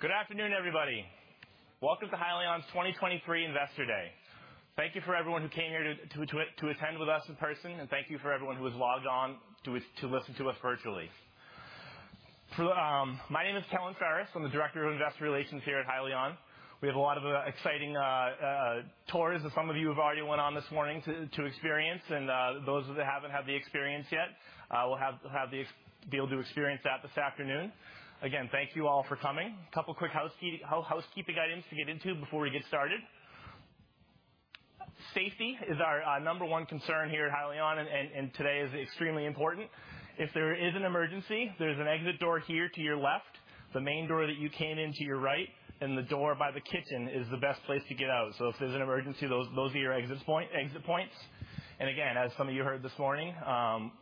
Good afternoon, everybody. Welcome to Hyliion's 2023 Investor Day. Thank you for everyone who came here to attend with us in person. Thank you for everyone who has logged on to listen to us virtually. My name is Kellen Ferris. I'm the Director of Investor Relations here at Hyliion. We have a lot of exciting tours that some of you have already went on this morning to experience. Those that haven't had the experience yet will be able to experience that this afternoon. Again, thank you all for coming. A couple quick housekeeping items to get into before we get started. Safety is our number one concern here at Hyliion, and today is extremely important. If there is an emergency, there's an exit door here to your left, the main door that you came in to your right, and the door by the kitchen is the best place to get out. If there's an emergency, those are your exit points. Again, as some of you heard this morning,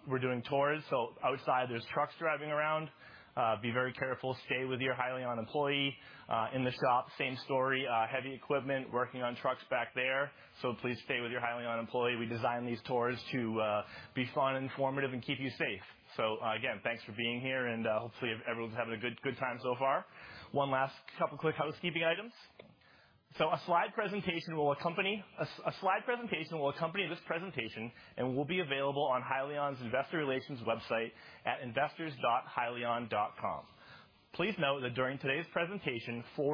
we're doing tours, outside there's trucks driving around. Be very careful. Stay with your Hyliion employee. In the shop, same story, heavy equipment, working on trucks back there, please stay with your Hyliion employee. We design these tours to be fun and informative and keep you safe. Again, thanks for being here, hopefully, everyone's having a good time so far. One last couple quick housekeeping items. A slide presentation will accompany... A slide presentation will accompany this presentation and will be available on Hyliion's Investor Relations website at investors.hyliion.com. Please note that during today's presentation, we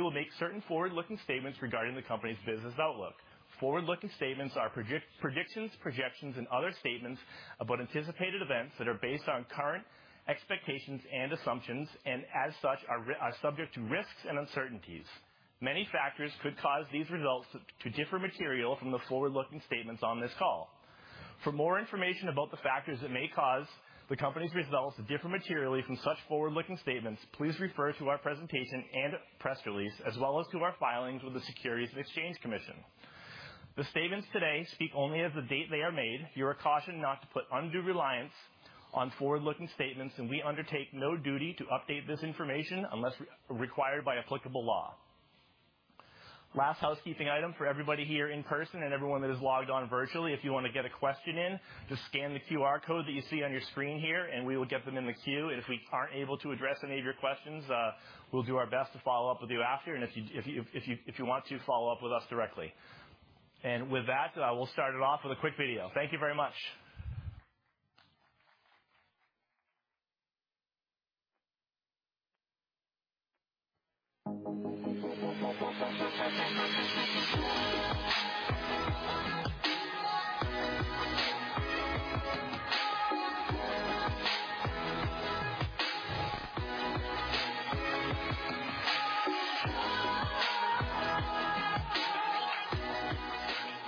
will make certain forward-looking statements regarding the company's business outlook. Forward-looking statements are predictions, projections, and other statements about anticipated events that are based on current expectations and assumptions, and as such, are subject to risks and uncertainties. Many factors could cause these results to differ materially from the forward-looking statements on this call. For more information about the factors that may cause the company's results to differ materially from such forward-looking statements, please refer to our presentation and press release, as well as to our filings with the Securities and Exchange Commission. The statements today speak only as the date they are made. You are cautioned not to put undue reliance on forward-looking statements, and we undertake no duty to update this information unless required by applicable law. Last housekeeping item for everybody here in person and everyone that has logged on virtually, if you want to get a question in, just scan the QR code that you see on your screen here, and we will get them in the queue. If we aren't able to address any of your questions, we'll do our best to follow up with you after, and if you want to, follow up with us directly. With that, we'll start it off with a quick video. Thank you very much.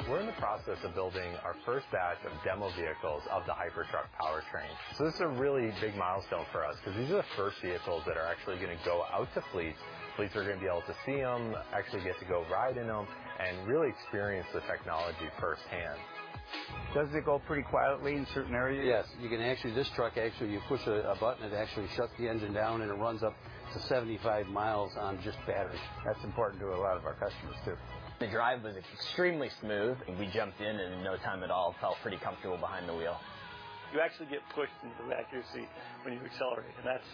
We're in the process of building our first batch of demo vehicles of the Hypertruck powertrain. This is a really big milestone for us because these are the first vehicles that are actually going to go out to fleets. Fleets are going to be able to see them, actually get to go ride in them, and really experience the technology firsthand. Does it go pretty quietly in certain areas? Yes. You can actually, this truck, actually, you push a button, it actually shuts the engine down. It runs up to 75 miles on just battery. That's important to a lot of our customers, too. The drive was extremely smooth. We jumped in and in no time at all, felt pretty comfortable behind the wheel. You actually get pushed into the seat when you accelerate, and that's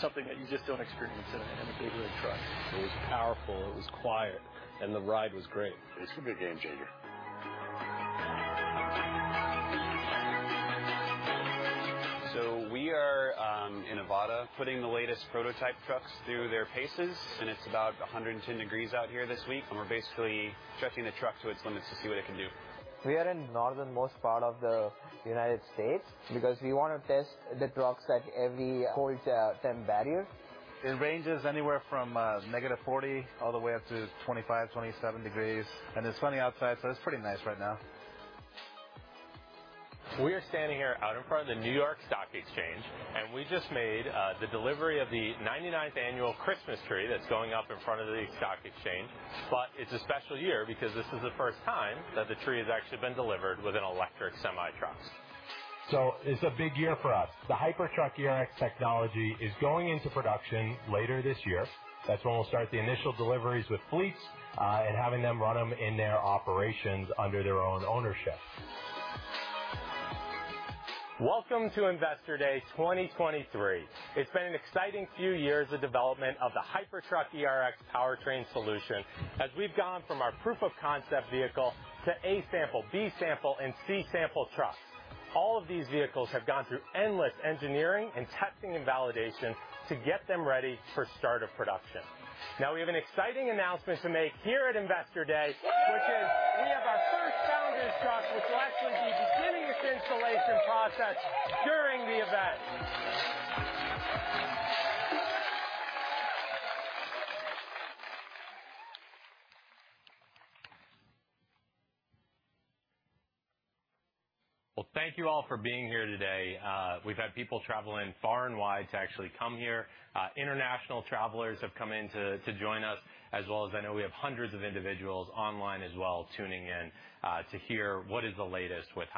something that you just don't experience in a big rig truck. It was powerful, it was quiet, and the ride was great. It's a good game changer. We are in Nevada, putting the latest prototype trucks through their paces, and it's about 110 degrees out here this week, and we're basically stressing the truck to its limits to see what it can do. We are in the northernmost part of the United States because we want to test the trucks at every cold, temp barrier. It ranges anywhere from -40 all the way up to 25, 27 degrees, and it's sunny outside, so it's pretty nice right now. We are standing here out in front of the New York Stock Exchange. We just made the delivery of the 99th annual Christmas tree that's going up in front of the stock exchange. It's a special year because this is the first time that the tree has actually been delivered with an electric semi-truck. It's a big year for us. The Hypertruck ERX technology is going into production later this year. That's when we'll start the initial deliveries with fleets, and having them run them in their operations under their own ownership. Welcome to Investor Day 2023. It's been an exciting few years of development of the Hypertruck ERX powertrain solution. As we've gone from our proof of concept vehicle to A sample, B sample, and C sample trucks. All of these vehicles have gone through endless engineering and testing and validation to get them ready for start of production. We have an exciting announcement to make here at Investor Day, which is we have our first founder truck, which will actually be beginning its installation process during the event. Thank you all for being here today. We've had people travel in far and wide to actually come here. International travelers have come in to join us, as well as I know we have hundreds of individuals online as well, tuning in to hear what is the latest with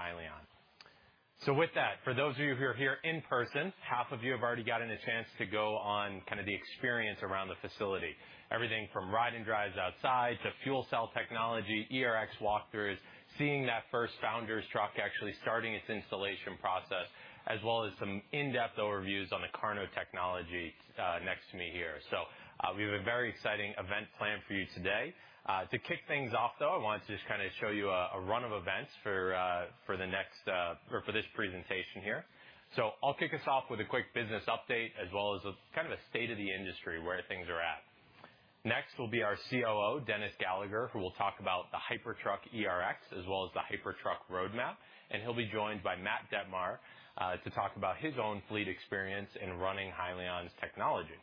Hyliion. With that, for those of you who are here in person, half of you have already gotten a chance to go on kind of the experience around the facility. Everything from ride and drives outside to fuel cell technology, ERX walk-throughs, seeing that first founders truck actually starting its installation process, as well as some in-depth overviews on the KARNO technology next to me here. We have a very exciting event planned for you today. To kick things off, though, I wanted to just kind of show you a run of events for the next or for this presentation here. I'll kick us off with a quick business update, as well as a kind of a state of the industry, where things are at. Next will be our COO, Dennis Gallagher, who will talk about the Hypertruck ERX, as well as the Hypertruck roadmap. He'll be joined by Matt Detmar to talk about his own fleet experience in running Hyliion's technology.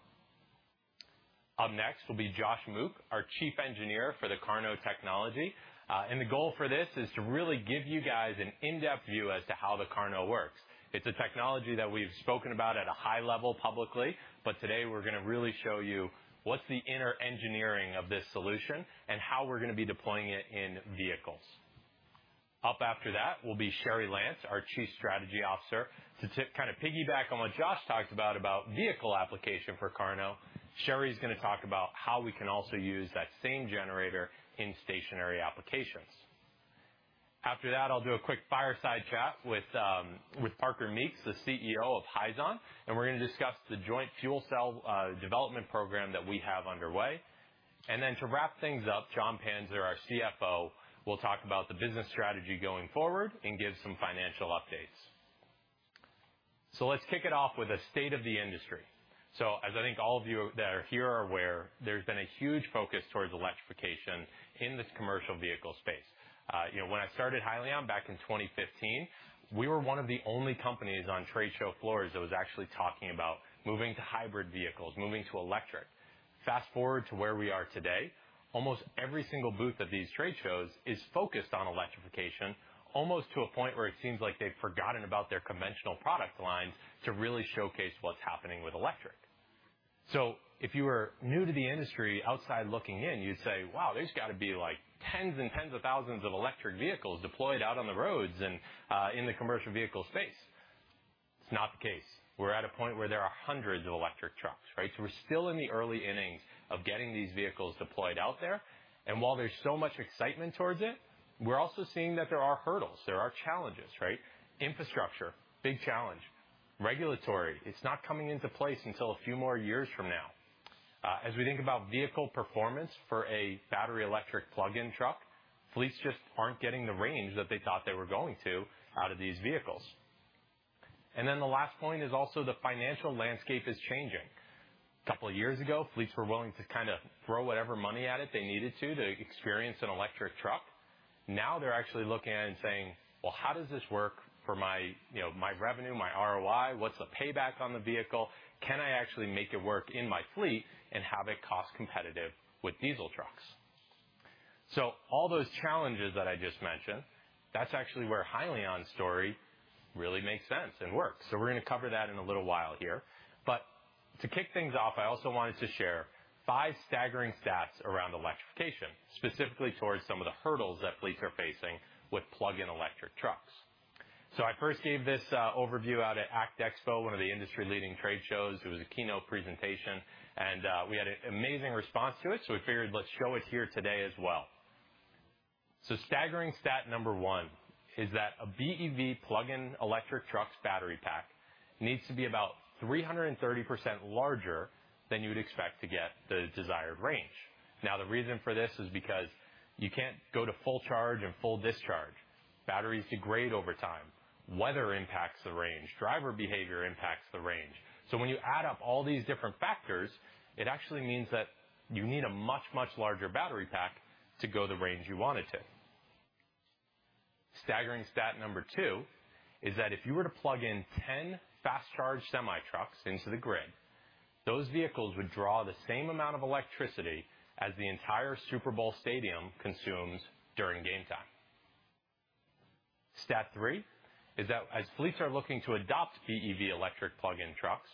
Up next will be Josh Mook, our Chief Engineer for the KARNO technology. The goal for this is to really give you guys an in-depth view as to how the KARNO works. It's a technology that we've spoken about at a high level publicly. Today we're gonna really show you what's the inner engineering of this solution and how we're gonna be deploying it in vehicles. Up after that will be Cheri Lantz, our Chief Strategy Officer. To kind of piggyback on what Josh talked about vehicle application for KARNO, Cheri's gonna talk about how we can also use that same generator in stationary applications. That, I'll do a quick fireside chat with Parker Meeks, the CEO of Hyzon, and we're gonna discuss the joint fuel cell development program that we have underway. Then to wrap things up, Jon Panzer, our CFO, will talk about the business strategy going forward and give some financial updates. Let's kick it off with a state of the industry. As I think all of you that are here are aware, there's been a huge focus towards electrification in this commercial vehicle space. You know, when I started Hyliion back in 2015, we were one of the only companies on trade show floors that was actually talking about moving to hybrid vehicles, moving to electric. Fast forward to where we are today, almost every single booth at these trade shows is focused on electrification, almost to a point where it seems like they've forgotten about their conventional product lines to really showcase what's happening with electric. If you were new to the industry, outside looking in, you'd say, "Wow, there's got to be like tens and tens of thousands of electric vehicles deployed out on the roads and in the commercial vehicle space." It's not the case. We're at a point where there are hundreds of electric trucks, right? We're still in the early innings of getting these vehicles deployed out there. While there's so much excitement towards it, we're also seeing that there are hurdles, there are challenges, right? Infrastructure, big challenge. Regulatory, it's not coming into place until a few more years from now. As we think about vehicle performance for a battery electric plug-in truck, fleets just aren't getting the range that they thought they were going to out of these vehicles. The last point is also the financial landscape is changing. A couple of years ago, fleets were willing to kind of throw whatever money at it they needed to experience an electric truck. Now, they're actually looking at it and saying, "Well, how does this work for my, you know, my revenue, my ROI? What's the payback on the vehicle? Can I actually make it work in my fleet and have it cost competitive with diesel trucks?" All those challenges that I just mentioned, that's actually where Hyliion's story really makes sense and works. We're gonna cover that in a little while here. To kick things off, I also wanted to share five staggering stats around electrification, specifically towards some of the hurdles that fleets are facing with plug-in electric trucks. I first gave this overview out at ACT Expo, one of the industry-leading trade shows. It was a keynote presentation, and we had an amazing response to it, so we figured let's show it here today as well. Staggering stat number one is that a BEV plug-in electric truck's battery pack needs to be about 330% larger than you would expect to get the desired range. The reason for this is because you can't go to full charge and full discharge. Batteries degrade over time. Weather impacts the range. Driver behavior impacts the range. When you add up all these different factors, it actually means that you need a much, much larger battery pack to go the range you want it to. Staggering stat 2 is that if you were to plug in 10 fast-charge semi-trucks into the grid, those vehicles would draw the same amount of electricity as the entire Super Bowl stadium consumes during game time. Stat 3 is that as fleets are looking to adopt BEV electric plug-in trucks,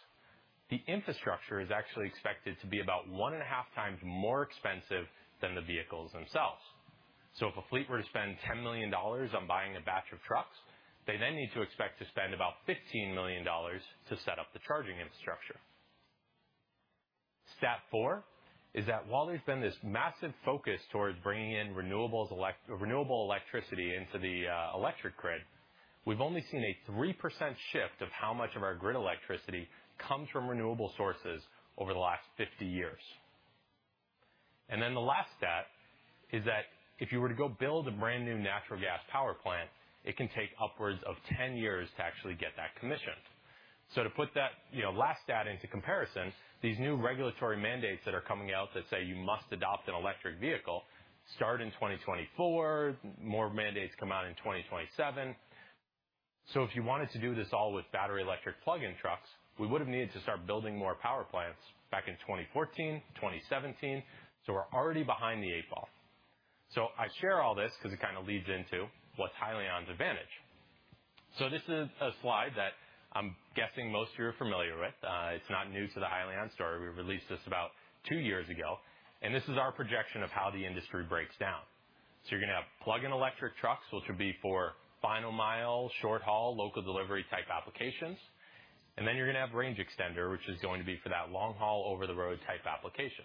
the infrastructure is actually expected to be about one and a half times more expensive than the vehicles themselves. If a fleet were to spend $10 million on buying a batch of trucks, they then need to expect to spend about $15 million to set up the charging infrastructure. Stat four is that while there's been this massive focus towards bringing in renewables renewable electricity into the electric grid, we've only seen a 3% shift of how much of our grid electricity comes from renewable sources over the last 50 years. The last stat is that if you were to go build a brand new natural gas power plant, it can take upwards of 10 years to actually get that commissioned. To put that, you know, last stat into comparison, these new regulatory mandates that are coming out that say you must adopt an electric vehicle, start in 2024, more mandates come out in 2027. If you wanted to do this all with battery electric plug-in trucks, we would have needed to start building more power plants back in 2014, 2017, so we're already behind the eight ball. I share all this because it kind of leads into what's Hyliion's advantage. It's not new to the Hyliion story. We released this about 2 years ago. This is our projection of how the industry breaks down. You're going to have plug-in electric trucks, which will be for final mile, short-haul, local delivery type applications. You're going to have range extender, which is going to be for that long-haul, over-the-road type application.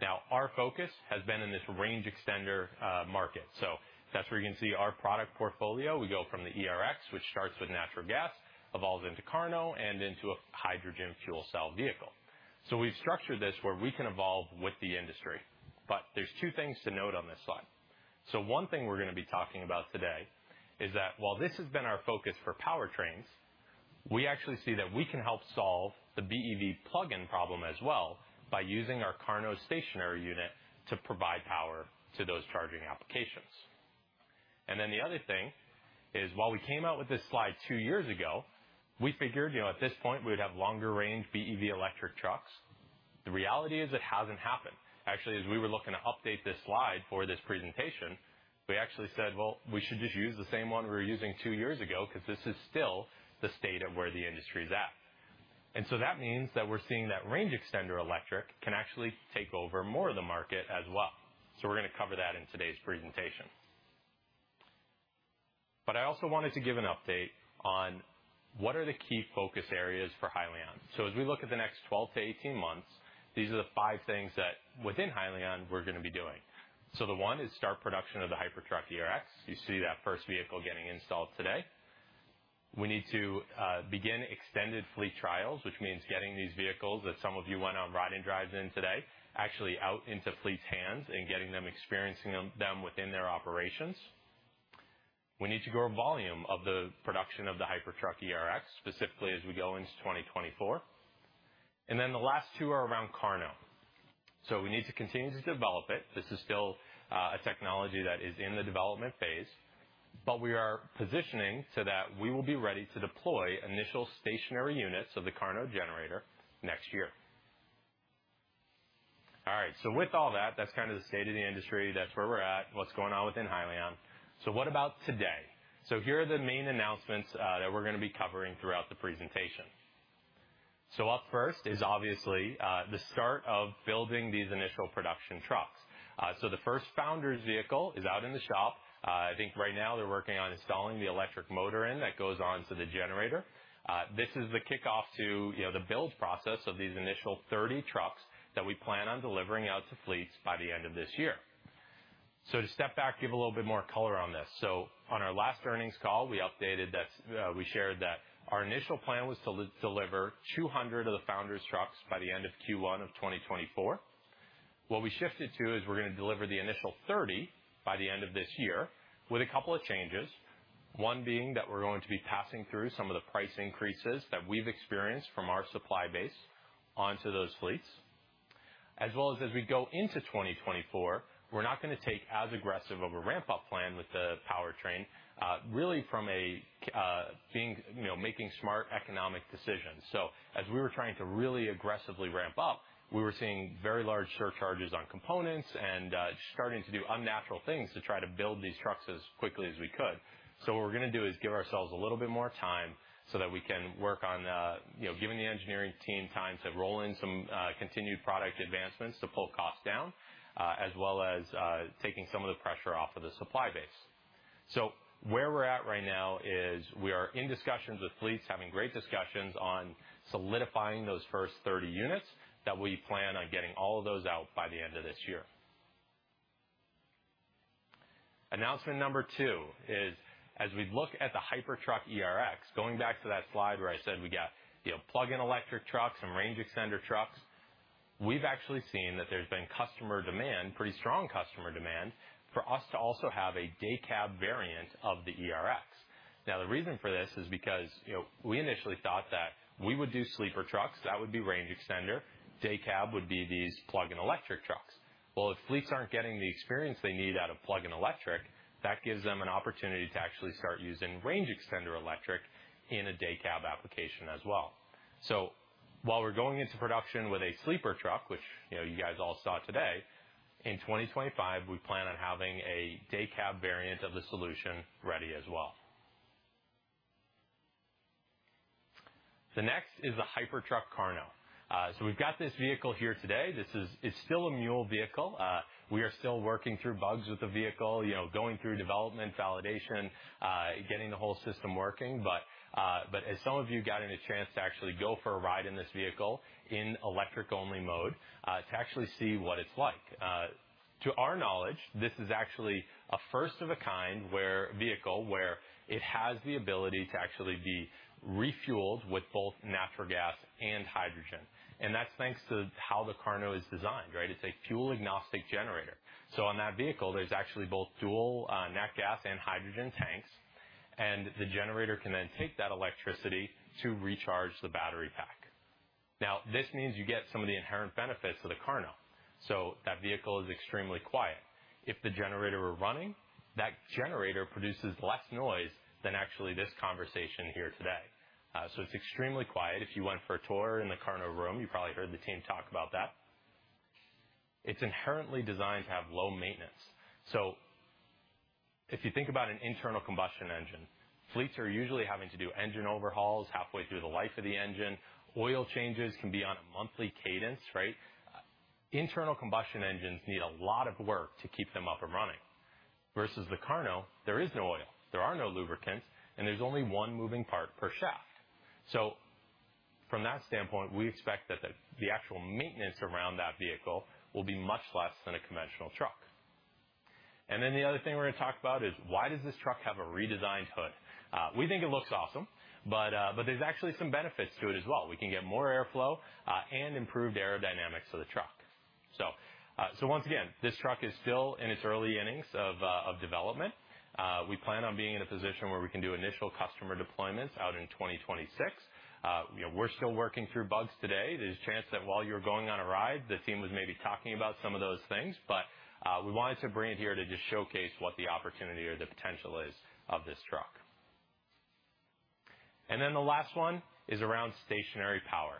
Now, our focus has been in this range extender market. That's where you're going to see our product portfolio. We go from the ERX, which starts with natural gas, evolves into KARNO and into a hydrogen fuel cell vehicle. We've structured this where we can evolve with the industry. There's two things to note on this slide. One thing we're going to be talking about today is that while this has been our focus for powertrains, we actually see that we can help solve the BEV plug-in problem as well by using our KARNO stationary unit to provide power to those charging applications. The other thing is, while we came out with this slide two years ago, we figured, you know, at this point, we'd have longer range BEV electric trucks. The reality is, it hasn't happened. As we were looking to update this slide for this presentation, we actually said, "Well, we should just use the same one we were using two years ago," because this is still the state of where the industry is at. That means that we're seeing that range extender electric can actually take over more of the market as well. We're going to cover that in today's presentation. I also wanted to give an update on what are the key focus areas for Hyliion. As we look at the next 12 to 18 months, these are the five things that within Hyliion, we're going to be doing. The one is start production of the Hypertruck ERX. You see that first vehicle getting installed today. We need to begin extended fleet trials, which means getting these vehicles that some of you went on ride-and-drives in today, actually out into fleet's hands and getting them, experiencing them within their operations. We need to grow volume of the production of the Hypertruck ERX, specifically as we go into 2024. The last 2 are around KARNO. We need to continue to develop it. This is still a technology that is in the development phase, but we are positioning so that we will be ready to deploy initial stationary units of the KARNO generator next year. All right, with all that's kind of the state of the industry. That's where we're at, what's going on within Hyliion. What about today? Here are the main announcements that we're going to be covering throughout the presentation. Up first is obviously the start of building these initial production trucks. The first founder's vehicle is out in the shop. I think right now they're working on installing the electric motor in that goes on to the generator. This is the kickoff to, you know, the build process of these initial 30 trucks that we plan on delivering out to fleets by the end of this year. To step back, give a little bit more color on this. On our last earnings call, we updated that we shared that our initial plan was to deliver 200 of the founder's trucks by the end of Q1 of 2024. What we shifted to is we're going to deliver the initial 30 by the end of this year with a couple of changes. One being that we're going to be passing through some of the price increases that we've experienced from our supply base onto those fleets. As we go into 2024, we're not going to take as aggressive of a ramp-up plan with the powertrain, really from a being, you know, making smart economic decisions. As we were trying to really aggressively ramp up, we were seeing very large surcharges on components and starting to do unnatural things to try to build these trucks as quickly as we could. What we're going to do is give ourselves a little bit more time so that we can work on, you know, giving the engineering team time to roll in some continued product advancements to pull costs down, as well as taking some of the pressure off of the supply base. Where we're at right now is we are in discussions with fleets, having great discussions on solidifying those first 30 units that we plan on getting all of those out by the end of this year. Announcement number 2 is, as we look at the Hypertruck ERX, going back to that slide where I said we got, you know, plug-in electric trucks and range extender trucks, we've actually seen that there's been customer demand, pretty strong customer demand, for us to also have a day cab variant of the ERX. The reason for this is because, you know, we initially thought that we would do sleeper trucks, that would be range extender. Day cab would be these plug-in electric trucks. If fleets aren't getting the experience they need out of plug-in electric, that gives them an opportunity to actually start using range extender electric in a day cab application as well. While we're going into production with a sleeper truck, which, you know, you guys all saw today, in 2025, we plan on having a day cab variant of the solution ready as well. The next is the Hypertruck KARNO. So we've got this vehicle here today. It's still a mule vehicle. We are still working through bugs with the vehicle, you know, going through development, validation, getting the whole system working. But as some of you gotten a chance to actually go for a ride in this vehicle in electric-only mode, to actually see what it's like. To our knowledge, this is actually a first-of-a-kind vehicle where it has the ability to actually be refueled with both natural gas and hydrogen. That's thanks to how the KARNO is designed, right? It's a fuel-agnostic generator. On that vehicle, there's actually both dual nat gas and hydrogen tanks, and the generator can then take that electricity to recharge the battery pack. This means you get some of the inherent benefits of the KARNO. That vehicle is extremely quiet. If the generator were running, that generator produces less noise than actually this conversation here today. It's extremely quiet. If you went for a tour in the KARNO room, you probably heard the team talk about that. It's inherently designed to have low maintenance. If you think about an internal combustion engine, fleets are usually having to do engine overhauls halfway through the life of the engine. Oil changes can be on a monthly cadence, right? Internal combustion engines need a lot of work to keep them up and running, versus the KARNO, there is no oil, there are no lubricants, and there's only one moving part per shaft. From that standpoint, we expect that the actual maintenance around that vehicle will be much less than a conventional truck. The other thing we're gonna talk about is: why does this truck have a redesigned hood? We think it looks awesome, but there's actually some benefits to it as well. We can get more airflow, and improved aerodynamics to the truck. Once again, this truck is still in its early innings of development. We plan on being in a position where we can do initial customer deployments out in 2026. You know, we're still working through bugs today. There's a chance that while you were going on a ride, the team was maybe talking about some of those things, but we wanted to bring it here to just showcase what the opportunity or the potential is of this truck. The last one is around stationary power.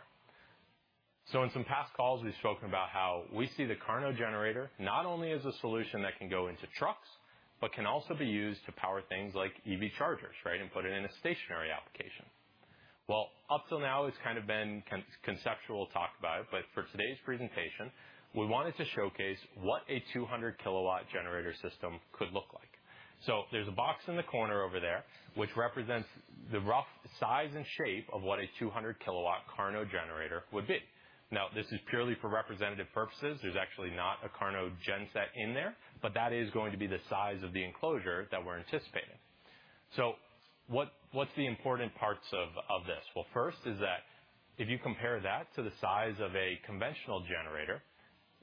In some past calls, we've spoken about how we see the KARNO generator, not only as a solution that can go into trucks, but can also be used to power things like EV chargers, right? And put it in a stationary application. Up till now, it's kind of been conceptual talk about it, but for today's presentation, we wanted to showcase what a 200 kW generator system could look like. There's a box in the corner over there, which represents the rough size and shape of what a 200 kW KARNO generator would be. This is purely for representative purposes. There's actually not a KARNO gen set in there, but that is going to be the size of the enclosure that we're anticipating. What's the important parts of this? First is that if you compare that to the size of a conventional generator,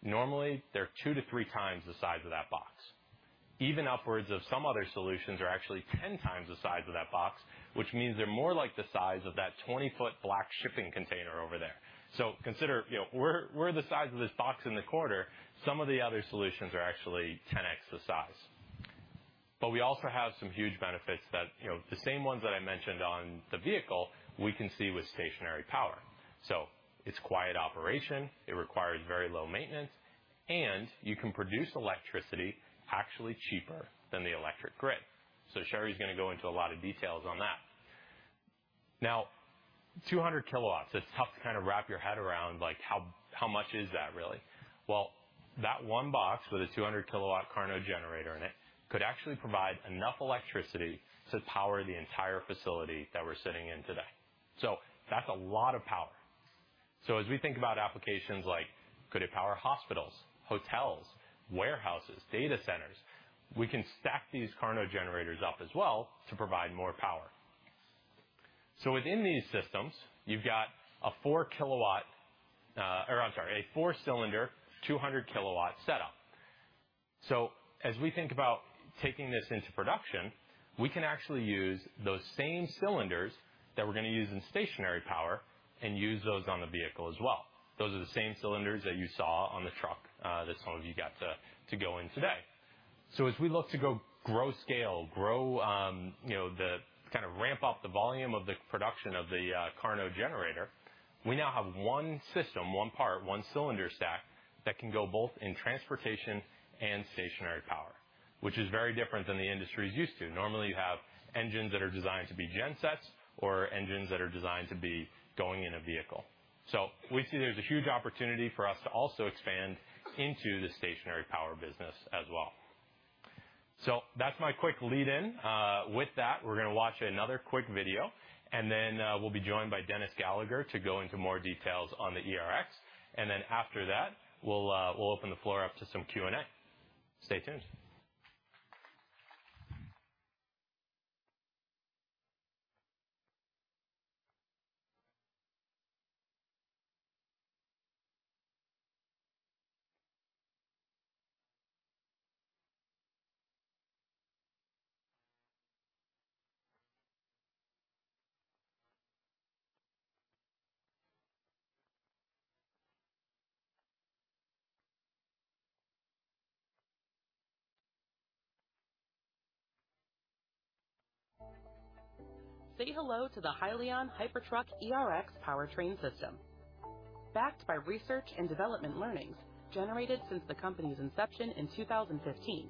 normally they're 2 to 3 times the size of that box. Even upwards of some other solutions are actually 10 times the size of that box, which means they're more like the size of that 20-foot black shipping container over there. Consider, you know, we're the size of this box in the corner. Some of the other solutions are actually 10x the size. We also have some huge benefits that, you know, the same ones that I mentioned on the vehicle, we can see with stationary power. It's quiet operation, it requires very low maintenance, and you can produce electricity actually cheaper than the electric grid. Cheri's gonna go into a lot of details on that. Now, 200 kilowatts, it's tough to kind of wrap your head around, like, how much is that, really? That one box with a 200 kilowatt KARNO generator in it, could actually provide enough electricity to power the entire facility that we're sitting in today. That's a lot of power. As we think about applications like, could it power hospitals, hotels, warehouses, data centers, we can stack these KARNO generators up as well to provide more power. Within these systems, you've got a 4 kilowatt, or I'm sorry, a 4-cylinder, 200 kilowatt setup. As we think about taking this into production, we can actually use those same cylinders that we're gonna use in stationary power and use those on the vehicle as well. Those are the same cylinders that you saw on the truck that some of you got to go in today. As we look to go grow scale, grow, you know, kind of ramp up the volume of the production of the KARNO generator, we now have one system, one part, one cylinder stack, that can go both in transportation and stationary power, which is very different than the industry is used to. Normally, you have engines that are designed to be gen sets or engines that are designed to be going in a vehicle. We see there's a huge opportunity for us to also expand into the stationary power business as well. That's my quick lead in. With that, we're gonna watch another quick video. We'll be joined by Dennis Gallagher to go into more details on the ERX. After that, we'll open the floor up to some Q&A. Stay tuned. Say hello to the Hyliion Hypertruck ERX powertrain system. Backed by research and development learnings generated since the company's inception in 2015,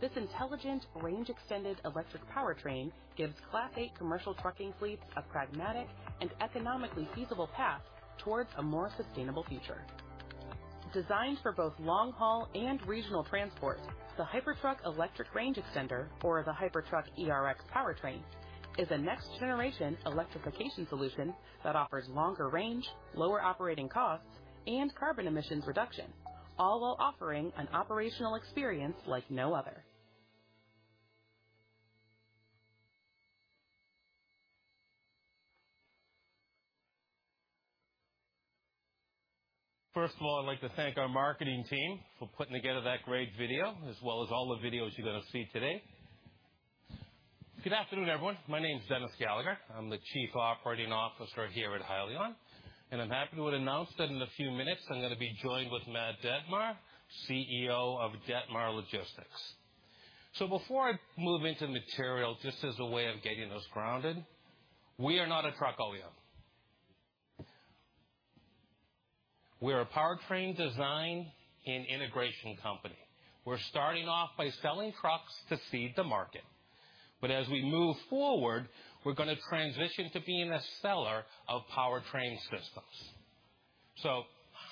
this intelligent, range-extended electric powertrain gives Class A commercial trucking fleets a pragmatic and economically feasible path towards a more sustainable future. Designed for both long-haul and regional transport, the Hypertruck electric range extender, or the Hypertruck ERX powertrain, is a next-generation electrification solution that offers longer range, lower operating costs, and carbon emissions reduction, all while offering an operational experience like no other. First of all, I'd like to thank our marketing team for putting together that great video, as well as all the videos you're gonna see today. Good afternoon, everyone. My name is Dennis Gallagher. I'm the Chief Operating Officer here at Hyliion. I'm happy to announce that in a few minutes, I'm gonna be joined with Matt Detmar, CEO of Detmar Logistics. Before I move into material, just as a way of getting us grounded, we are not a truck OEM. We're a powertrain design and integration company. We're starting off by selling trucks to seed the market, but as we move forward, we're going to transition to being a seller of powertrain systems.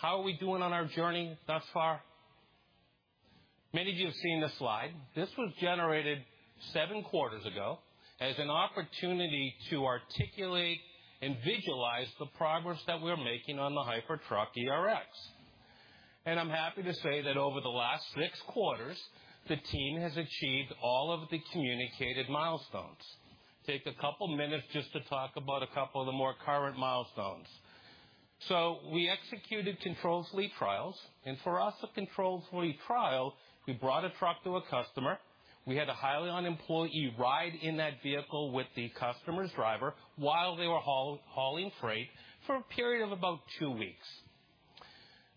How are we doing on our journey thus far? Many of you have seen this slide. This was generated 7 quarters ago as an opportunity to articulate and visualize the progress that we're making on the Hypertruck ERX. I'm happy to say that over the last 6 quarters, the team has achieved all of the communicated milestones. Take a couple minutes just to talk about a couple of the more current milestones. We executed controlled fleet trials, and for us, a controlled fleet trial, we brought a truck to a customer, we had a Hyliion employee ride in that vehicle with the customer's driver while they were hauling freight for a period of about two weeks.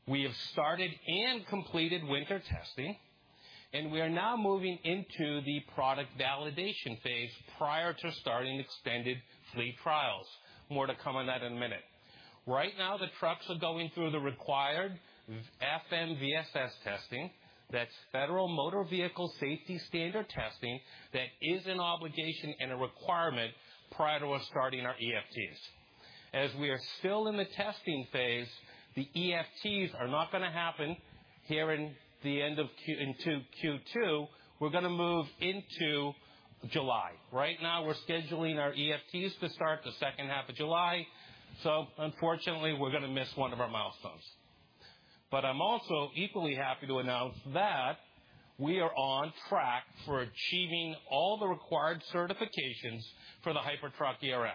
We have started and completed winter testing, and we are now moving into the product validation phase prior to starting extended fleet trials. More to come on that in a minute. Right now, the trucks are going through the required FMVSS testing. That's Federal Motor Vehicle Safety Standard testing. That is an obligation and a requirement prior to us starting our EFTs. As we are still in the testing phase, the EFTs are not going to happen here in the end of Q-- into Q2. We're going to move into July. Right now, we're scheduling our EFTs to start the second half of July. Unfortunately, we're going to miss one of our milestones. I'm also equally happy to announce that we are on track for achieving all the required certifications for the Hypertruck ERX.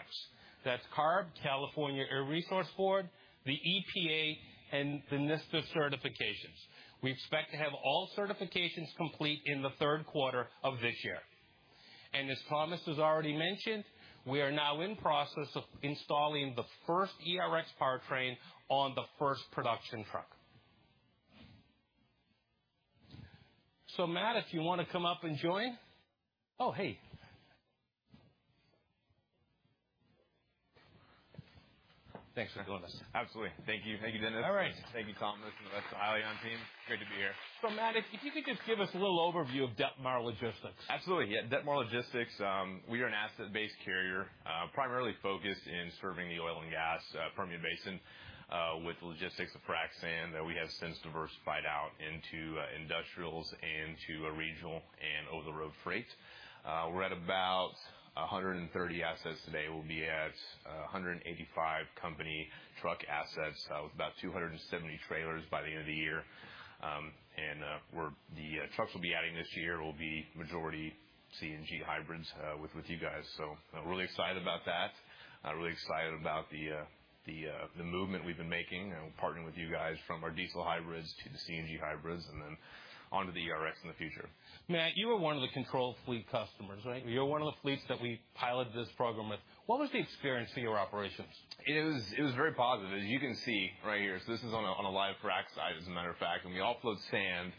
That's CARB, California Air Resources Board, the EPA, and the NIST certifications. We expect to have all certifications complete in the third quarter of this year. As Thomas has already mentioned, we are now in process of installing the first ERX powertrain on the first production truck. Matt, if you want to come up and join. Oh, hey. Thanks for joining us. Absolutely. Thank you. Thank you, Dennis. All right. Thank you, Kellen, and the rest of the Hyliion team. Great to be here. Matt, if you could just give us a little overview of Detmar Logistics. Absolutely. Yeah, Detmar Logistics, we are an asset-based carrier, primarily focused in serving the oil and gas, Permian Basin, with logistics of frac sand, that we have since diversified out into industrials and to a regional and over-the-road freight. We're at about 130 assets today. We'll be at 185 company truck assets, with about 270 trailers by the end of the year. The trucks will be adding this year will be majority CNG hybrids, with you guys. Really excited about that. Really excited about the movement we've been making and partnering with you guys from our diesel hybrids to the CNG hybrids, and then on to the ERX in the future. Matt, you were one of the controlled fleet customers, right? You're one of the fleets that we piloted this program with. What was the experience in your operations? It was very positive. As you can see right here, this is on a live frac site, as a matter of fact, and we offload sand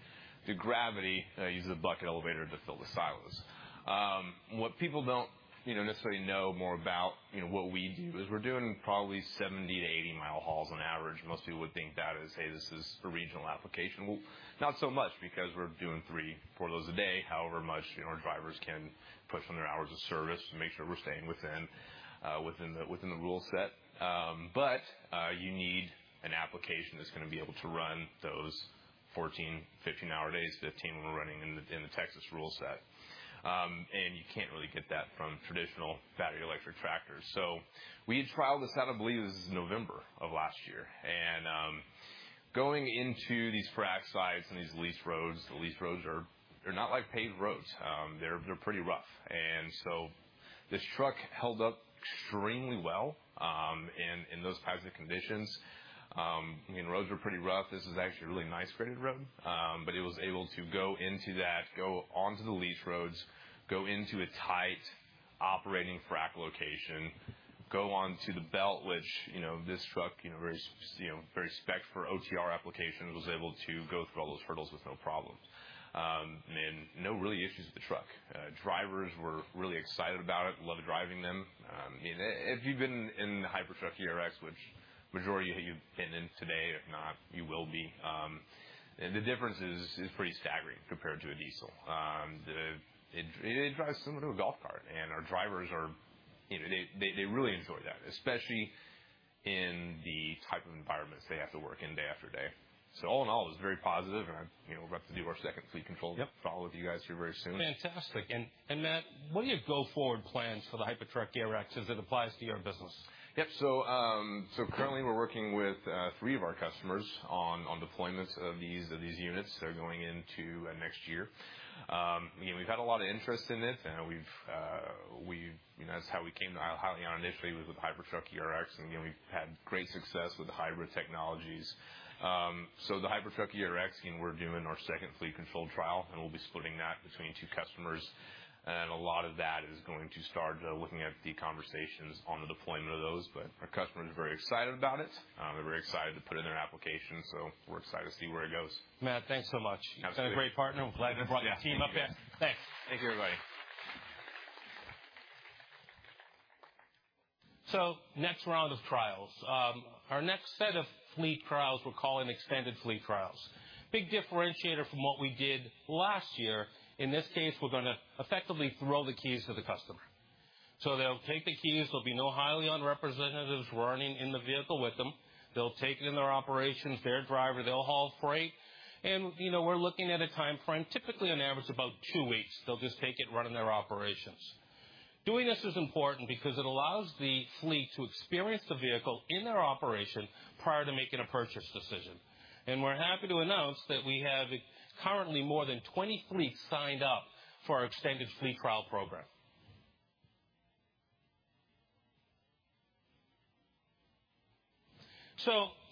to gravity, uses a bucket elevator to fill the silos. What people don't, you know, necessarily know more about, you know, what we do, is we're doing probably 70-80-mile hauls on average. Most people would think that and say, "This is a regional application." Not so much, because we're doing three, four of those a day, however much, you know, our drivers can push on their hours of service to make sure we're staying within the rule set. You need an application that's going to be able to run those 14, 15-hour days, 15 when we're running in the Texas rule set. And you can't really get that from traditional battery electric tractors. We tried this out, I believe this was November of last year. Going into these frac sites and these lease roads, the lease roads are, they're not like paved roads. They're pretty rough. This truck held up extremely well, in those types of conditions. I mean, roads were pretty rough. This is actually a really nice graded road. It was able to go into that, go onto the lease roads, go into a tight operating frac location, go on to the belt, which, you know, this truck, you know, very, you know, very spec'd for OTR application, was able to go through all those hurdles with no problems. No really issues with the truck. Drivers were really excited about it, loved driving them. If you've been in the Hypertruck ERX, which majority of you have been in today, if not, you will be, the difference is pretty staggering compared to a diesel. It drives similar to a golf cart, and our drivers are, you know, they really enjoy that, especially in the type of environments they have to work in day after day. All in all, it was very positive, and, you know, we're about to do our second fleet control- Yep. with all of you guys here very soon. Fantastic. Matt, what are your go-forward plans for the Hypertruck ERX as it applies to your business? Yep. Currently we're working with 3 of our customers on deployments of these units that are going into next year. You know, we've had a lot of interest in this, and we've you know, that's how we came to Hyliion initially was with Hypertruck ERX, and you know, we've had great success with the hybrid technologies. The Hypertruck ERX, we're doing our second fleet control trial, and we'll be splitting that between 2 customers. A lot of that is going to start looking at the conversations on the deployment of those, but our customers are very excited about it. They're very excited to put it in their application, we're excited to see where it goes. Matt, thanks so much. Absolutely. You've been a great partner. We're glad you brought your team up here. Thanks. Thank you, everybody. Next round of trials. Our next set of fleet trials, we're calling extended fleet trials. Big differentiator from what we did last year, in this case, we're gonna effectively throw the keys to the customer. They'll take the keys, there'll be no Hyliion representatives running in the vehicle with them. They'll take it in their operations, their driver, they'll haul freight. You know, we're looking at a timeframe, typically on average, about two weeks. They'll just take it, run in their operations. Doing this is important because it allows the fleet to experience the vehicle in their operation prior to making a purchase decision. We're happy to announce that we have currently more than 20 fleets signed up for our extended fleet trial program.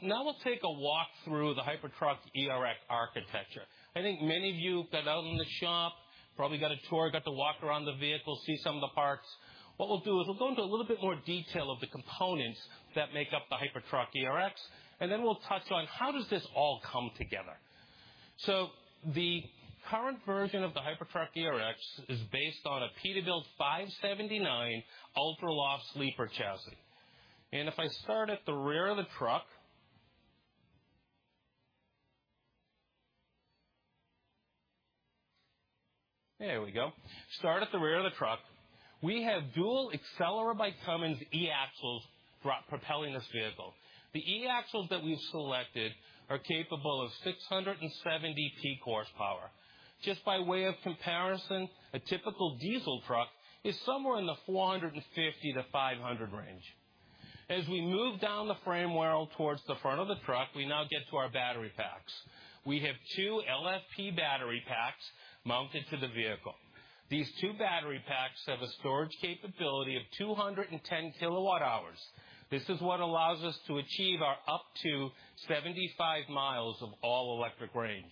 Now we'll take a walk through the Hypertruck ERX architecture. I think many of you got out in the shop, probably got a tour, got to walk around the vehicle, see some of the parts. What we'll do is we'll go into a little bit more detail of the components that make up the Hypertruck ERX, and then we'll touch on how does this all come together. The current version of the Hypertruck ERX is based on a Peterbilt 579 UltraLoft Sleeper Chassis. If I start at the rear of the truck... There we go. Start at the rear of the truck, we have dual Accelera by Cummins eAxles propelling this vehicle. The eAxles that we've selected are capable of 670 peak horsepower. Just by way of comparison, a typical diesel truck is somewhere in the 450-500 range. As we move down the frame rail towards the front of the truck, we now get to our battery packs. We have two LFP battery packs mounted to the vehicle. These two battery packs have a storage capability of 210 kWh. This is what allows us to achieve our up to 75 mi of all-electric range.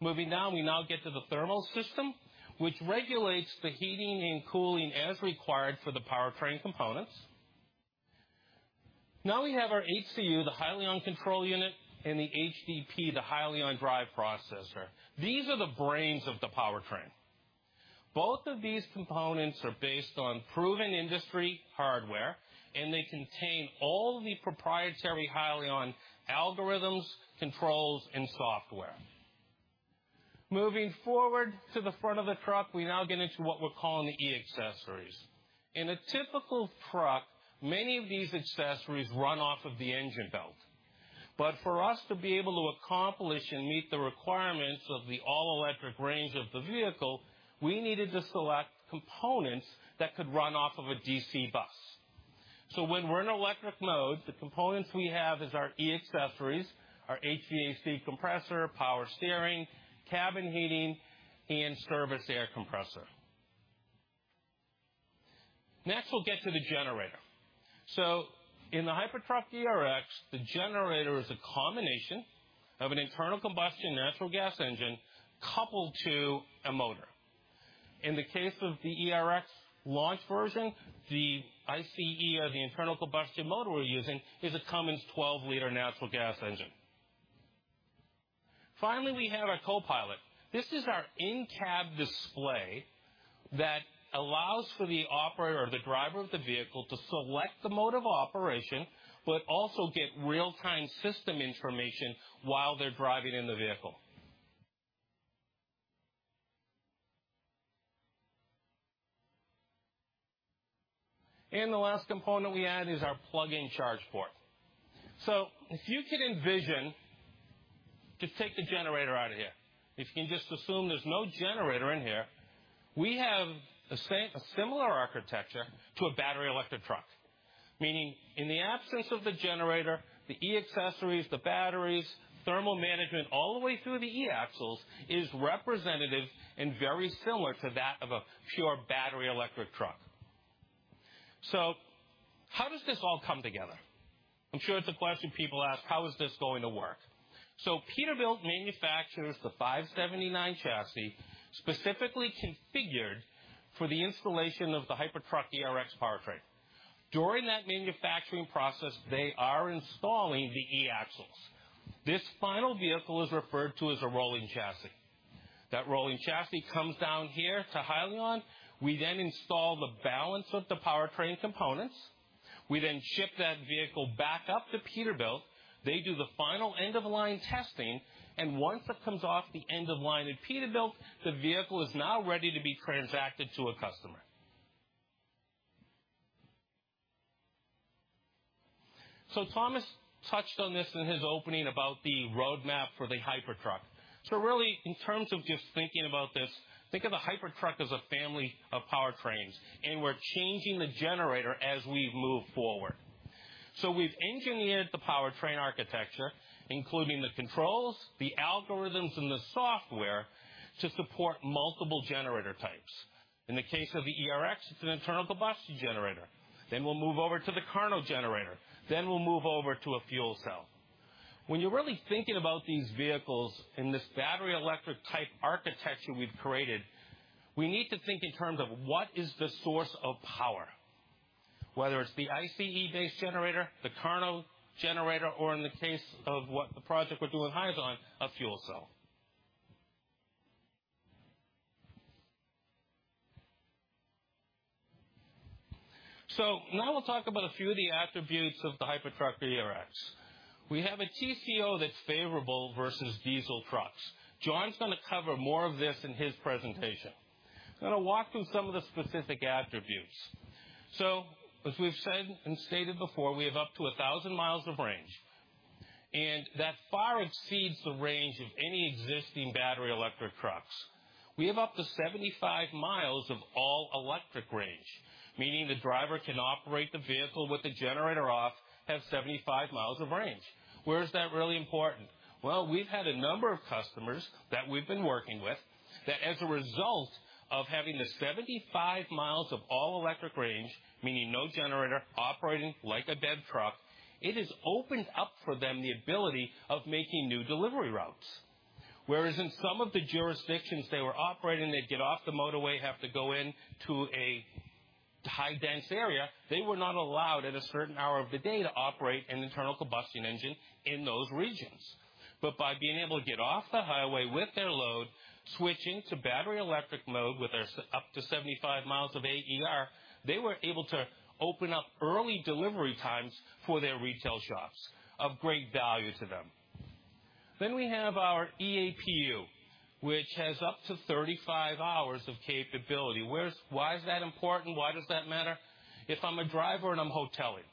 Moving down, we now get to the thermal system, which regulates the heating and cooling as required for the powertrain components. We have our HCU, the Hyliion Control Unit, and the HDP, the Hyliion Drive Processor. These are the brains of the powertrain. Both of these components are based on proven industry hardware, and they contain all the proprietary Hyliion algorithms, controls, and software. Moving forward to the front of the truck, we now get into what we're calling the e-accessories. In a typical truck, many of these accessories run off of the engine belt. For us to be able to accomplish and meet the requirements of the all-electric range of the vehicle, we needed to select components that could run off of a DC bus. When we're in electric mode, the components we have is our e-accessories, our HVAC compressor, power steering, cabin heating, and service air compressor. Next, we'll get to the generator. In the Hypertruck ERX, the generator is a combination of an internal combustion natural gas engine coupled to a motor. In the case of the ERX launch version, the ICE or the internal combustion motor we're using is a Cummins 12-liter natural gas engine. Finally, we have our Co-Pilot. This is our in-cab display that allows for the operator or the driver of the vehicle to select the mode of operation, but also get real-time system information while they're driving in the vehicle. The last component we add is our plug-in charge port. If you could envision, just take the generator out of here. If you can just assume there's no generator in here, we have a similar architecture to a battery electric truck. Meaning in the absence of the generator, the e-accessories, the batteries, thermal management, all the way through the eAxles, is representative and very similar to that of a pure battery electric truck. How does this all come together? I'm sure it's a question people ask: How is this going to work? Peterbilt manufactures the 579 chassis, specifically configured for the installation of the Hypertruck ERX powertrain. During that manufacturing process, they are installing the eAxles. This final vehicle is referred to as a rolling chassis. That rolling chassis comes down here to Hyliion. We then install the balance of the powertrain components. We then ship that vehicle back up to Peterbilt. They do the final end-of-line testing, and once it comes off the end of the line at Peterbilt, the vehicle is now ready to be transacted to a customer. Thomas touched on this in his opening about the roadmap for the Hypertruck. Really, in terms of just thinking about this, think of the Hypertruck as a family of powertrains, and we're changing the generator as we move forward. We've engineered the powertrain architecture, including the controls, the algorithms, and the software to support multiple generator types. In the case of the ERX, it's an internal combustion generator. We'll move over to the KARNO generator, we'll move over to a fuel cell. When you're really thinking about these vehicles in this battery electric type architecture we've created, we need to think in terms of what is the source of power, whether it's the ICE-based generator, the KARNO generator, or in the case of what the project we're doing with Amazon, a fuel cell. Now we'll talk about a few of the attributes of the Hypertruck ERX. We have a TCO that's favorable versus diesel trucks. Jon's going to cover more of this in his presentation. I'm going to walk through some of the specific attributes. As we've said and stated before, we have up to 1,000 miles of range, and that far exceeds the range of any existing battery electric trucks. We have up to 75 miles of all-electric range, meaning the driver can operate the vehicle with the generator off, have 75 miles of range. Where is that really important? Well, we've had a number of customers that we've been working with, that as a result of having the 75 miles of all-electric range, meaning no generator operating like a bed truck, it has opened up for them the ability of making new delivery routes. Whereas in some of the jurisdictions they were operating, they'd get off the motorway, have to go in to a high dense area. They were not allowed at a certain hour of the day to operate an internal combustion engine in those regions. By being able to get off the highway with their load, switching to battery electric mode with their up to 75 miles of AER, they were able to open up early delivery times for their retail shops. Of great value to them. We have our EAPU, which has up to 35 hours of capability. Why is that important? Why does that matter? If I'm a driver and I'm hoteling,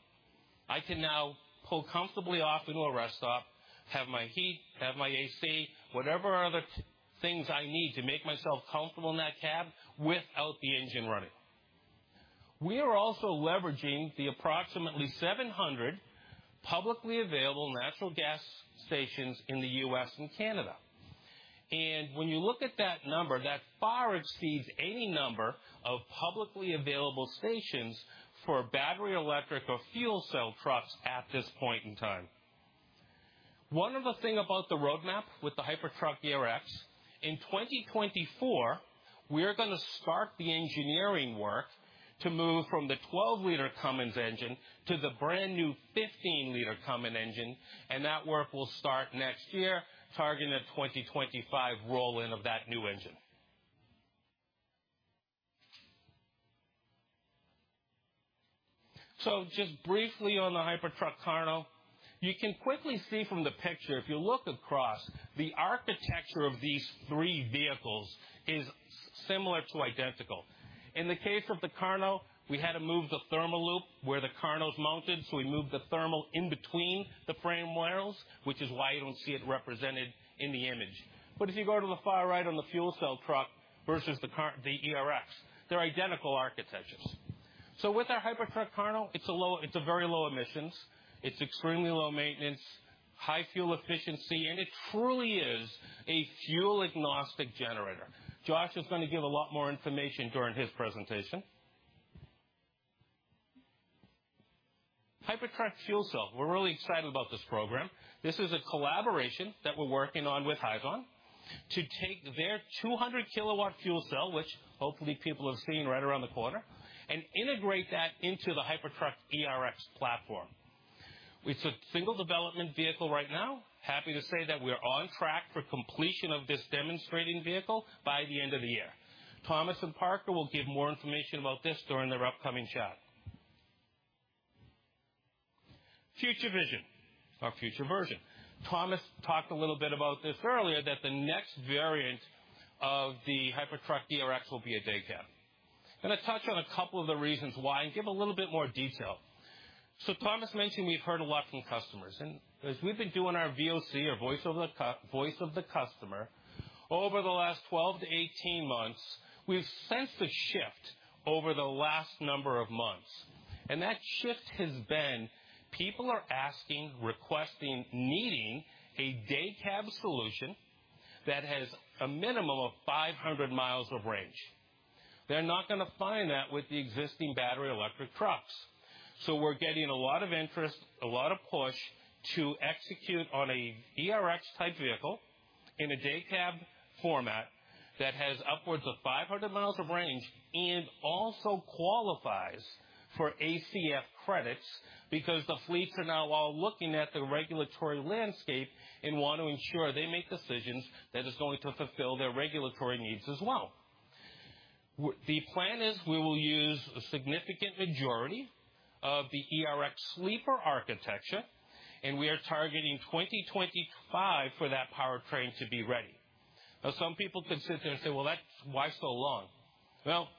I can now pull comfortably off into a rest stop, have my heat, have my AC, whatever other things I need to make myself comfortable in that cab without the engine running. We are also leveraging the approximately 700 publicly available natural gas stations in the U.S. and Canada. When you look at that number, that far exceeds any number of publicly available stations for battery, electric, or fuel cell trucks at this point in time. One other thing about the roadmap with the Hypertruck ERX, in 2024, we are going to start the engineering work to move from the 12-liter Cummins engine to the brand-new 15-liter Cummins engine. That work will start next year, targeting a 2025 roll-in of that new engine. Just briefly on the Hypertruck KARNO, you can quickly see from the picture, if you look across, the architecture of these three vehicles is similar to identical. In the case of the KARNO, we had to move the thermal loop where the KARNO's mounted, so we moved the thermal in between the frame rails, which is why you don't see it represented in the image. If you go to the far right on the fuel cell truck versus the ERX, they're identical architectures. With our Hypertruck KARNO, it's a low... It's a very low emissions, it's extremely low maintenance, high fuel efficiency, and it truly is a fuel-agnostic generator. Josh is going to give a lot more information during his presentation. Hypertruck fuel cell. We're really excited about this program. This is a collaboration that we're working on with Hyzon to take their 200 kW fuel cell, which hopefully people have seen right around the corner, and integrate that into the Hypertruck ERX platform. With a single development vehicle right now, happy to say that we are on track for completion of this demonstrating vehicle by the end of the year. Thomas and Parker will give more information about this during their upcoming chat. Future vision or future version. Thomas talked a little bit about this earlier, that the next variant of the Hypertruck ERX will be a day cab. I'm going to touch on a couple of the reasons why and give a little bit more detail. Thomas mentioned we've heard a lot from customers. As we've been doing our VOC or voice of the customer, over the last 12 to 18 months, we've sensed a shift over the last number of months. That shift has been people are asking, requesting, needing a day cab solution that has a minimum of 500 miles of range. They're not going to find that with the existing battery electric trucks. We're getting a lot of interest, a lot of push to execute on a ERX-type vehicle in a day cab format that has upwards of 500 miles of range and also qualifies for ACF credits because the fleets are now all looking at the regulatory landscape and want to ensure they make decisions that is going to fulfill their regulatory needs as well. The plan is we will use a significant majority of the ERX sleeper architecture, and we are targeting 2025 for that powertrain to be ready. Now, some people could sit there and say, "Well, that's why so long?" Well,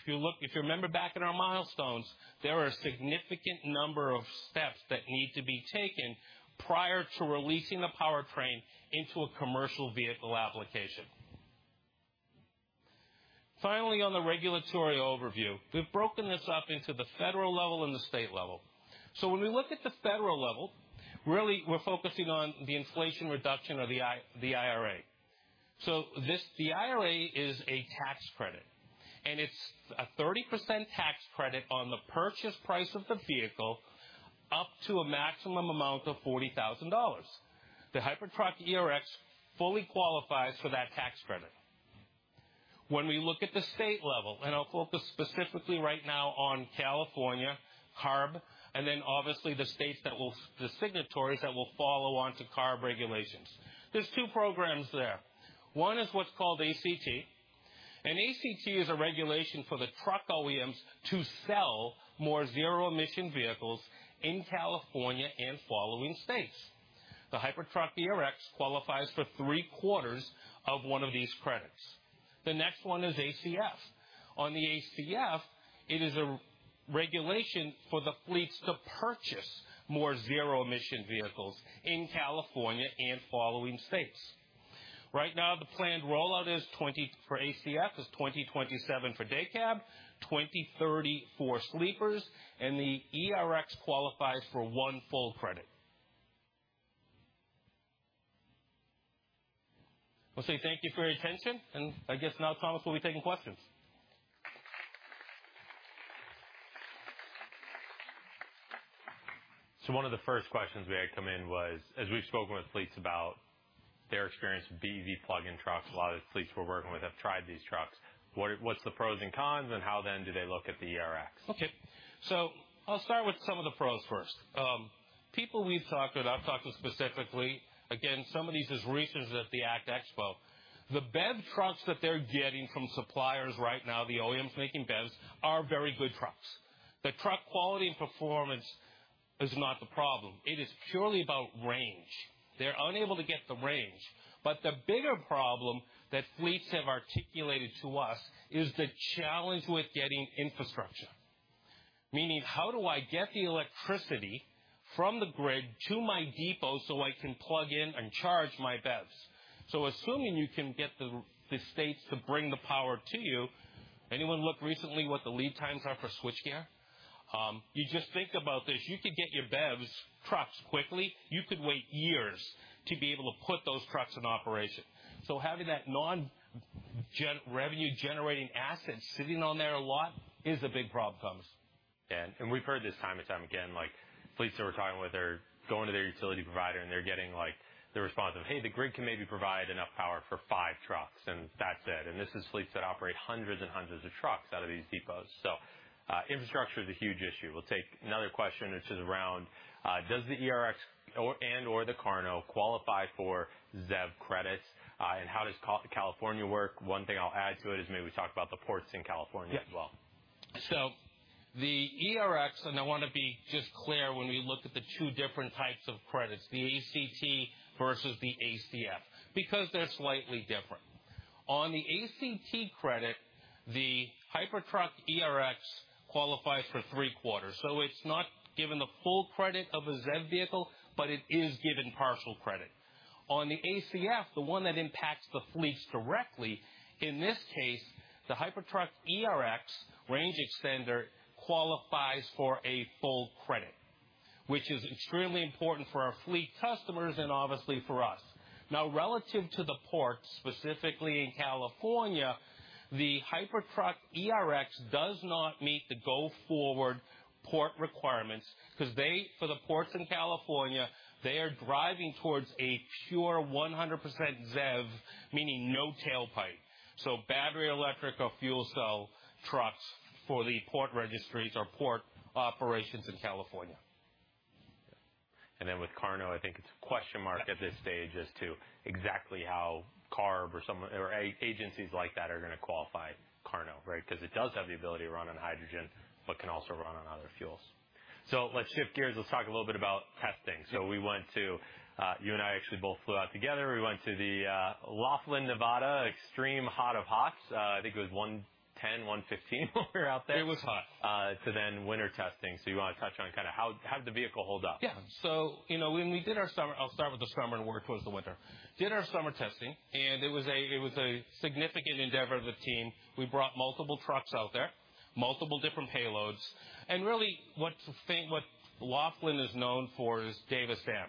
if you look, if you remember back in our milestones, there are a significant number of steps that need to be taken prior to releasing the powertrain into a commercial vehicle application. Finally, on the regulatory overview, we've broken this up into the federal level and the state level. When we look at the federal level, really, we're focusing on the inflation reduction or the IRA. This, the IRA, is a tax credit, and it's a 30% tax credit on the purchase price of the vehicle, up to a maximum amount of $40,000. The Hypertruck ERX fully qualifies for that tax credit. When we look at the state level, and I'll focus specifically right now on California, CARB, and then obviously the states that will the signatories that will follow on to CARB regulations. There's two programs there. One is what's called ACT. ACT is a regulation for the truck OEMs to sell more zero-emission vehicles in California and following states. The Hypertruck ERX qualifies for three-quarters of one of these credits. The next one is ACF. On the ACF, it is a regulation for the fleets to purchase more zero emission vehicles in California and following states. Right now, the planned rollout is for ACF, is 2027 for day cab, 2030 for sleepers, and the ERX qualifies for one full credit. I'll say thank you for your attention, and I guess now, Thomas, we'll be taking questions. One of the first questions we had come in was, as we've spoken with fleets about their experience with BEV plugin trucks, a lot of the fleets we're working with have tried these trucks. What, what's the pros and cons, and how then do they look at the ERX? I'll start with some of the pros first. People we've talked with, I've talked to specifically, again, some of these as recent as at the ACT Expo. The BEV trucks that they're getting from suppliers right now, the OEMs making BEVs, are very good trucks. The truck quality and performance is not the problem. It is purely about range. They're unable to get the range, but the bigger problem that fleets have articulated to us is the challenge with getting infrastructure. Meaning, how do I get the electricity from the grid to my depot so I can plug in and charge my BEVs? Assuming you can get the states to bring the power to you, anyone look recently what the lead times are for switchgear? You just think about this, you could get your BEVs trucks quickly, you could wait years to be able to put those trucks in operation. Having that revenue-generating asset sitting on there a lot is a big problem, Thomas. We've heard this time and time again, like, fleets that we're talking with are going to their utility provider, and they're getting, like, the response of, "Hey, the grid can maybe provide enough power for five trucks, and that's it." This is fleets that operate hundreds and hundreds of trucks out of these depots. Infrastructure is a huge issue. We'll take another question, which is around, does the ERX or, and/or the KARNO qualify for ZEV credits, and how does California work? One thing I'll add to it is maybe we talk about the ports in California as well. Yeah. The ERX, I want to be just clear when we look at the two different types of credits, the ACT versus the ACF, because they're slightly different. On the ACT credit, the Hypertruck ERX qualifies for three-quarters, so it's not given the full credit of a ZEV vehicle, but it is given partial credit. On the ACF, the one that impacts the fleets directly, in this case, the Hypertruck ERX range extender qualifies for a full credit, which is extremely important for our fleet customers and obviously for us. Relative to the ports, specifically in California, the Hypertruck ERX does not meet the go-forward port requirements because they, for the ports in California, they are driving towards a pure 100% ZEV, meaning no tailpipe. Battery, electric, or fuel cell trucks for the port registries or port operations in California. With KARNO, I think it's a question mark. Yeah -at this stage as to exactly how CARB or someone or agencies like that are gonna qualify KARNO, right? Because it does have the ability to run on hydrogen, but can also run on other fuels. Let's shift gears. Let's talk a little bit about testing. Yeah. We went to, you and I actually both flew out together. We went to the Laughlin, Nevada, extreme hot of hots. I think it was 110, 115 when we were out there. It was hot. to then winter testing. You wanna touch on kinda how did the vehicle hold up? You know, when we did our summer. I'll start with the summer and work towards the winter. Did our summer testing, it was a significant endeavor of the team. We brought multiple trucks out there, multiple different payloads. Really, what Laughlin is known for is Davis Dam.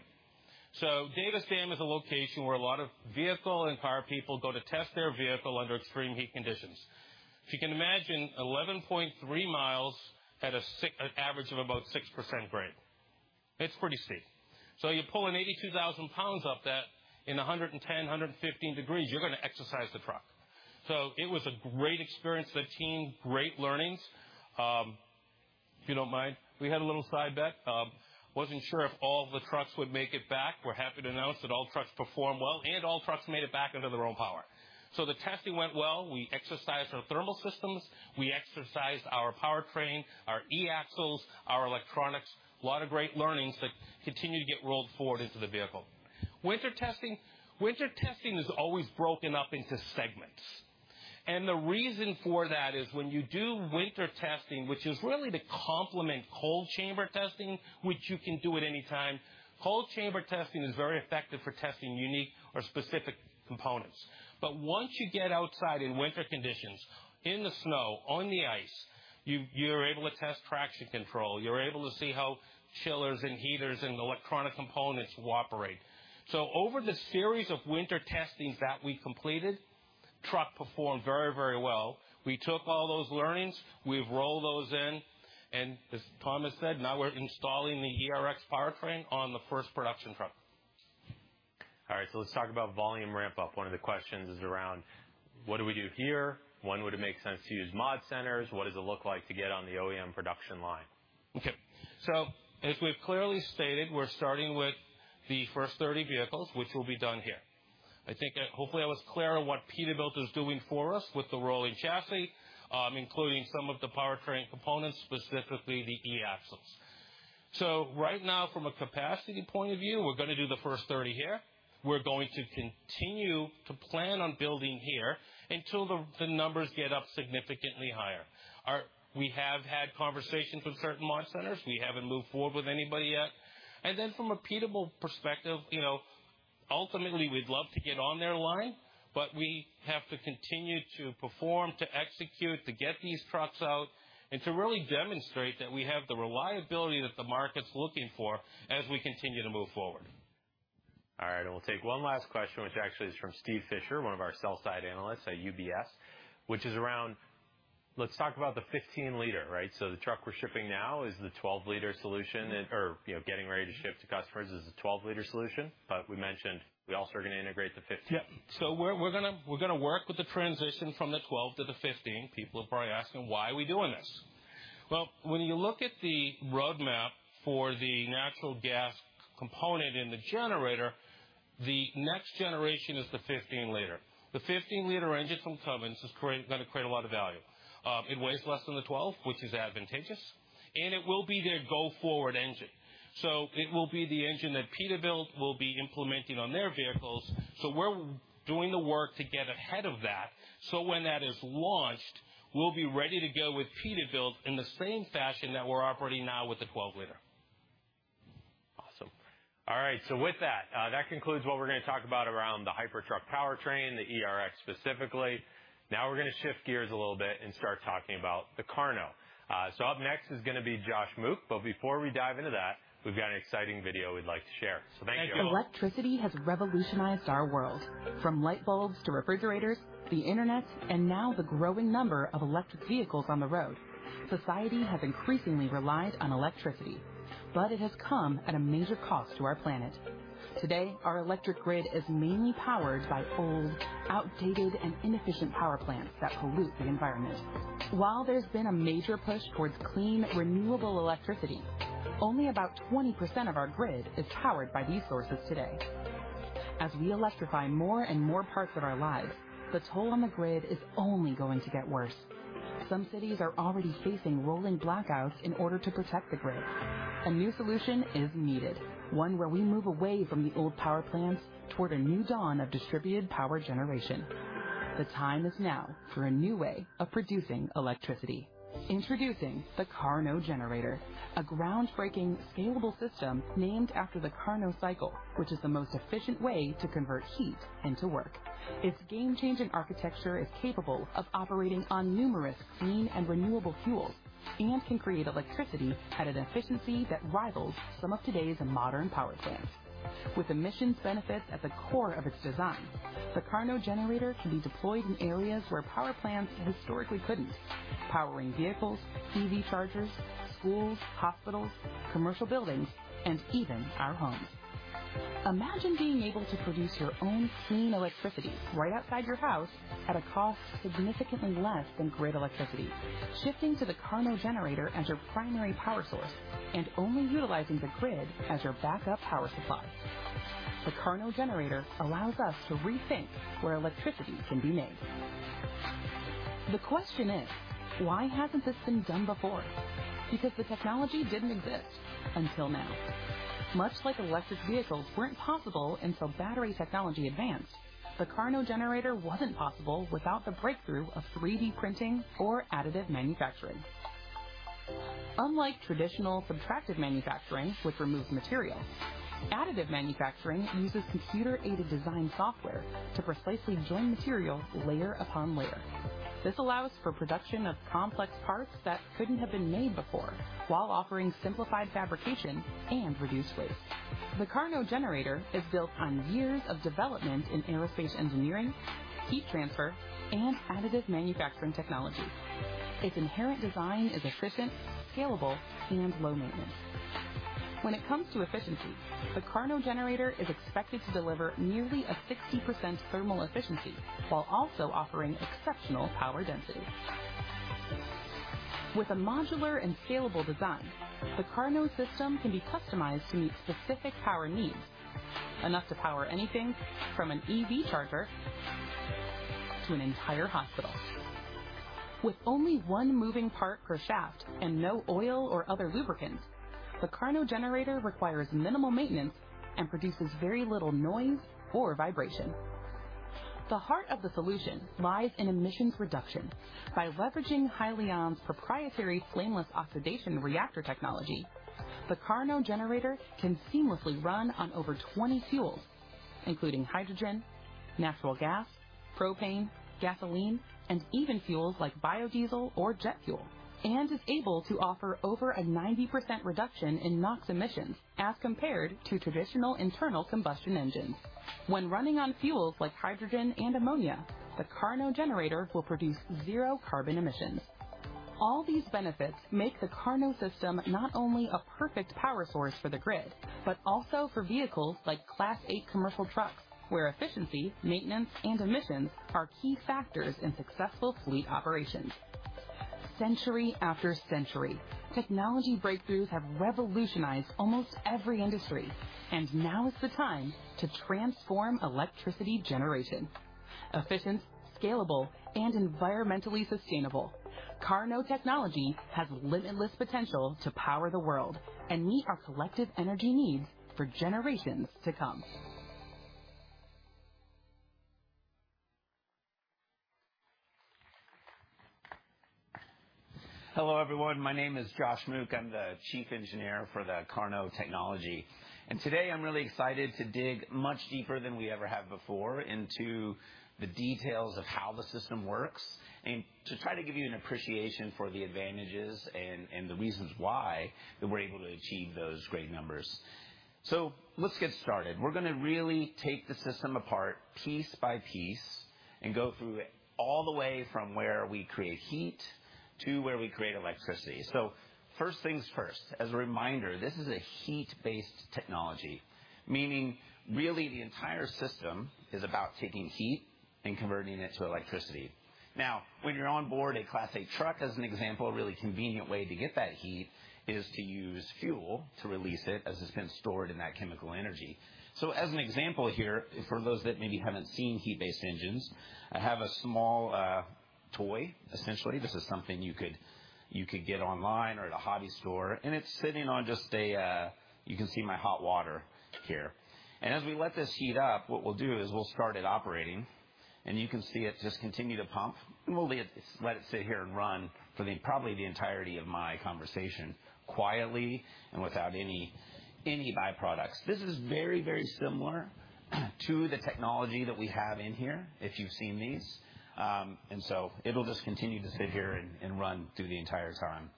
Davis Dam is a location where a lot of vehicle and car people go to test their vehicle under extreme heat conditions. If you can imagine 11.3 miles at an average of about 6% grade, it's pretty steep. You're pulling 82,000 pounds up that in 110, 115 degrees, you're gonna exercise the truck. It was a great experience for the team, great learnings. If you don't mind, we had a little side bet. Wasn't sure if all the trucks would make it back. We're happy to announce that all trucks performed well, and all trucks made it back under their own power. The testing went well. We exercised our thermal systems, we exercised our powertrain, our eAxles, our electronics. A lot of great learnings that continue to get rolled forward into the vehicle. Winter testing. Winter testing is always broken up into segments, and the reason for that is when you do winter testing, which is really to complement cold chamber testing, which you can do at any time, cold chamber testing is very effective for testing unique or specific components. Once you get outside in winter conditions, in the snow, on the ice, you're able to test traction control, you're able to see how chillers and heaters and electronic components operate. Over the series of winter testings that we completed, truck performed very, very well. We took all those learnings, we've rolled those in, and as Thomas said, now we're installing the ERX powertrain on the first production truck. All right, let's talk about volume ramp-up. One of the questions is around: What do we do here? When would it make sense to use mod centers? What does it look like to get on the OEM production line? As we've clearly stated, we're starting with the first 30 vehicles, which will be done here. I think, hopefully, I was clear on what Peterbilt is doing for us with the rolling chassis, including some of the powertrain components, specifically the e-axles. Right now, from a capacity point of view, we're gonna do the first 30 here. We're going to continue to plan on building here until the numbers get up significantly higher. We have had conversations with certain launch centers. We haven't moved forward with anybody yet. Then from a Peterbilt perspective, you know, ultimately, we'd love to get on their line, but we have to continue to perform, to execute, to get these trucks out and to really demonstrate that we have the reliability that the market's looking for as we continue to move forward. All right, we'll take one last question, which actually is from Stephen Fisher, one of our sell-side analysts at UBS, which is around. Let's talk about the 15-liter, right? The truck we're shipping now is the 12-liter solution, or, you know, getting ready to ship to customers is a 12-liter solution. We mentioned we also are gonna integrate the 15. Yeah. We're gonna work with the transition from the 12 to the 15. People are probably asking, why are we doing this? Well, when you look at the roadmap for the natural gas component in the generator, the next generation is the 15-liter. The 15-liter engine from Cummins is gonna create a lot of value. It weighs less than the 12, which is advantageous, and it will be their go-forward engine. It will be the engine that Peterbilt will be implementing on their vehicles. We're doing the work to get ahead of that, so when that is launched, we'll be ready to go with Peterbilt in the same fashion that we're operating now with the 12-liter. Awesome. All right, with that concludes what we're gonna talk about around the Hypertruck powertrain, the ERX specifically. We're gonna shift gears a little bit and start talking about the KARNO. Up next is gonna be Josh Mook. Before we dive into that, we've got an exciting video we'd like to share. Thank you. Electricity has revolutionized our world. From light bulbs to refrigerators, the internet, and now the growing number of electric vehicles on the road, society has increasingly relied on electricity, but it has come at a major cost to our planet. Today, our electric grid is mainly powered by old, outdated, and inefficient power plants that pollute the environment. While there's been a major push towards clean, renewable electricity, only about 20% of our grid is powered by these sources today. As we electrify more and more parts of our lives, the toll on the grid is only going to get worse. Some cities are already facing rolling blackouts in order to protect the grid. A new solution is needed, one where we move away from the old power plants toward a new dawn of distributed power generation. The time is now for a new way of producing electricity. Introducing the KARNO generator, a groundbreaking, scalable system named after the Carnot cycle, which is the most efficient way to convert heat into work. Its game-changing architecture is capable of operating on numerous clean and renewable fuels and can create electricity at an efficiency that rivals some of today's modern power plants. With emissions benefits at the core of its design, the KARNO generator can be deployed in areas where power plants historically couldn't, powering vehicles, EV chargers, schools, hospitals, commercial buildings, and even our homes. Imagine being able to produce your own clean electricity right outside your house at a cost significantly less than grid electricity. Shifting to the KARNO generator as your primary power source and only utilizing the grid as your backup power supply. The KARNO generator allows us to rethink where electricity can be made. The question is: Why hasn't this been done before? The technology didn't exist until now. Much like electric vehicles weren't possible until battery technology advanced, the KARNO generator wasn't possible without the breakthrough of 3D printing or additive manufacturing. Unlike traditional subtractive manufacturing, which removes material, additive manufacturing uses computer-aided design software to precisely join material layer upon layer. This allows for production of complex parts that couldn't have been made before, while offering simplified fabrication and reduced waste. The KARNO generator is built on years of development in aerospace engineering, heat transfer, and additive manufacturing technology. Its inherent design is efficient, scalable, and low maintenance. When it comes to efficiency, the KARNO generator is expected to deliver nearly a 60% thermal efficiency, while also offering exceptional power density. With a modular and scalable design, the KARNO system can be customized to meet specific power needs, enough to power anything from an EV charger to an entire hospital. With only one moving part per shaft and no oil or other lubricants, the KARNO generator requires minimal maintenance and produces very little noise or vibration. The heart of the solution lies in emissions reduction. By leveraging Hyliion's proprietary flameless oxidation reactor technology, the KARNO generator can seamlessly run on over 20 fuels, including hydrogen, natural gas, propane, gasoline, and even fuels like biodiesel or jet fuel, and is able to offer over a 90% reduction in NOx emissions as compared to traditional internal combustion engines. When running on fuels like hydrogen and ammonia, the KARNO generator will produce 0 carbon emissions. All these benefits make the KARNO system not only a perfect power source for the grid, but also for vehicles like Class 8 commercial trucks, where efficiency, maintenance, and emissions are key factors in successful fleet operations. Century after century, technology breakthroughs have revolutionized almost every industry. Now is the time to transform electricity generation. Efficient, scalable, and environmentally sustainable, KARNO technology has limitless potential to power the world and meet our collective energy needs for generations to come. Hello, everyone. My name is Josh Mook. I'm the Chief Engineer for the KARNO technology. Today I'm really excited to dig much deeper than we ever have before into the details of how the system works, and to try to give you an appreciation for the advantages and the reasons why that we're able to achieve those great numbers. Let's get started. We're gonna really take the system apart piece by piece and go through it all the way from where we create heat to where we create electricity. First things first. As a reminder, this is a heat-based technology, meaning really the entire system is about taking heat and converting it to electricity. When you're on board, a Class A truck, as an example, a really convenient way to get that heat is to use fuel to release it, as it's been stored in that chemical energy. As an example here, for those that maybe haven't seen heat-based engines, I have a small toy. Essentially, this is something you could get online or at a hobby store, and it's sitting on just a. You can see my hot water here. As we let this heat up, what we'll do is we'll start it operating, and you can see it just continue to pump, and we'll let it sit here and run for the, probably the entirety of my conversation, quietly and without any byproducts. This is very, very similar to the technology that we have in here, if you've seen these. It'll just continue to sit here and run through the entire time.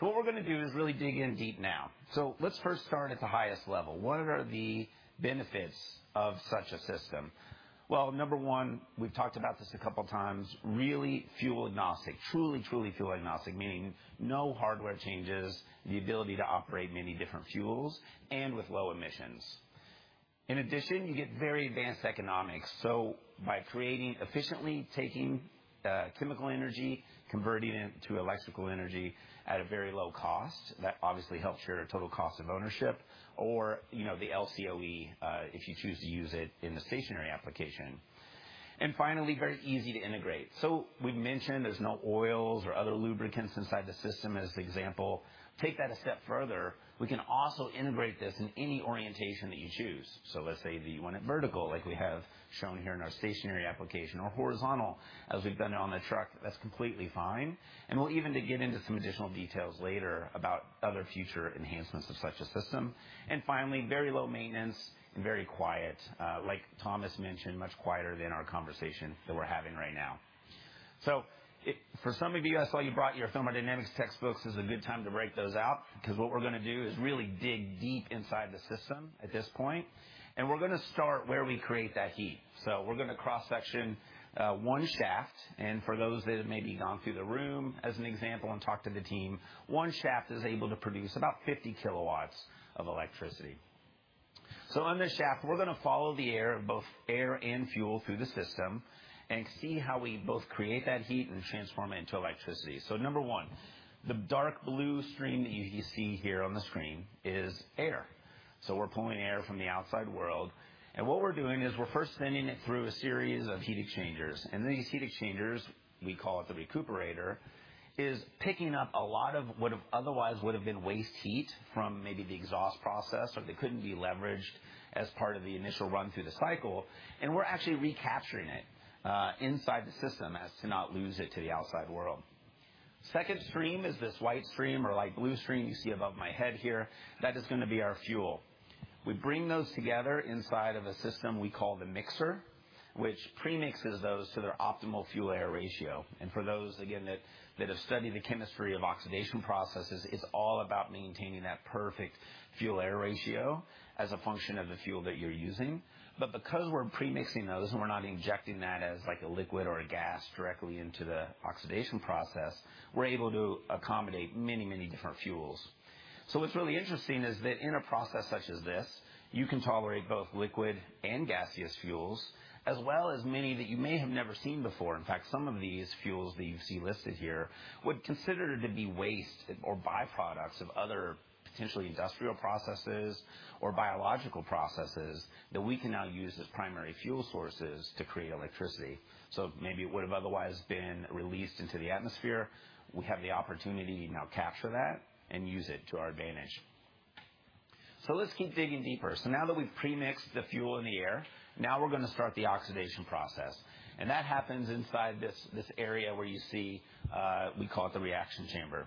What we're gonna do is really dig in deep now. Let's first start at the highest level. What are the benefits of such a system? Well, number one, we've talked about this a couple of times, really fuel-agnostic, truly fuel-agnostic, meaning no hardware changes, the ability to operate many different fuels, and with low emissions. In addition, you get very advanced economics. By creating efficiently, taking chemical energy, converting it to electrical energy at a very low cost, that obviously helps your total cost of ownership or, you know, the LCOE, if you choose to use it in the stationary application. Finally, very easy to integrate. We've mentioned there's no oils or other lubricants inside the system, as the example. Take that a step further, we can also integrate this in any orientation that you choose. Let's say that you want it vertical, like we have shown here in our stationary application, or horizontal, as we've done it on the truck, that's completely fine. We'll even to get into some additional details later about other future enhancements of such a system. Finally, very low maintenance and very quiet, like Thomas mentioned, much quieter than our conversation that we're having right now. For some of you guys, I saw you brought your thermodynamics textbooks. This is a good time to break those out, 'cause what we're gonna do is really dig deep inside the system at this point, and we're gonna start where we create that heat. We're gonna cross-section, one shaft, and for those that have maybe gone through the room as an example and talked to the team, one shaft is able to produce about 50 kW of electricity. On this shaft, we're gonna follow the air, both air and fuel, through the system and see how we both create that heat and transform it into electricity. Number one, the dark blue stream that you see here on the screen is air. We're pulling air from the outside world, and what we're doing is we're first sending it through a series of heat exchangers. These heat exchangers, we call it the recuperator, is picking up a lot of what otherwise would have been waste heat from maybe the exhaust process, or they couldn't be leveraged as part of the initial run through the cycle, and we're actually recapturing it inside the system as to not lose it to the outside world. Second stream is this white stream or light blue stream you see above my head here. That is gonna be our fuel. We bring those together inside of a system we call the mixer, which premixes those to their optimal fuel-air ratio. For those, again, that have studied the chemistry of oxidation processes, it's all about maintaining that perfect fuel-air ratio as a function of the fuel that you're using. Because we're premixing those and we're not injecting that as like a liquid or a gas directly into the oxidation process, we're able to accommodate many, many different fuels. What's really interesting is that in a process such as this, you can tolerate both liquid and gaseous fuels, as well as many that you may have never seen before. In fact, some of these fuels that you see listed here would consider to be waste or byproducts of other potentially industrial processes or biological processes that we can now use as primary fuel sources to create electricity. Maybe it would have otherwise been released into the atmosphere. We have the opportunity to now capture that and use it to our advantage. Let's keep digging deeper. Now that we've premixed the fuel in the air, now we're going to start the oxidation process. That happens inside this area where you see, we call it the reaction chamber.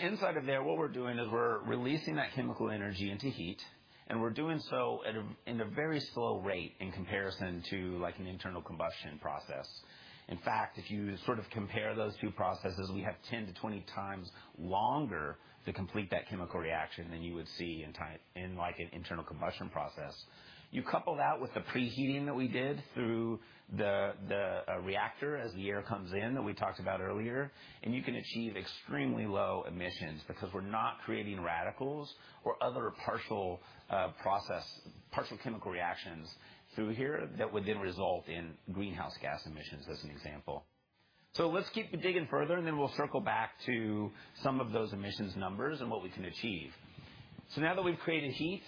Inside of there, what we're doing is we're releasing that chemical energy into heat, and we're doing so at a very slow rate in comparison to like an internal combustion process. In fact, if you sort of compare those two processes, we have 10-20 times longer to complete that chemical reaction than you would see in like an internal combustion process. You couple that with the preheating that we did through the reactor as the air comes in, that we talked about earlier, you can achieve extremely low emissions because we're not creating radicals or other partial chemical reactions through here that would then result in greenhouse gas emissions, as an example. Let's keep digging further. We'll circle back to some of those emissions numbers and what we can achieve. Now that we've created heat,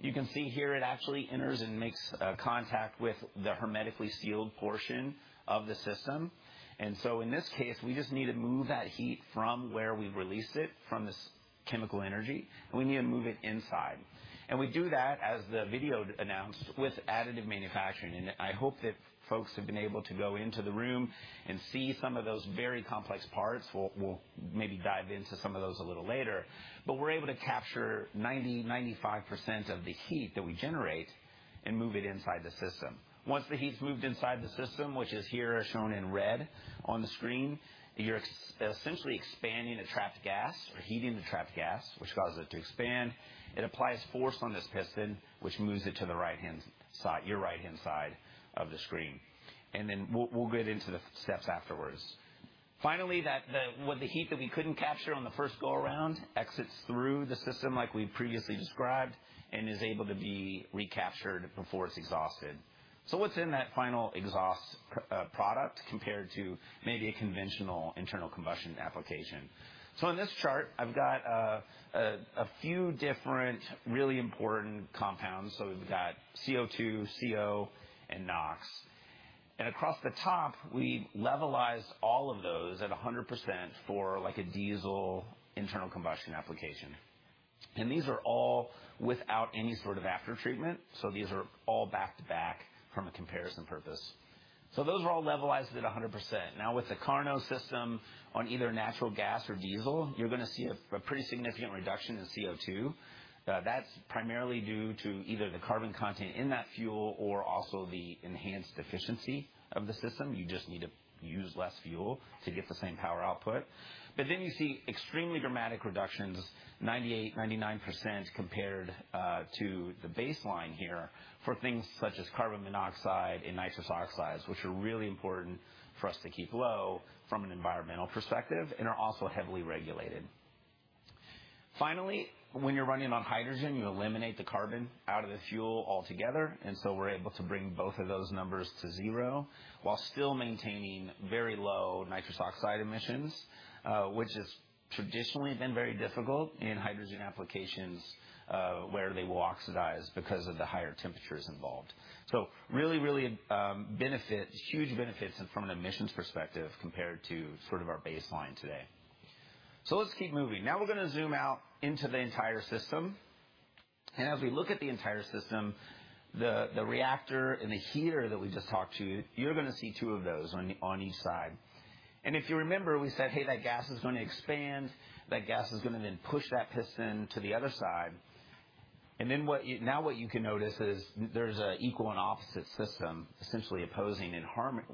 you can see here it actually enters and makes contact with the hermetically sealed portion of the system. In this case, we just need to move that heat from where we've released it, from this chemical energy, and we need to move it inside. We do that, as the video announced, with additive manufacturing. I hope that folks have been able to go into the room and see some of those very complex parts. We'll maybe dive into some of those a little later. We're able to capture 90%, 95% of the heat that we generate and move it inside the system. Once the heat's moved inside the system, which is here shown in red on the screen, you're essentially expanding the trapped gas or heating the trapped gas, which causes it to expand. It applies force on this piston, which moves it to the right-hand side, your right-hand side of the screen. Then we'll get into the steps afterwards. Finally, with the heat that we couldn't capture on the first go-around, exits through the system like we previously described, and is able to be recaptured before it's exhausted. What's in that final exhaust product compared to maybe a conventional internal combustion application? In this chart, I've got a few different, really important compounds. We've got CO2, CO, and NOx. Across the top, we levelized all of those at 100% for, like, a diesel internal combustion application. These are all without any sort of aftertreatment, so these are all back-to-back from a comparison purpose. Those are all levelized at 100%. With the KARNO system on either natural gas or diesel, you're going to see a pretty significant reduction in CO2. That's primarily due to either the carbon content in that fuel or also the enhanced efficiency of the system. You just need to use less fuel to get the same power output. You see extremely dramatic reductions, 98%, 99%, compared to the baseline here for things such as carbon monoxide and nitrous oxides, which are really important for us to keep low from an environmental perspective and are also heavily regulated. Finally, when you're running on hydrogen, you eliminate the carbon out of the fuel altogether, we're able to bring both of those numbers to 0, while still maintaining very low nitrous oxide emissions, which has traditionally been very difficult in hydrogen applications, where they will oxidize because of the higher temperatures involved. Really huge benefits from an emissions perspective compared to sort of our baseline today. Let's keep moving. Now we're going to zoom out into the entire system, we look at the entire system, the reactor and the heater that we just talked to, you're going to see 2 of those on each side. If you remember, we said, "Hey, that gas is going to expand. That gas is gonna then push that piston to the other side. Then now what you can notice is there's an equal and opposite system, essentially opposing and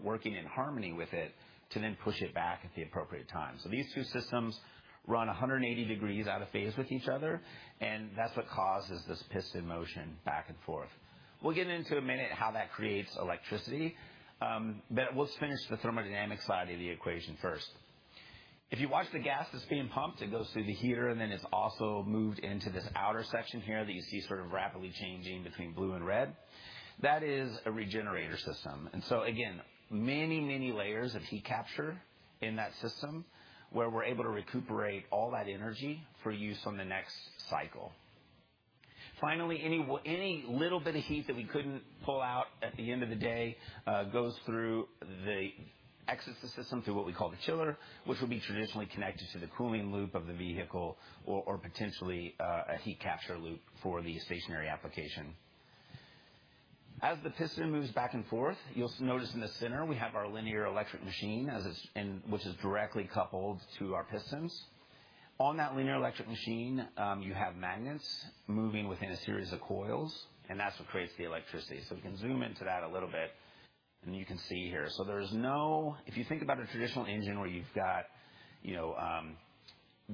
working in harmony with it, to then push it back at the appropriate time. These two systems run 180 degrees out of phase with each other, and that's what causes this piston motion back and forth. We'll get into in a minute how that creates electricity, but let's finish the thermodynamic side of the equation first. If you watch the gas that's being pumped, it goes through the heater, and then it's also moved into this outer section here that you see sort of rapidly changing between blue and red. That is a regenerator system. Again, many, many layers of heat capture in that system, where we're able to recuperate all that energy for use on the next cycle. Finally, any little bit of heat that we couldn't pull out at the end of the day, goes through the exits the system through what we call the chiller, which would be traditionally connected to the cooling loop of the vehicle or potentially, a heat capture loop for the stationary application. As the piston moves back and forth, you'll notice in the center, we have our linear electric machine, which is directly coupled to our pistons. On that linear electric machine, you have magnets moving within a series of coils, that's what creates the electricity. We can zoom into that a little bit, you can see here. If you think about a traditional engine where you've got, you know,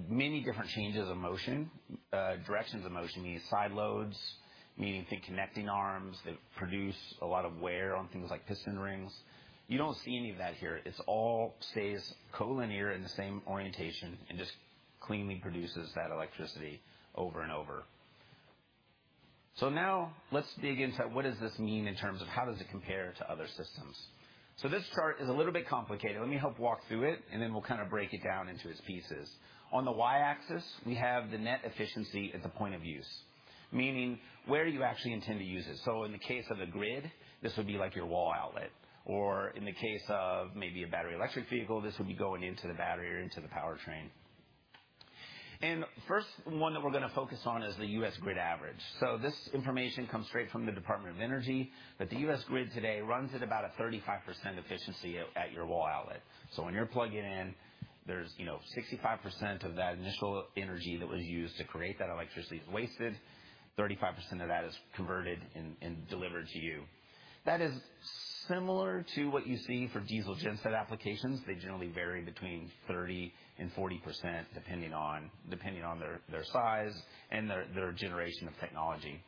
many different changes of motion, directions of motion, you need side loads, meaning think connecting arms that produce a lot of wear on things like piston rings. You don't see any of that here. It's all stays collinear in the same orientation and just cleanly produces that electricity over and over. Now let's dig into what does this mean in terms of how does it compare to other systems? This chart is a little bit complicated. Let me help walk through it, and then we'll kind of break it down into its pieces. On the Y-axis, we have the net efficiency at the point of use, meaning where you actually intend to use this. In the case of a grid, this would be like your wall outlet, or in the case of maybe a battery electric vehicle, this would be going into the battery or into the powertrain. First one that we're gonna focus on is the U.S. grid average. This information comes straight from the Department of Energy, but the U.S. grid today runs at about a 35% efficiency at your wall outlet. When you're plugging in, there's, you know, 65% of that initial energy that was used to create that electricity is wasted, 35% of that is converted and delivered to you. That is similar to what you see for diesel gen set applications. They generally vary between 30% and 40%, depending on their size and their generation of technology.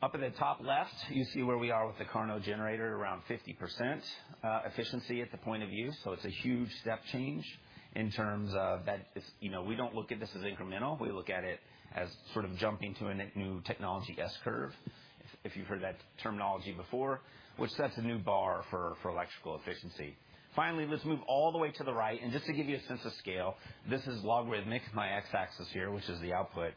Up at the top left, you see where we are with the KARNO generator, around 50% efficiency at the point of view. It's a huge step change in terms of that. You know, we don't look at this as incremental. We look at it as sort of jumping to a new technology S-curve, if you've heard that terminology before, which sets a new bar for electrical efficiency. Finally, let's move all the way to the right, and just to give you a sense of scale, this is logarithmic, my x-axis here, which is the output.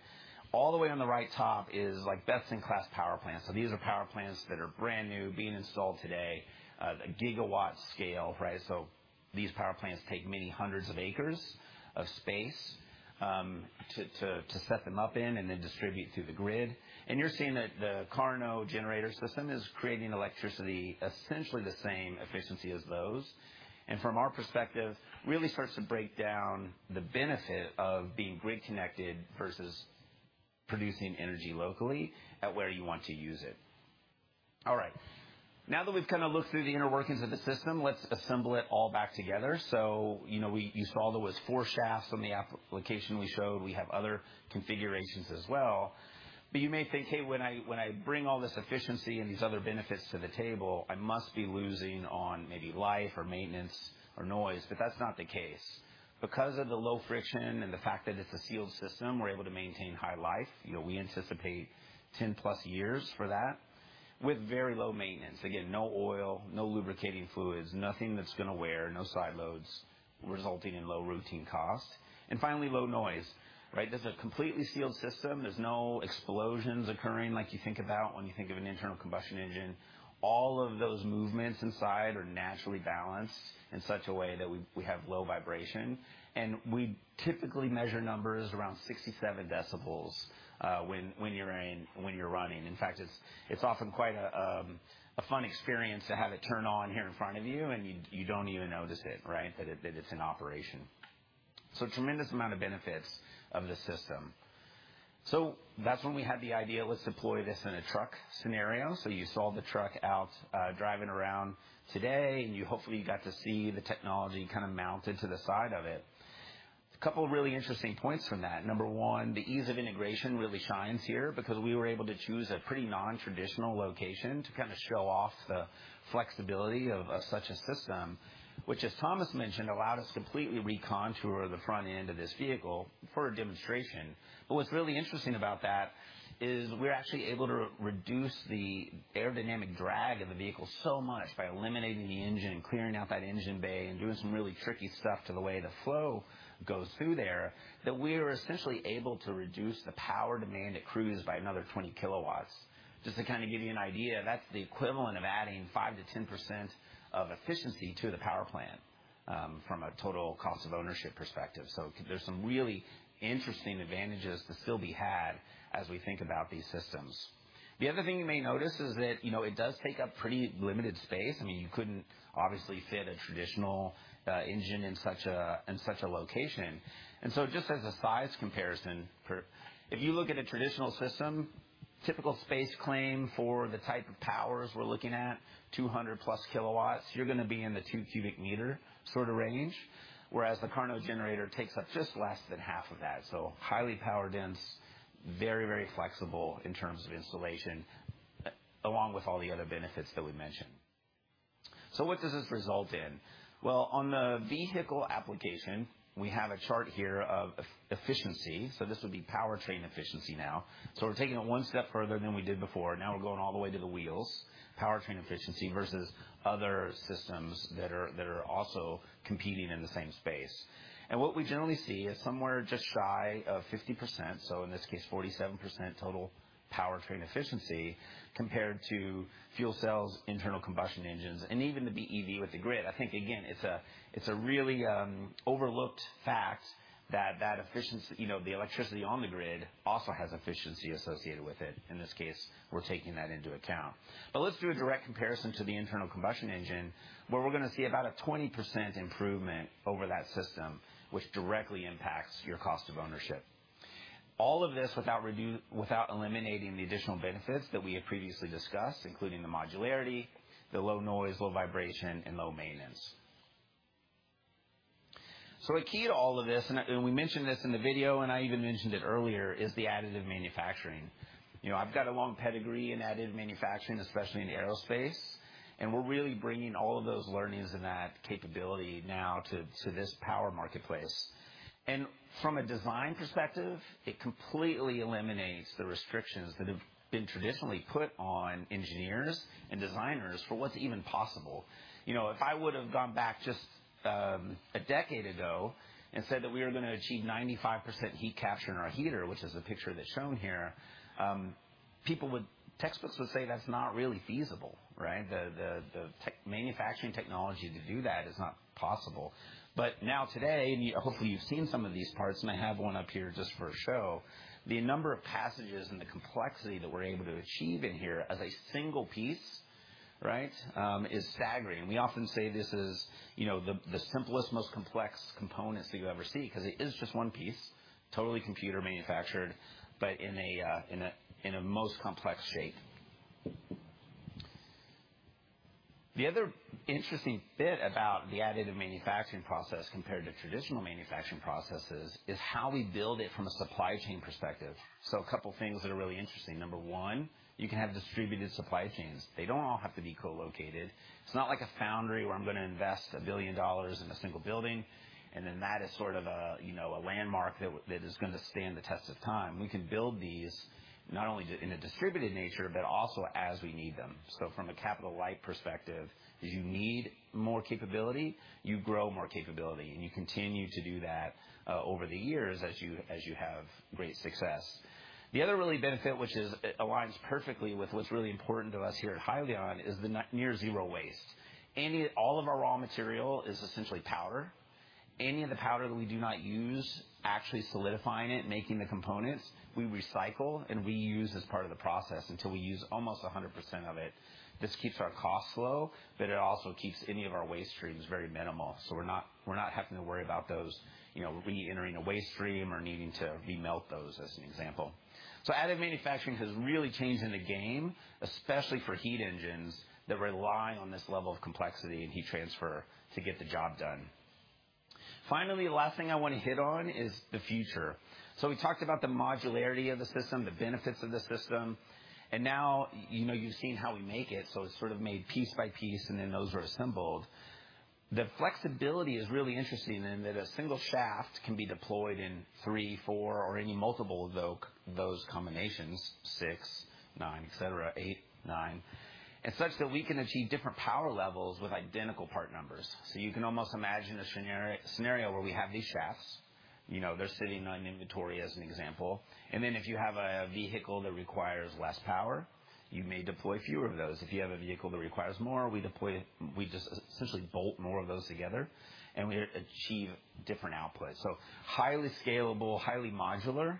All the way on the right top is, like, best-in-class power plants. These are power plants that are brand new, being installed today, a gigawatt scale, right? These power plants take many hundreds of acres of space, to set them up in and then distribute to the grid. You're seeing that the KARNO generator system is creating electricity, essentially the same efficiency as those. From our perspective, really starts to break down the benefit of being grid connected versus producing energy locally at where you want to use it. Now that we've kind of looked through the inner workings of the system, let's assemble it all back together. You know, you saw there was 4 shafts on the application we showed. We have other configurations as well. You may think, hey, when I, when I bring all this efficiency and these other benefits to the table, I must be losing on maybe life or maintenance or noise, but that's not the case. Because of the low friction and the fact that it's a sealed system, we're able to maintain high life. You know, we anticipate 10+ years for that, with very low maintenance. Again, no oil, no lubricating fluids, nothing that's gonna wear, no side loads, resulting in low routine costs. Finally, low noise, right? This is a completely sealed system. There's no explosions occurring like you think about when you think of an internal combustion engine. All of those movements inside are naturally balanced in such a way that we have low vibration, and we typically measure numbers around 67 decibels when you're running. In fact, it's often quite a fun experience to have it turn on here in front of you, and you don't even notice it, right? That it's in operation. Tremendous amount of benefits of the system. That's when we had the idea, let's deploy this in a truck scenario. You saw the truck out driving around today, and you hopefully got to see the technology kind of mounted to the side of it. A couple of really interesting points from that. Number one, the ease of integration really shines here because we were able to choose a pretty nontraditional location to kind of show off the flexibility of such a system, which, as Thomas mentioned, allowed us to completely recontour the front end of this vehicle for a demonstration. What's really interesting about that is we're actually able to reduce the aerodynamic drag of the vehicle so much by eliminating the engine, clearing out that engine bay, and doing some really tricky stuff to the way the flow goes through there, that we are essentially able to reduce the power demand at cruise by another 20 kW. Just to kind of give you an idea, that's the equivalent of adding 5%-10% of efficiency to the power plant, from a total cost of ownership perspective. There's some really interesting advantages to still be had as we think about these systems. The other thing you may notice is that, you know, it does take up pretty limited space. I mean, you couldn't obviously fit a traditional engine in such a, in such a location. Just as a size comparison, if you look at a traditional system, typical space claim for the type of powers we're looking at, 200+ kW, you're gonna be in the 2 cubic meters sort of range, whereas the KARNO generator takes up just less than half of that. Highly power dense, very, very flexible in terms of installation, along with all the other benefits that we mentioned. What does this result in? Well, on the vehicle application, we have a chart here of efficiency, so this would be powertrain efficiency now. We're taking it one step further than we did before. Now we're going all the way to the wheels, powertrain efficiency versus other systems that are also competing in the same space. What we generally see is somewhere just shy of 50%, so in this case, 47% total powertrain efficiency compared to fuel cells, internal combustion engines, and even the BEV with the grid. I think, again, it's a, it's a really overlooked fact that that efficiency, you know, the electricity on the grid also has efficiency associated with it. In this case, we're taking that into account. Let's do a direct comparison to the internal combustion engine, where we're gonna see about a 20% improvement over that system, which directly impacts your cost of ownership. All of this without eliminating the additional benefits that we have previously discussed, including the modularity, the low noise, low vibration, and low maintenance. A key to all of this, and we mentioned this in the video, and I even mentioned it earlier, is the additive manufacturing. You know, I've got a long pedigree in additive manufacturing, especially in aerospace, and we're really bringing all of those learnings and that capability now to this power marketplace. From a design perspective, it completely eliminates the restrictions that have been traditionally put on engineers and designers for what's even possible. You know, if I would have gone back just a decade ago and said that we were gonna achieve 95% heat capture in our heater, which is the picture that's shown here, textbooks would say, "That's not really feasible," right? Manufacturing technology to do that is not possible. Now today, and hopefully, you've seen some of these parts, and I have one up here just for a show. The number of passages and the complexity that we're able to achieve in here as a single piece, right, is staggering. We often say this is, you know, the simplest, most complex components that you'll ever see, 'cause it is just one piece, totally computer manufactured, but in a most complex shape. The other interesting bit about the additive manufacturing process compared to traditional manufacturing processes is how we build it from a supply chain perspective. A couple things that are really interesting. Number one, you can have distributed supply chains. They don't all have to be co-located. It's not like a foundry, where I'm gonna invest $1 billion in a single building, and then that is sort of a, you know, a landmark that is gonna stand the test of time. We can build these not only in a distributed nature, but also as we need them. From a capital light perspective, as you need more capability, you grow more capability, and you continue to do that over the years as you have great success. The other really benefit, which is, it aligns perfectly with what's really important to us here at Hyliion, is the near zero waste. All of our raw material is essentially powder. Any of the powder that we do not use, actually solidifying it, making the components, we recycle, and we use as part of the process until we use almost 100% of it. This keeps our costs low. It also keeps any of our waste streams very minimal, so we're not having to worry about those, you know, reentering a waste stream or needing to remelt those, as an example. Additive manufacturing has really changed in the game, especially for heat engines that rely on this level of complexity and heat transfer to get the job done. Finally, the last thing I wanna hit on is the future. We talked about the modularity of the system, the benefits of the system, and now, you know, you've seen how we make it, so it's sort of made piece by piece, and then those are assembled. The flexibility is really interesting in that a single shaft can be deployed in three, four, or any multiple of those combinations, six, nine, et cetera, eight, nine. Such that we can achieve different power levels with identical part numbers. You can almost imagine a scenario where we have these shafts, you know, they're sitting on inventory as an example, if you have a vehicle that requires less power, you may deploy fewer of those. If you have a vehicle that requires more, we just essentially bolt more of those together, we achieve different outputs. Highly scalable, highly modular,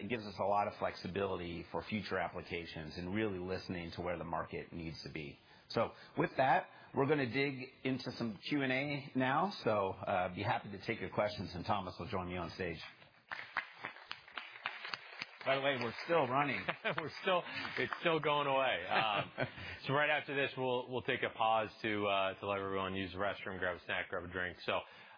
it gives us a lot of flexibility for future applications and really listening to where the market needs to be. With that, we're gonna dig into some Q&A now, be happy to take your questions, Thomas will join me on stage. By the way, we're still running. It's still going away. Right after this, we'll take a pause to let everyone use the restroom, grab a snack, grab a drink.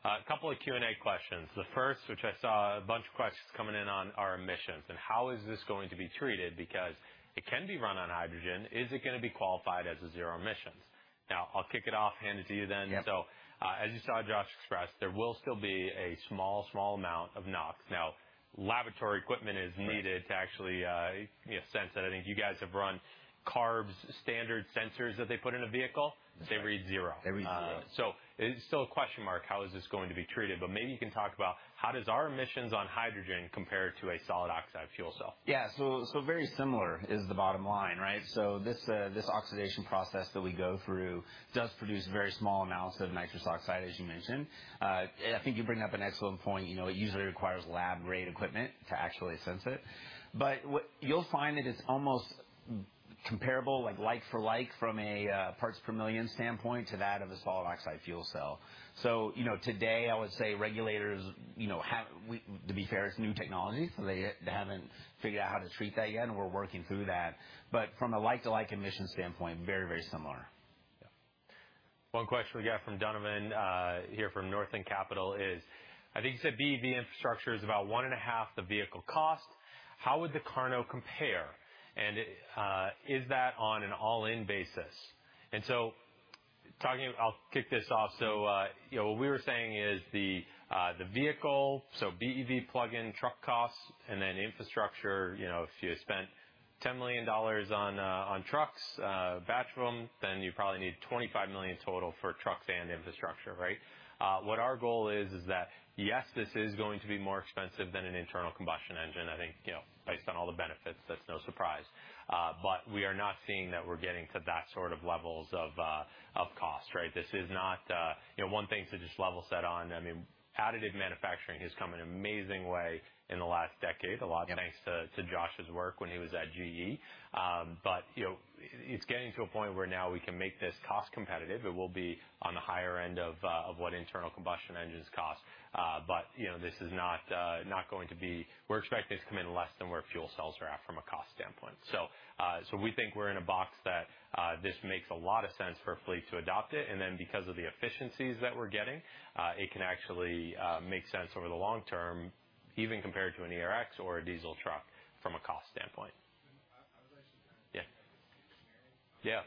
A couple of Q&A questions. The first, which I saw a bunch of questions coming in on, are emissions, and how is this going to be treated? Because it can be run on hydrogen. Is it gonna be qualified as a zero emissions? I'll kick it off and hand it to you then. Yep. As you saw Josh express, there will still be a small amount of NOx. Now, laboratory equipment is needed. Right. to actually, you know, sense it. I think you guys have run CARB, standard sensors that they put in a vehicle. Exactly. They read 0. They read 0. It's still a question mark, how is this going to be treated? Maybe you can talk about how does our emissions on hydrogen compare to a solid oxide fuel cell? Yeah. Very similar is the bottom line, right? This oxidation process that we go through does produce very small amounts of nitrous oxide, as you mentioned. I think you bring up an excellent point. You know, it usually requires lab-grade equipment to actually sense it, but You'll find that it's almost comparable, like for like, from a parts per million standpoint, to that of a solid oxide fuel cell. You know, today, I would say regulators, you know, to be fair, it's new technology, so they yet, they haven't figured out how to treat that yet, and we're working through that. From a like-to-like emissions standpoint, very, very similar. Yeah. One question we got from Donovan, here from Northland Capital is: I think you said BEV infrastructure is about one and a half the vehicle cost. How would the KARNO compare? Is that on an all-in basis? I'll kick this off. You know, what we were saying is the vehicle, so BEV plug-in truck costs and then infrastructure, you know, if you spent $10 million on trucks, batch room, then you probably need $25 million total for trucks and infrastructure, right? What our goal is that, yes, this is going to be more expensive than an internal combustion engine. I think, you know, based on all the benefits, that's no surprise. We are not seeing that we're getting to that sort of levels of cost, right? You know, one thing to just level set on, I mean, additive manufacturing has come an amazing way in the last decade. Yep. A lot thanks to Josh's work when he was at GE. You know, it's getting to a point where now we can make this cost competitive. It will be on the higher end of what internal combustion engines cost. You know, we're expecting this to come in less than where fuel cells are at from a cost standpoint. So we think we're in a box that, this makes a lot of sense for a fleet to adopt it, and then because of the efficiencies that we're getting, it can actually make sense over the long term, even compared to an ERX or a diesel truck from a cost standpoint. I was actually. Yeah. Yeah.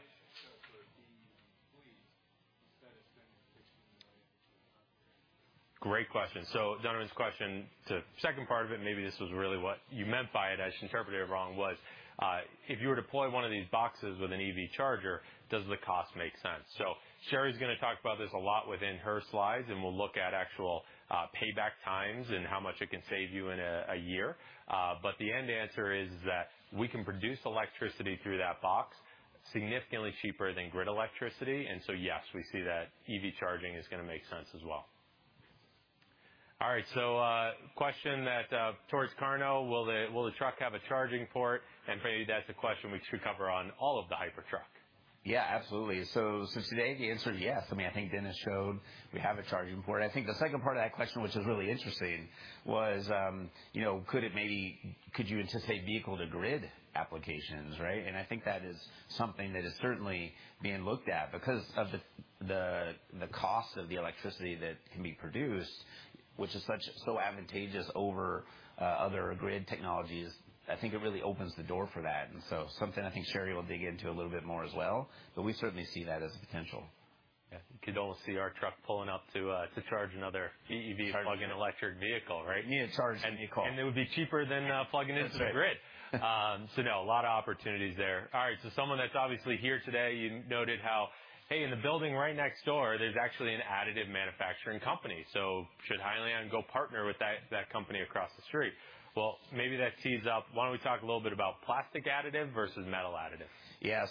Great question. Donovan's question, the second part of it, maybe this was really what you meant by it, as I interpreted it wrong, was, if you were to deploy one of these boxes with an EV charger, does the cost make sense? Cheri's gonna talk about this a lot within her slides, and we'll look at actual payback times and how much it can save you in a year. The end answer is that we can produce electricity through that box, significantly cheaper than grid electricity, yes, we see that EV charging is gonna make sense as well. Question that towards KARNO, will the truck have a charging port? Maybe that's a question we should cover on all of the Hypertruck. Yeah, absolutely. So today, the answer is yes. I mean, I think Dennis showed we have a charging port. I think the second part of that question, which is really interesting, was, you know, could you anticipate vehicle-to-grid applications, right? I think that is something that is certainly being looked at because of the cost of the electricity that can be produced, which is so advantageous over other grid technologies. I think it really opens the door for that, something I think SCheri will dig into a little bit more as well, but we certainly see that as a potential. Yeah, you can almost see our truck pulling up to charge another BEV plug-in electric vehicle, right? Need to charge any car. It would be cheaper than plugging into the grid. That's right. No, a lot of opportunities there. Someone that's obviously here today, you noted how, hey, in the building right next door, there's actually an additive manufacturing company, so should Hyliion go partner with that company across the street? Maybe that tees up... Why don't we talk a little bit about plastic additive versus metal additive? Yeah.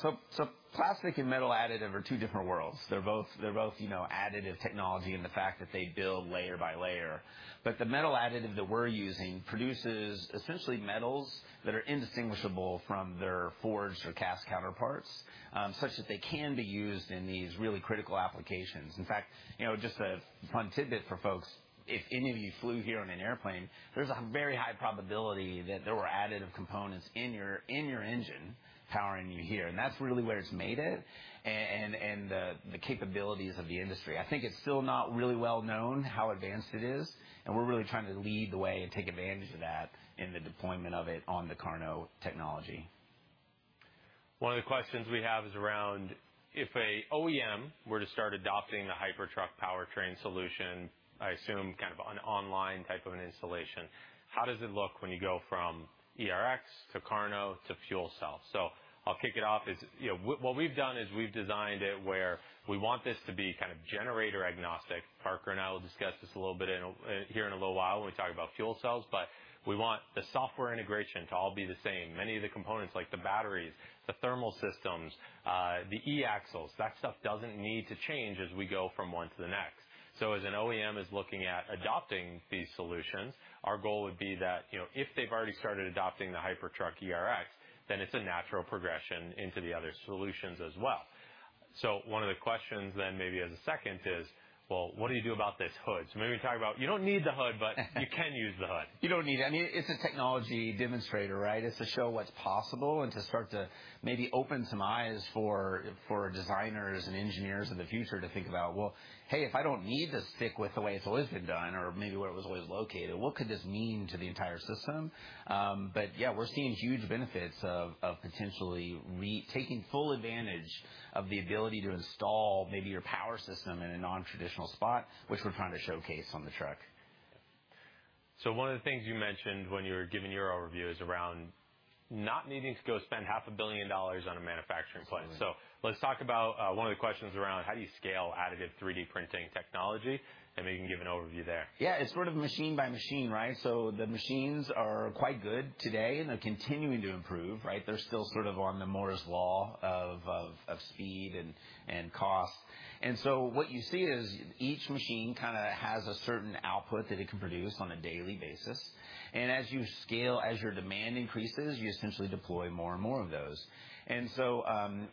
Plastic and metal additive are two different worlds. They're both, you know, additive technology in the fact that they build layer by layer. The metal additive that we're using produces essentially metals that are indistinguishable from their forged or cast counterparts, such that they can be used in these really critical applications. In fact, you know, just a fun tidbit for folks, if any of you flew here on an airplane, there's a very high probability that there were additive components in your engine powering you here, and that's really where it's made it. The capabilities of the industry. I think it's still not really well known how advanced it is, and we're really trying to lead the way and take advantage of that in the deployment of it on the KARNO technology. One of the questions we have is around, if a OEM were to start adopting the Hypertruck powertrain solution, I assume kind of an online type of an installation, how does it look when you go from ERX to KARNO to fuel cell? I'll kick it off. You know, what we've done is we've designed it where we want this to be kind of generator agnostic. Parker and I will discuss this a little bit in here in a little while when we talk about fuel cells, but we want the software integration to all be the same. Many of the components, like the batteries, the thermal systems, the e-axles, that stuff doesn't need to change as we go from one to the next. As an OEM is looking at adopting these solutions, our goal would be that, you know, if they've already started adopting the Hypertruck ERX, then it's a natural progression into the other solutions as well. One of the questions then, maybe as a second, is, well, what do you do about this hood? Maybe talk about you don't need the hood, you can use the hood. You don't need it. I mean, it's a technology demonstrator, right? It's to show what's possible and to start to maybe open some eyes for designers and engineers of the future to think about, "Well, hey, if I don't need to stick with the way it's always been done or maybe where it was always located, what could this mean to the entire system?" Yeah, we're seeing huge benefits of potentially taking full advantage of the ability to install maybe your power system in a non-traditional spot, which we're trying to showcase on the truck. One of the things you mentioned when you were giving your overview is around not needing to go spend half a billion dollars on a manufacturing plant. Absolutely. Let's talk about, one of the questions around how do you scale additive 3D printing technology, and maybe you can give an overview there. Yeah, it's sort of machine by machine, right? The machines are quite good today, and they're continuing to improve, right? They're still sort of on the Moore's law of speed and cost. What you see is each machine kind of has a certain output that it can produce on a daily basis. As you scale, as your demand increases, you essentially deploy more and more of those.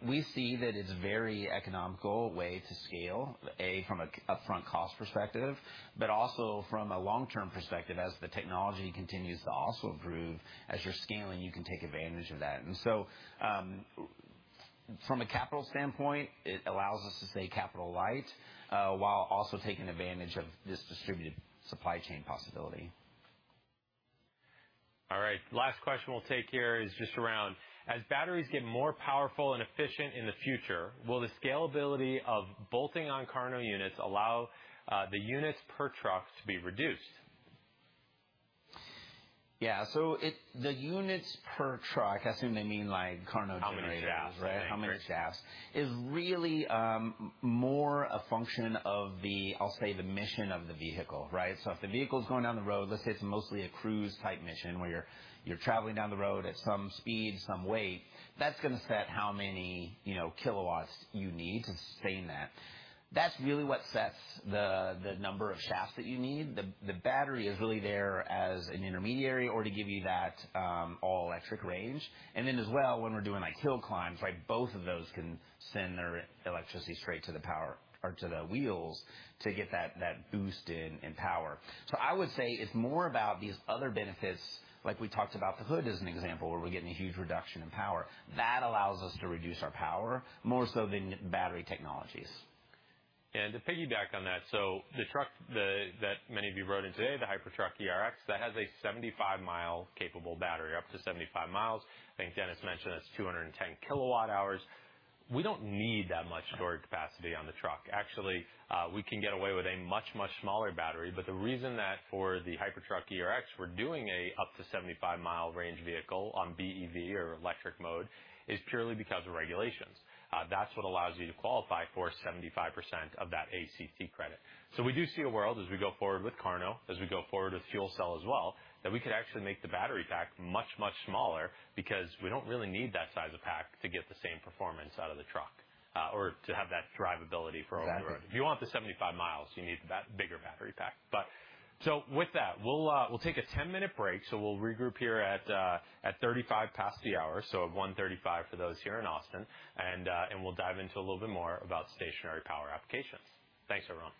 We see that it's very economical way to scale, A, from a upfront cost perspective, but also from a long-term perspective, as the technology continues to also improve, as you're scaling, you can take advantage of that. From a capital standpoint, it allows us to stay capital light while also taking advantage of this distributed supply chain possibility. All right. Last question we'll take here is just around: As batteries get more powerful and efficient in the future, will the scalability of bolting on KARNO units allow the units per truck to be reduced? Yeah. The units per truck, I assume they mean, like, KARNO generators. How many shafts, right? How many shafts? Is really more a function of the, I'll say, the mission of the vehicle, right? If the vehicle's going down the road, let's say it's mostly a cruise-type mission, where you're traveling down the road at some speed, some weight, that's gonna set how many, you know, kilowatts you need to sustain that. That's really what sets the number of shafts that you need. The battery is really there as an intermediary or to give you that all-electric range. As well, when we're doing, like, hill climbs, like, both of those can send their electricity straight to the power or to the wheels to get that boost in power. I would say it's more about these other benefits, like we talked about the hood as an example, where we're getting a huge reduction in power. That allows us to reduce our power more so than battery technologies. To piggyback on that, the truck that many of you rode in today, the Hypertruck ERX, that has a 75-mile capable battery, up to 75 miles. I think Dennis mentioned it's 210 kWh. We don't need that much storage capacity on the truck. Actually, we can get away with a much, much smaller battery, but the reason that for the Hypertruck ERX, we're doing a up to 75-mile range vehicle on BEV or electric mode, is purely because of regulations. That's what allows you to qualify for 75% of that ACT credit. We do see a world, as we go forward with KARNO, as we go forward with fuel cell as well... that we could actually make the battery pack much, much smaller because we don't really need that size of pack to get the same performance out of the truck, or to have that drivability for off-road. Exactly. If you want the 75 miles, you need that bigger battery pack. With that, we'll take a 10-minute break. We'll regroup here at 35 past the hour, so at 1:35 P.M. for those here in Austin. We'll dive into a little bit more about stationary power applications. Thanks, everyone.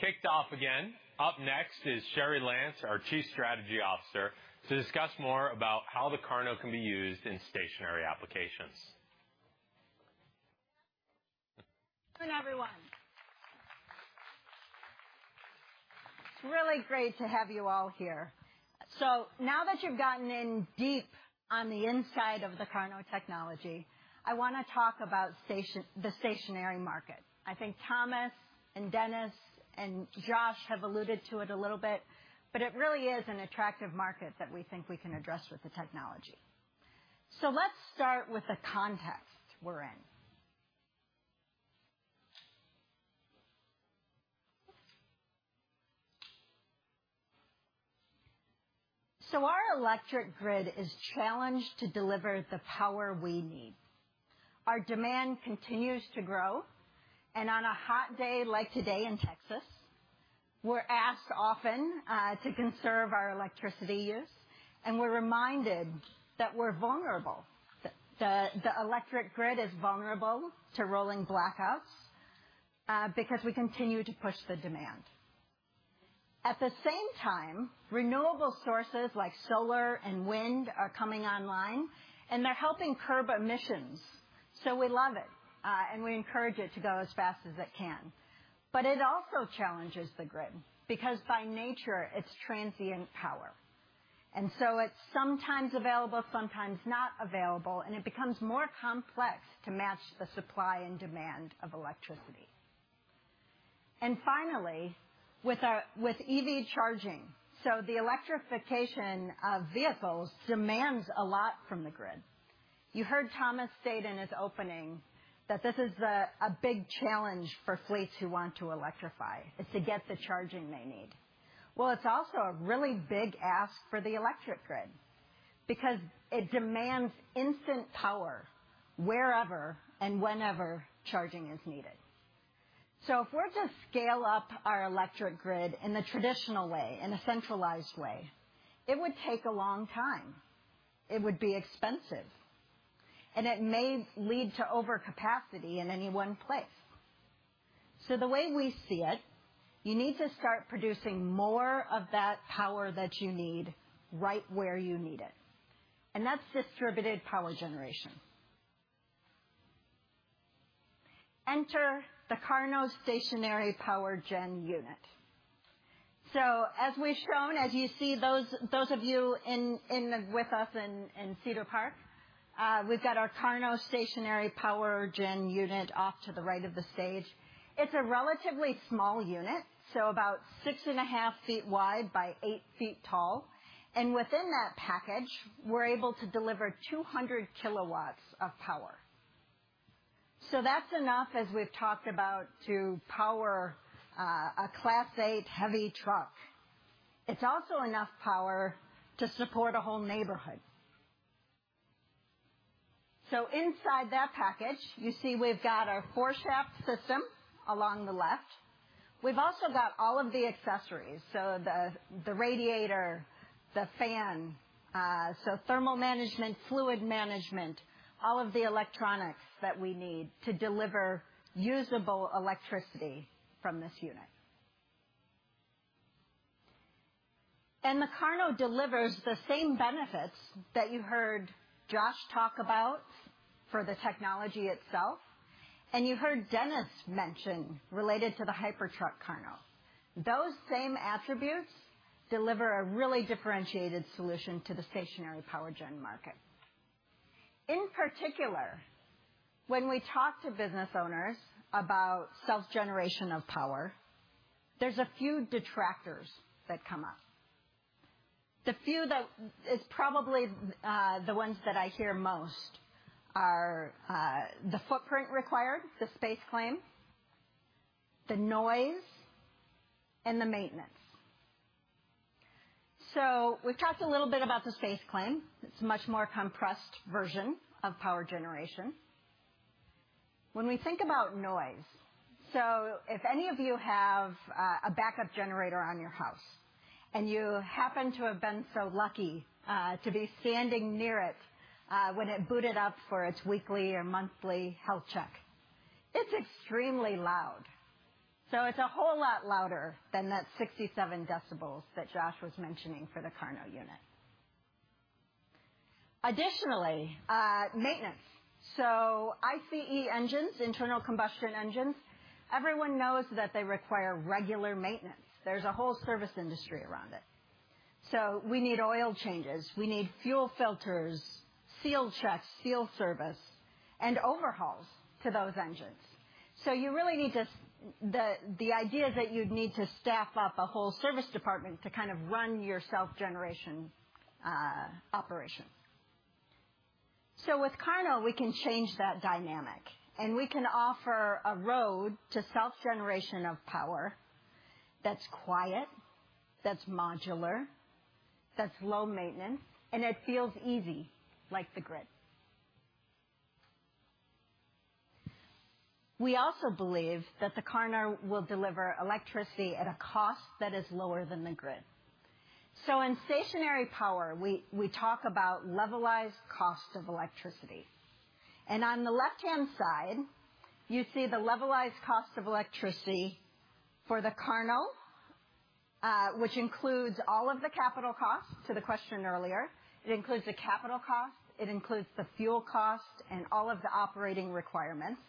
Things kicked off again. Up next is Cheri Lantz, our Chief Strategy Officer, to discuss more about how the KARNO can be used in stationary applications. Good afternoon, everyone! It's really great to have you all here. Now that you've gotten in deep on the inside of the KARNO technology, I wanna talk about the stationary market. I think Thomas, and Dennis, and Josh have alluded to it a little bit, but it really is an attractive market that we think we can address with the technology. Let's start with the context we're in. Our electric grid is challenged to deliver the power we need. Our demand continues to grow, and on a hot day, like today in Texas, we're asked often to conserve our electricity use, and we're reminded that we're vulnerable. The electric grid is vulnerable to rolling blackouts because we continue to push the demand. At the same time, renewable sources like solar and wind are coming online, and they're helping curb emissions, so we love it, and we encourage it to go as fast as it can. It also challenges the grid, because by nature, it's transient power, and so it's sometimes available, sometimes not available, and it becomes more complex to match the supply and demand of electricity. Finally, with EV charging, so the electrification of vehicles demands a lot from the grid. You heard Thomas state in his opening that this is a big challenge for fleets who want to electrify, is to get the charging they need. Well, it's also a really big ask for the electric grid because it demands instant power wherever and whenever charging is needed. If we're to scale up our electric grid in the traditional way, in a centralized way, it would take a long time, it would be expensive, and it may lead to overcapacity in any one place. The way we see it, you need to start producing more of that power that you need, right where you need it, and that's distributed power generation. Enter the KARNO Stationary Power Gen unit. As we've shown, as you see, those of you with us in Cedar Park, we've got our KARNO Stationary Power Gen unit off to the right of the stage. It's a relatively small unit, about six and a half feet wide by eight feet tall, and within that package, we're able to deliver 200 kW of power. That's enough, as we've talked about, to power a Class 8 heavy truck. It's also enough power to support a whole neighborhood. Inside that package, you see we've got our four-shaft system along the left. We've also got all of the accessories, so the radiator, the fan, so thermal management, fluid management, all of the electronics that we need to deliver usable electricity from this unit. The KARNO delivers the same benefits that you heard Josh talk about for the technology itself, and you heard Dennis mention, related to the Hypertruck KARNO. Those same attributes deliver a really differentiated solution to the stationary power gen market. In particular, when we talk to business owners about self-generation of power, there's a few detractors that come up. The few that... It's probably the ones that I hear most are the footprint required, the space claim, the noise, and the maintenance. We've talked a little bit about the space claim. It's a much more compressed version of power generation. When we think about noise, if any of you have a backup generator on your house, and you happen to have been so lucky to be standing near it when it booted up for its weekly or monthly health check, it's extremely loud. It's a whole lot louder than that 67 decibels that Josh was mentioning for the KARNO unit. Additionally, maintenance. ICE engines, internal combustion engines, everyone knows that they require regular maintenance. There's a whole service industry around it. We need oil changes, we need fuel filters, seal checks, seal service, and overhauls to those engines. You really need to. The idea that you'd need to staff up a whole service department to kind of run your self-generation operation. With KARNO, we can change that dynamic, and we can offer a road to self-generation of power that's quiet, that's modular, that's low maintenance, and it feels easy, like the grid. We also believe that the KARNO will deliver electricity at a cost that is lower than the grid. In stationary power, we talk about levelized cost of electricity, and on the left-hand side, you see the levelized cost of electricity for the KARNO, which includes all of the capital costs to the question earlier. It includes the capital costs, it includes the fuel costs, and all of the operating requirements,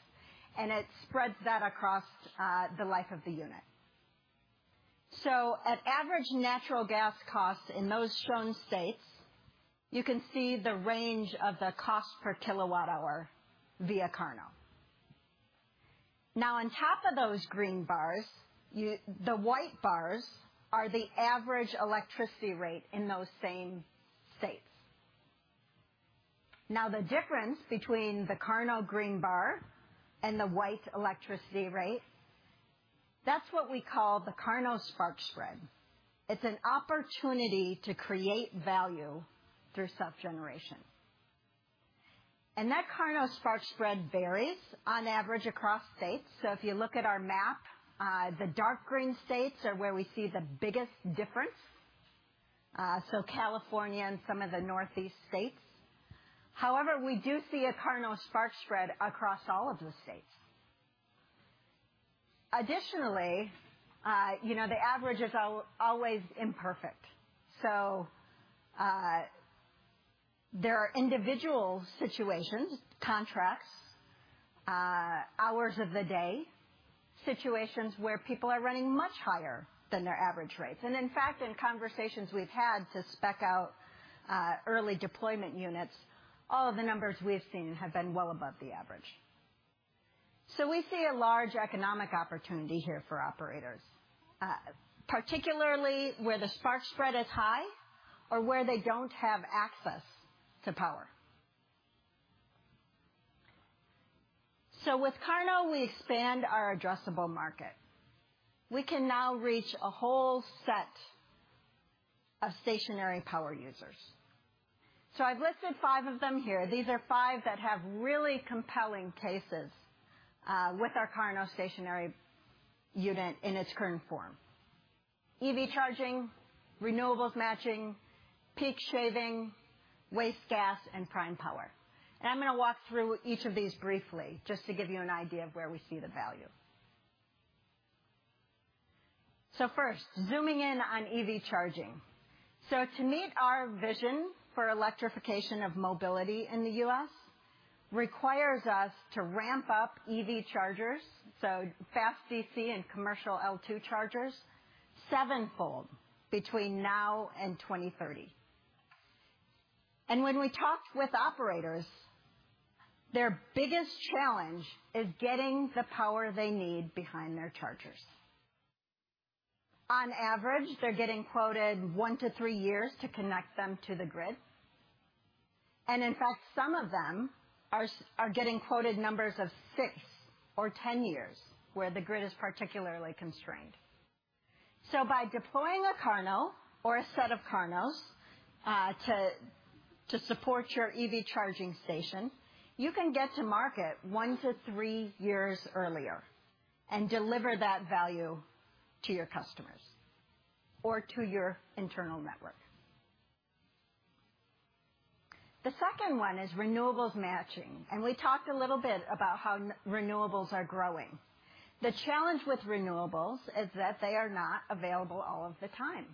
and it spreads that across the life of the unit. At average natural gas costs in those shown states, you can see the range of the cost per kilowatt hour via KARNO. On top of those green bars, the white bars are the average electricity rate in those same states. The difference between the KARNO green bar and the white electricity rate, that's what we call the KARNO spark spread. It's an opportunity to create value through self-generation. That KARNO spark spread varies on average across states. If you look at our map, the dark green states are where we see the biggest difference, so California and some of the Northeast states. However, we do see a KARNO spark spread across all of the states. Additionally, you know, the average is always imperfect. There are individual situations, contracts, hours of the day, situations where people are running much higher than their average rates. In fact, in conversations we've had to spec out early deployment units, all of the numbers we've seen have been well above the average. We see a large economic opportunity here for operators, particularly where the spark spread is high or where they don't have access to power. With KARNO, we expand our addressable market. We can now reach a whole set of stationary power users. I've listed 5 of them here. These are 5 that have really compelling cases with our KARNO stationary unit in its current form: EV charging, renewables matching, peak shaving, waste gas, and prime power. I'm gonna walk through each of these briefly, just to give you an idea of where we see the value. First, zooming in on EV charging. To meet our vision for electrification of mobility in the US, requires us to ramp up EV chargers, fast DC and commercial L2 chargers, sevenfold between now and 2030. When we talked with operators, their biggest challenge is getting the power they need behind their chargers. On average, they're getting quoted 1 to 3 years to connect them to the grid, and in fact, some of them are getting quoted numbers of 6 or 10 years where the grid is particularly constrained. By deploying a KARNO or a set of KARNOs, to support your EV charging station, you can get to market 1-3 years earlier and deliver that value to your customers or to your internal network. The second one is renewables matching, and we talked a little bit about how renewables are growing. The challenge with renewables is that they are not available all of the time.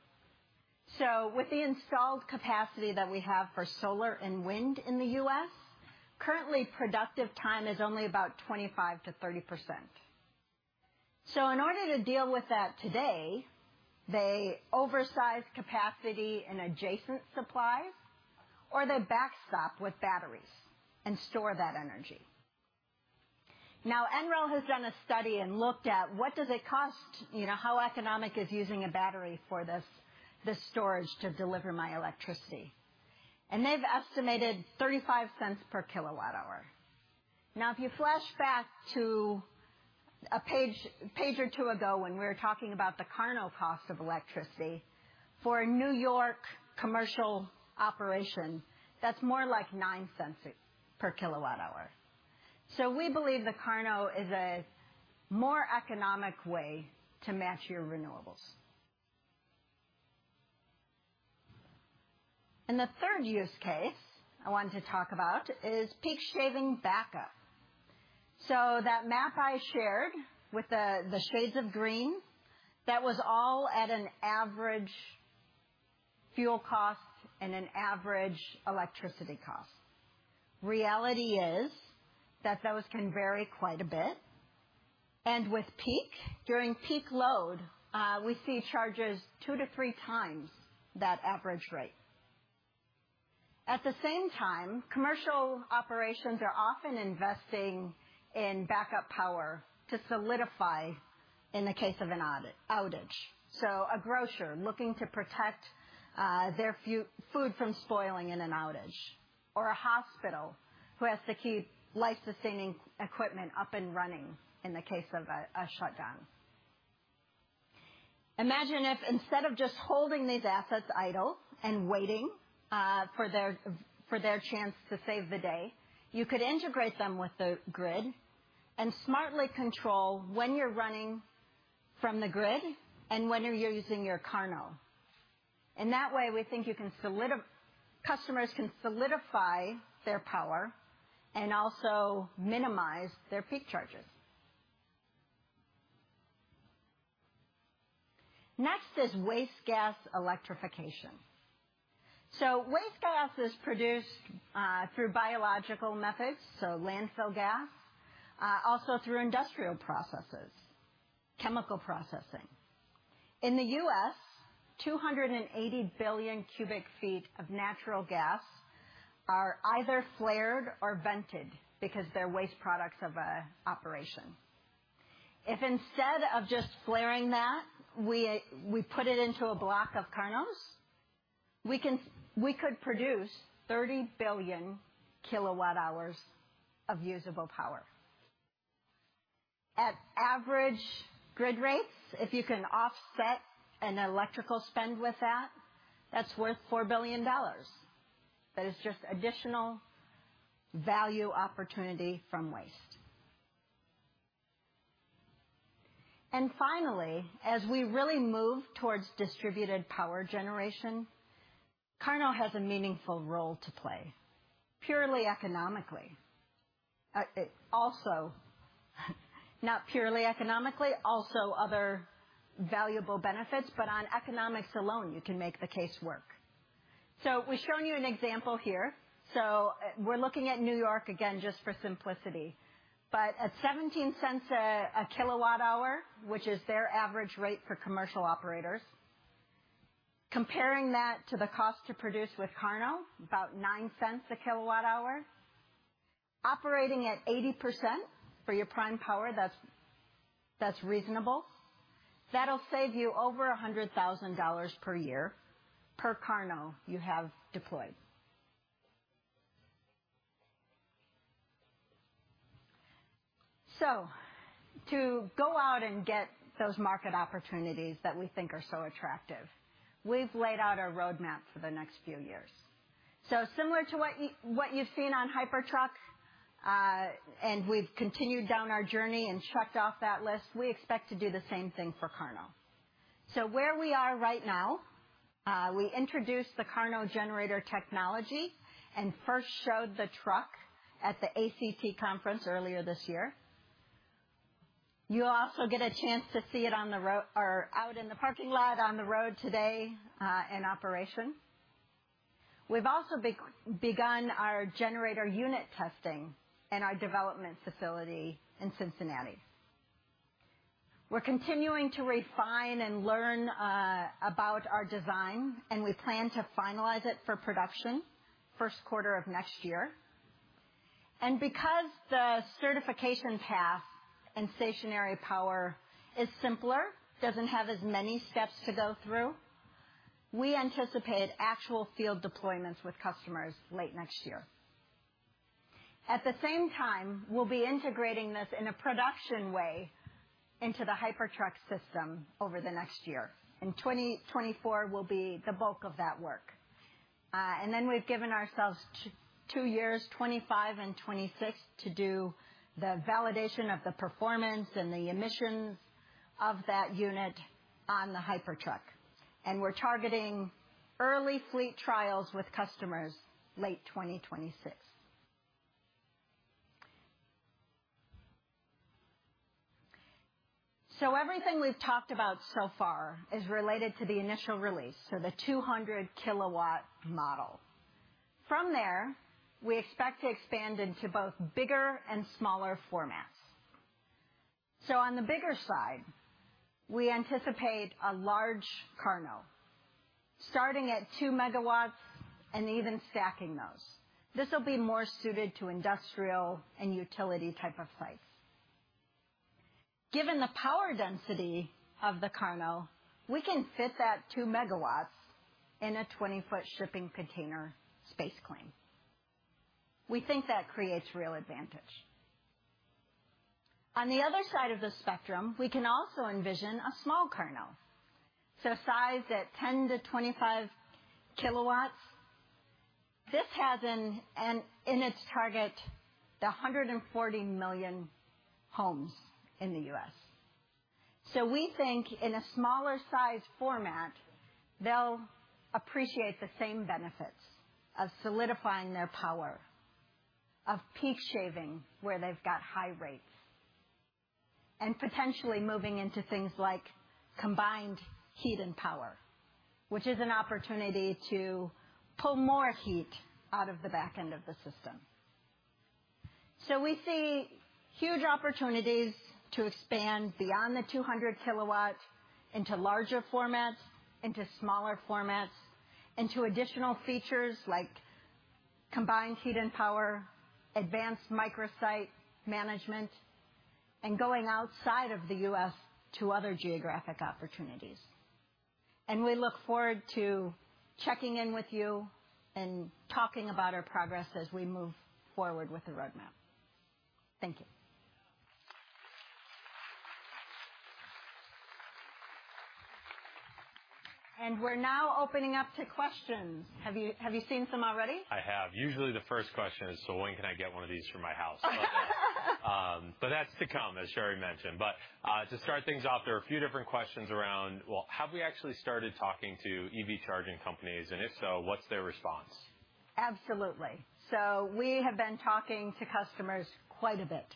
With the installed capacity that we have for solar and wind in the U.S., currently, productive time is only about 25%-30%. In order to deal with that today, they oversize capacity in adjacent supplies, or they backstop with batteries and store that energy. NREL has done a study and looked at: What does it cost? You know, how economic is using a battery for this storage to deliver my electricity? They've estimated $0.35 per kilowatt hour. If you flash back to a page or two ago when we were talking about the KARNO cost of electricity, for a New York commercial operation, that's more like $0.09 per kilowatt hour. We believe the KARNO is a more economic way to match your renewables. The third use case I wanted to talk about is peak shaving backup. That map I shared with the shades of green, that was all at an average fuel cost and an average electricity cost. Reality is that those can vary quite a bit, and with peak, during peak load, we see charges two to three times that average rate. At the same time, commercial operations are often investing in backup power to solidify in the case of an outage. A grocer looking to protect their food from spoiling in an outage, or a hospital who has to keep life-sustaining equipment up and running in the case of a shutdown. Imagine if instead of just holding these assets idle and waiting for their chance to save the day, you could integrate them with the grid and smartly control when you're running from the grid and when you're using your KARNO. That way, we think customers can solidify their power and also minimize their peak charges. Next is waste gas electrification. Waste gas is produced through biological methods, landfill gas, also through industrial processes, chemical processing. In the U.S., 280 billion cubic feet of natural gas are either flared or vented because they're waste products of an operation. If instead of just flaring that, we put it into a block of KARNOs, we could produce 30 billion kWh of usable power. At average grid rates, if you can offset an electrical spend with that's worth $4 billion. That is just additional value opportunity from waste. Finally, as we really move towards distributed power generation, KARNO has a meaningful role to play, purely economically. It also, not purely economically, also other valuable benefits, but on economics alone, you can make the case work. We've shown you an example here. We're looking at New York again, just for simplicity. At 17 cents a kilowatt hour, which is their average rate for commercial operators, comparing that to the cost to produce with KARNO, about 9 cents a kilowatt hour, operating at 80% for your prime power, that's reasonable. That'll save you over $100,000 per year, per KARNO you have deployed. To go out and get those market opportunities that we think are so attractive, we've laid out a roadmap for the next few years. Similar to what you've seen on Hypertruck, and we've continued down our journey and checked off that list, we expect to do the same thing for KARNO. Where we are right now, we introduced the KARNO generator technology and first showed the truck at the ACT conference earlier this year. You'll also get a chance to see it out in the parking lot on the road today, in operation. We've also begun our generator unit testing in our development facility in Cincinnati. We're continuing to refine and learn about our design, and we plan to finalize it for production first quarter of next year. Because the certification path in stationary power is simpler, doesn't have as many steps to go through, we anticipate actual field deployments with customers late next year. At the same time, we'll be integrating this in a production way into the Hypertruck system over the next year. In 2024 will be the bulk of that work. We've given ourselves 2 years, 2025 and 2026, to do the validation of the performance and the emissions of that unit on the Hypertruck, and we're targeting early fleet trials with customers late 2026. Everything we've talked about so far is related to the initial release, the 200 kilowatt model. From there, we expect to expand into both bigger and smaller formats. On the bigger side, we anticipate a large KARNO starting at 2 megawatts and even stacking those. This will be more suited to industrial and utility type of sites. Given the power density of the KARNO, we can fit that 2 megawatts in a 20-foot shipping container space claim. We think that creates real advantage. On the other side of the spectrum, we can also envision a small KARNO, sized at 10-25 kilowatts. This has in its target, the 140 million homes in the U.S. We think in a smaller size format, they'll appreciate the same benefits of solidifying their power, of peak shaving, where they've got high rates, and potentially moving into things like combined heat and power, which is an opportunity to pull more heat out of the back end of the system. We see huge opportunities to expand beyond the 200 kilowatt into larger formats, into smaller formats, into additional features like combined heat and power, advanced microsite management, and going outside of the U.S. to other geographic opportunities. We look forward to checking in with you and talking about our progress as we move forward with the roadmap. Thank you. We're now opening up to questions. Have you seen some already? I have. Usually, the first question is: When can I get one of these for my house? That's to come, as Cheri mentioned. To start things off, there are a few different questions around, well, have we actually started talking to EV charging companies, and if so, what's their response? Absolutely. We have been talking to customers quite a bit.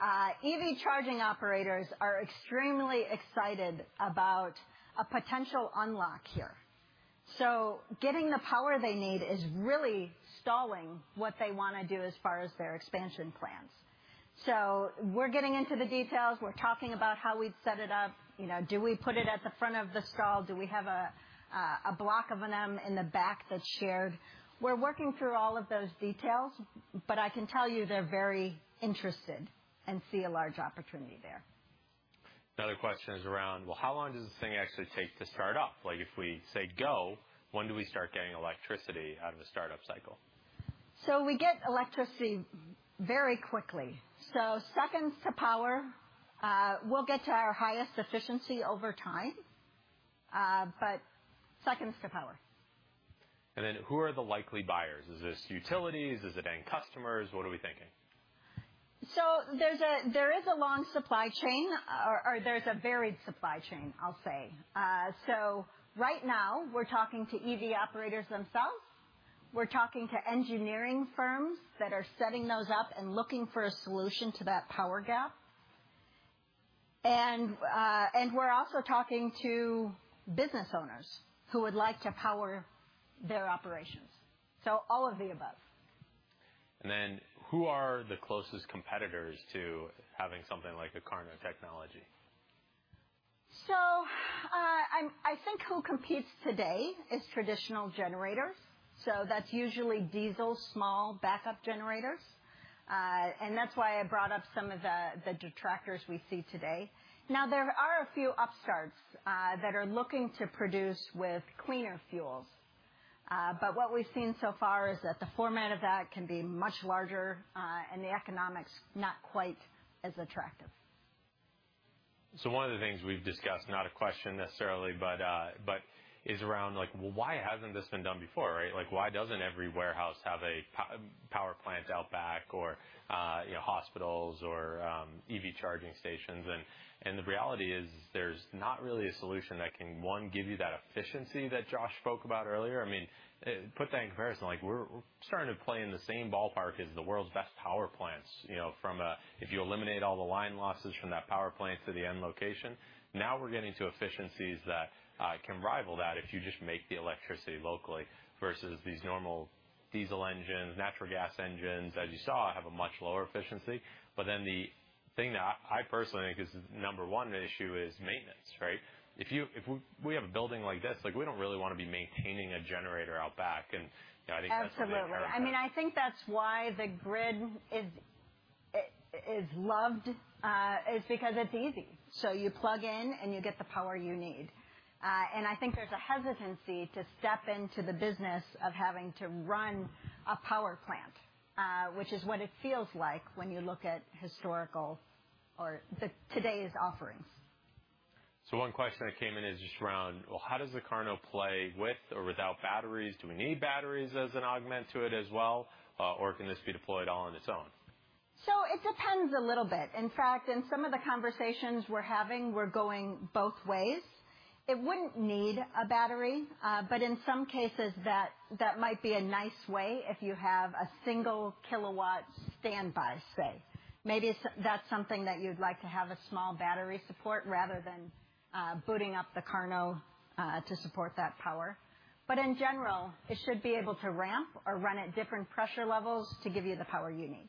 EV charging operators are extremely excited about a potential unlock here. Getting the power they need is really stalling what they wanna do as far as their expansion plans. We're getting into the details. We're talking about how we'd set it up. You know, do we put it at the front of the stall? Do we have a block of them in the back that's shared? We're working through all of those details, but I can tell you they're very interested and see a large opportunity there. Another question is around: Well, how long does this thing actually take to start up? Like, if we say, "Go," when do we start getting electricity out of the startup cycle? We get electricity very quickly. Seconds to power. We'll get to our highest efficiency over time, but seconds to power. Who are the likely buyers? Is this utilities? Is it end customers? What are we thinking? There is a long supply chain, or there's a varied supply chain, I'll say. Right now, we're talking to EV operators themselves. We're talking to engineering firms that are setting those up and looking for a solution to that power gap. We're also talking to business owners who would like to power their operations, so all of the above. Who are the closest competitors to having something like a KARNO technology? I think who competes today is traditional generators, so that's usually diesel, small backup generators. That's why I brought up some of the detractors we see today. There are a few upstarts that are looking to produce with cleaner fuels, but what we've seen so far is that the format of that can be much larger, and the economics not quite as attractive. One of the things we've discussed, not a question necessarily, but is around, like, well, why hasn't this been done before, right? Like, why doesn't every warehouse have a power plant out back or, you know, hospitals or EV charging stations? The reality is there's not really a solution that can, one, give you that efficiency that Josh spoke about earlier. I mean, put that in comparison, like we're starting to play in the same ballpark as the world's best power plants. You know, from a, if you eliminate all the line losses from that power plant to the end location, now we're getting to efficiencies that can rival that if you just make the electricity locally versus these normal diesel engines, natural gas engines, as you saw, have a much lower efficiency. The thing that I personally think is the number 1 issue is maintenance, right? If we have a building like this, like, we don't really wanna be maintaining a generator out back, and, you know, I think that's something that KARNO. Absolutely. I mean, I think that's why the grid is loved, is because it's easy. You plug in, and you get the power you need. I think there's a hesitancy to step into the business of having to run a power plant, which is what it feels like when you look at historical or the today's offerings. One question that came in is just around, Well, how does the KARNO play with or without batteries? Do we need batteries as an augment to it as well, or can this be deployed all on its own? It depends a little bit. In fact, in some of the conversations we're having, we're going both ways. It wouldn't need a battery, but in some cases, that might be a nice way if you have a single kilowatt standby, say. Maybe that's something that you'd like to have a small battery support rather than, booting up the KARNO, to support that power. In general, it should be able to ramp or run at different pressure levels to give you the power you need.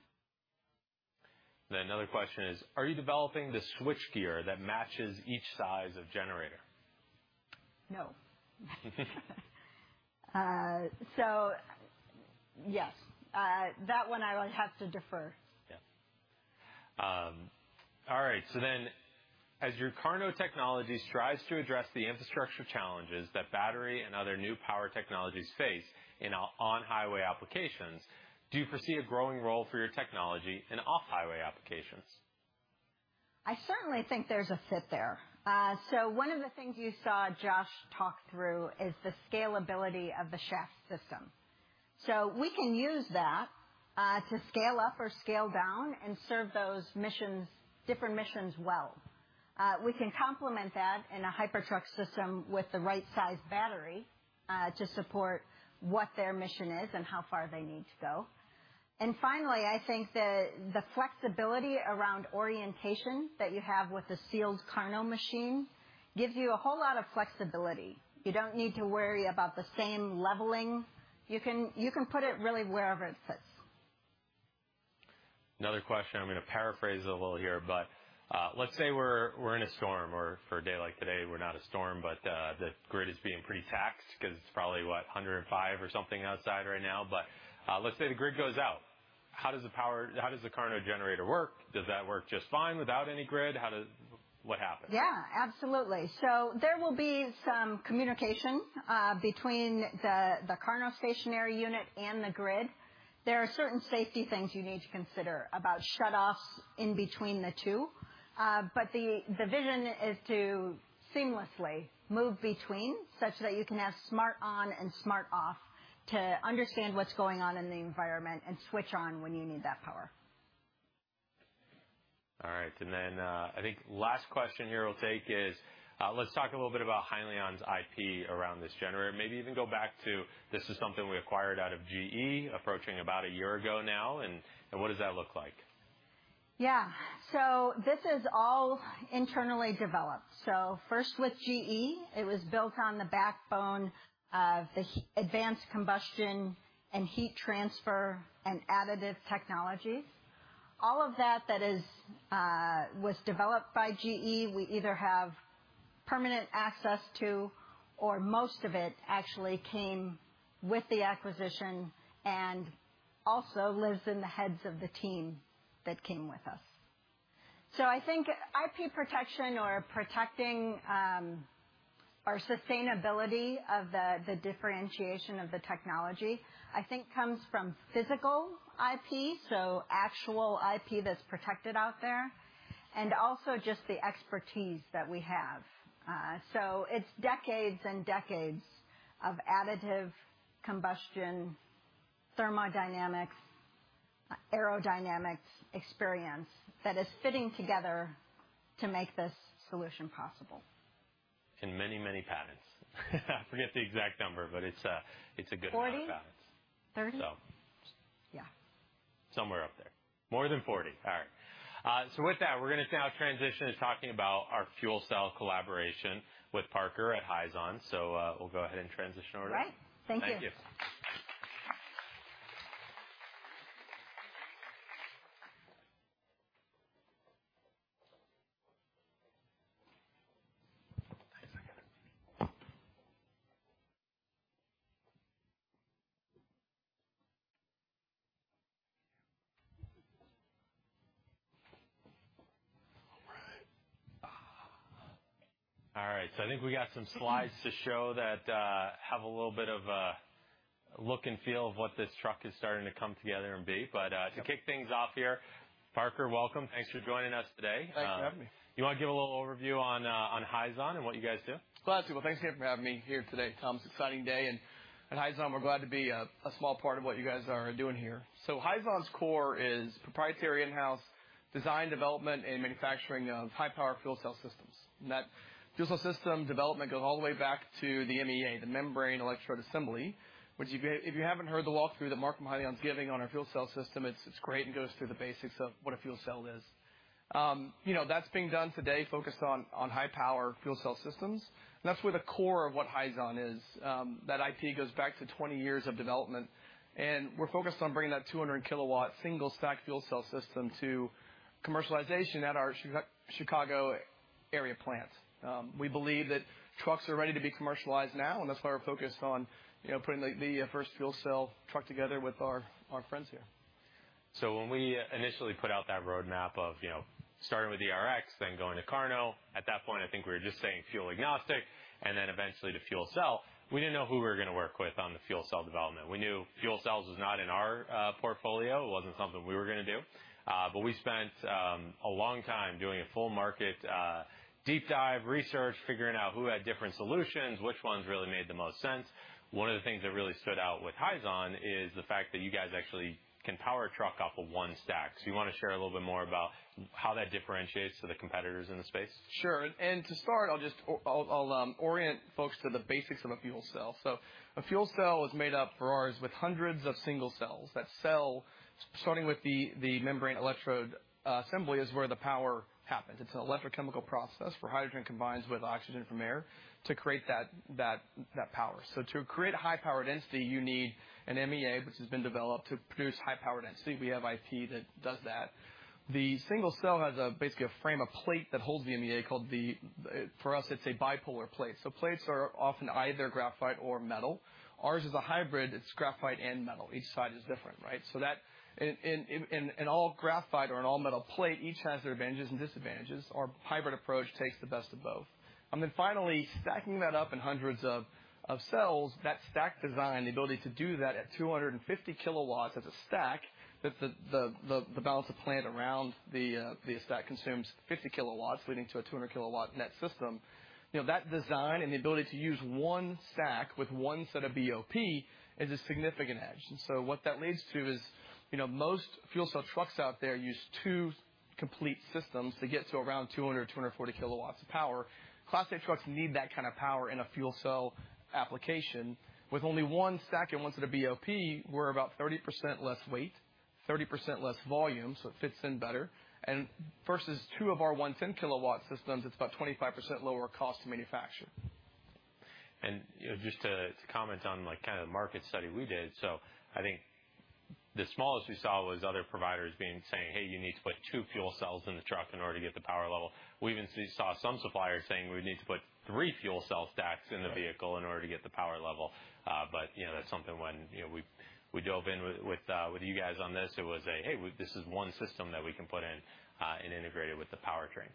Another question is: Are you developing the switch gear that matches each size of generator? No. yes, that one I would have to defer. As your KARNO technology strives to address the infrastructure challenges that battery and other new power technologies face in on-highway applications, do you foresee a growing role for your technology in off-highway applications? I certainly think there's a fit there. One of the things you saw Josh talk through is the scalability of the shaft system. We can use that to scale up or scale down and serve those missions, different missions well. We can complement that in a Hypertruck system with the right size battery to support what their mission is and how far they need to go. Finally, I think the flexibility around orientation that you have with the sealed KARNO machine gives you a whole lot of flexibility. You don't need to worry about the same leveling. You can put it really wherever it fits. Another question, I'm gonna paraphrase it a little here, but, let's say we're in a storm, or for a day like today, we're not a storm, but, the grid is being pretty taxed 'cause it's probably, what? 105 or something outside right now. Let's say the grid goes out. How does the KARNO generator work? Does that work just fine without any grid? What happens? Yeah, absolutely. There will be some communication between the KARNO stationary unit and the grid. There are certain safety things you need to consider about shutoffs in between the two. The vision is to seamlessly move between such that you can have smart on and smart off to understand what's going on in the environment and switch on when you need that power.... Right. Then I think last question here we'll take is, let's talk a little bit about Hyliion's IP around this generator. Maybe even go back to, this is something we acquired out of GE, approaching about a year ago now, and what does that look like? Yeah. This is all internally developed. First, with GE, it was built on the backbone of the advanced combustion and heat transfer and additive technologies. All of that was developed by GE, we either have permanent access to, or most of it actually came with the acquisition and also lives in the heads of the team that came with us. I think IP protection or protecting our sustainability of the differentiation of the technology, I think, comes from physical IP, so actual IP that's protected out there, and also just the expertise that we have. It's decades and decades of additive combustion, thermodynamics, aerodynamics experience that is fitting together to make this solution possible. Many patents. I forget the exact number, but it's a good amount of patents. 40? 30. So. Yeah. Somewhere up there. More than 40. All right. With that, we're gonna now transition to talking about our fuel cell collaboration with Parker at Hyzon. We'll go ahead and transition over. All right. Thank you. Thank you. All right. All right, I think we got some slides to show that, have a little bit of a look and feel of what this truck is starting to come together and be. To kick things off here, Parker, welcome. Thanks for joining us today. Thanks for having me. You want to give a little overview on Hyzon and what you guys do? Glad to. Well, thanks again for having me here today, Tom. It's an exciting day, and at Hyzon, we're glad to be a small part of what you guys are doing here. Hyzon's core is proprietary in-house design, development, and manufacturing of high-power fuel cell systems. That fuel cell system development goes all the way back to the MEA, the membrane electrode assembly, which if you haven't heard the walkthrough that Mark from Hyliion's giving on our fuel cell system, it's great and goes through the basics of what a fuel cell is. You know, that's being done today, focused on high-power fuel cell systems, and that's where the core of what Hyzon is. That IP goes back to 20 years of development. We're focused on bringing that 200 kilowatt single stack fuel cell system to commercialization at our Chicago area plant. We believe that trucks are ready to be commercialized now. That's why we're focused on, you know, putting the first fuel cell truck together with our friends here. When we initially put out that roadmap of, you know, starting with the ERX, then going to KARNO, at that point, I think we were just saying fuel-agnostic, and then eventually to fuel cell. We didn't know who we were gonna work with on the fuel cell development. We knew fuel cells was not in our portfolio. It wasn't something we were gonna do. But we spent a long time doing a full market deep dive research, figuring out who had different solutions, which ones really made the most sense. One of the things that really stood out with Hyzon is the fact that you guys actually can power a truck off of one stack. You want to share a little bit more about how that differentiates to the competitors in the space? Sure, to start, I'll just orient folks to the basics of a fuel cell. A fuel cell is made up, for ours, with hundreds of single cells. That cell, starting with the membrane electrode assembly, is where the power happens. It's an electrochemical process, where hydrogen combines with oxygen from air to create that power. To create a high power density, you need an MEA, which has been developed to produce high power density. We have IP that does that. The single cell has a, basically a frame of plate that holds the MEA, called the, for us, it's a bipolar plate. Plates are often either graphite or metal. Ours is a hybrid. It's graphite and metal. Each side is different, right. In all graphite or in all metal plate, each has their advantages and disadvantages. Our hybrid approach takes the best of both. Finally, stacking that up in hundreds of cells, that stack design, the ability to do that at 250 kilowatts as a stack, that the balance of plant around the stack consumes 50 kilowatts, leading to a 200 kilowatt net system. You know, that design and the ability to use one stack with one set of BOP is a significant edge. What that leads to is, you know, most fuel cell trucks out there use two complete systems to get to around 200, 240 kilowatts of power. Class 8 trucks need that kind of power in a fuel cell application. With only 1 stack and 1 set of BOP, we're about 30% less weight, 30% less volume, so it fits in better, and versus 2 of our 110 kilowatt systems, it's about 25% lower cost to manufacture. You know, just to comment on, like, kind of the market study we did, I think the smallest we saw was other providers being, saying, "Hey, you need to put 2 fuel cells in the truck in order to get the power level." We even saw some suppliers saying we need to put 3 fuel cell stacks. Right... vehicle in order to get the power level. You know, that's something when, you know, we dove in with you guys on this, it was a, "Hey, this is one system that we can put in and integrate it with the powertrain."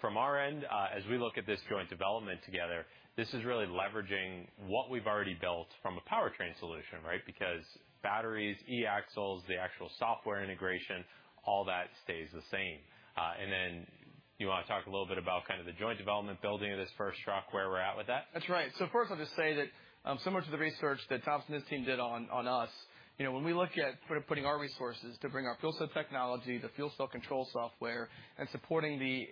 From our end, as we look at this joint development together, this is really leveraging what we've already built from a powertrain solution, right? Because batteries, eAxles, the actual software integration, all that stays the same. Do you want to talk a little bit about kind of the joint development building of this first truck, where we're at with that? That's right. First, I'll just say that, similar to the research that Thomas and his team did on us, you know, when we look at putting our resources to bring our fuel cell technology, the fuel cell control software, and supporting the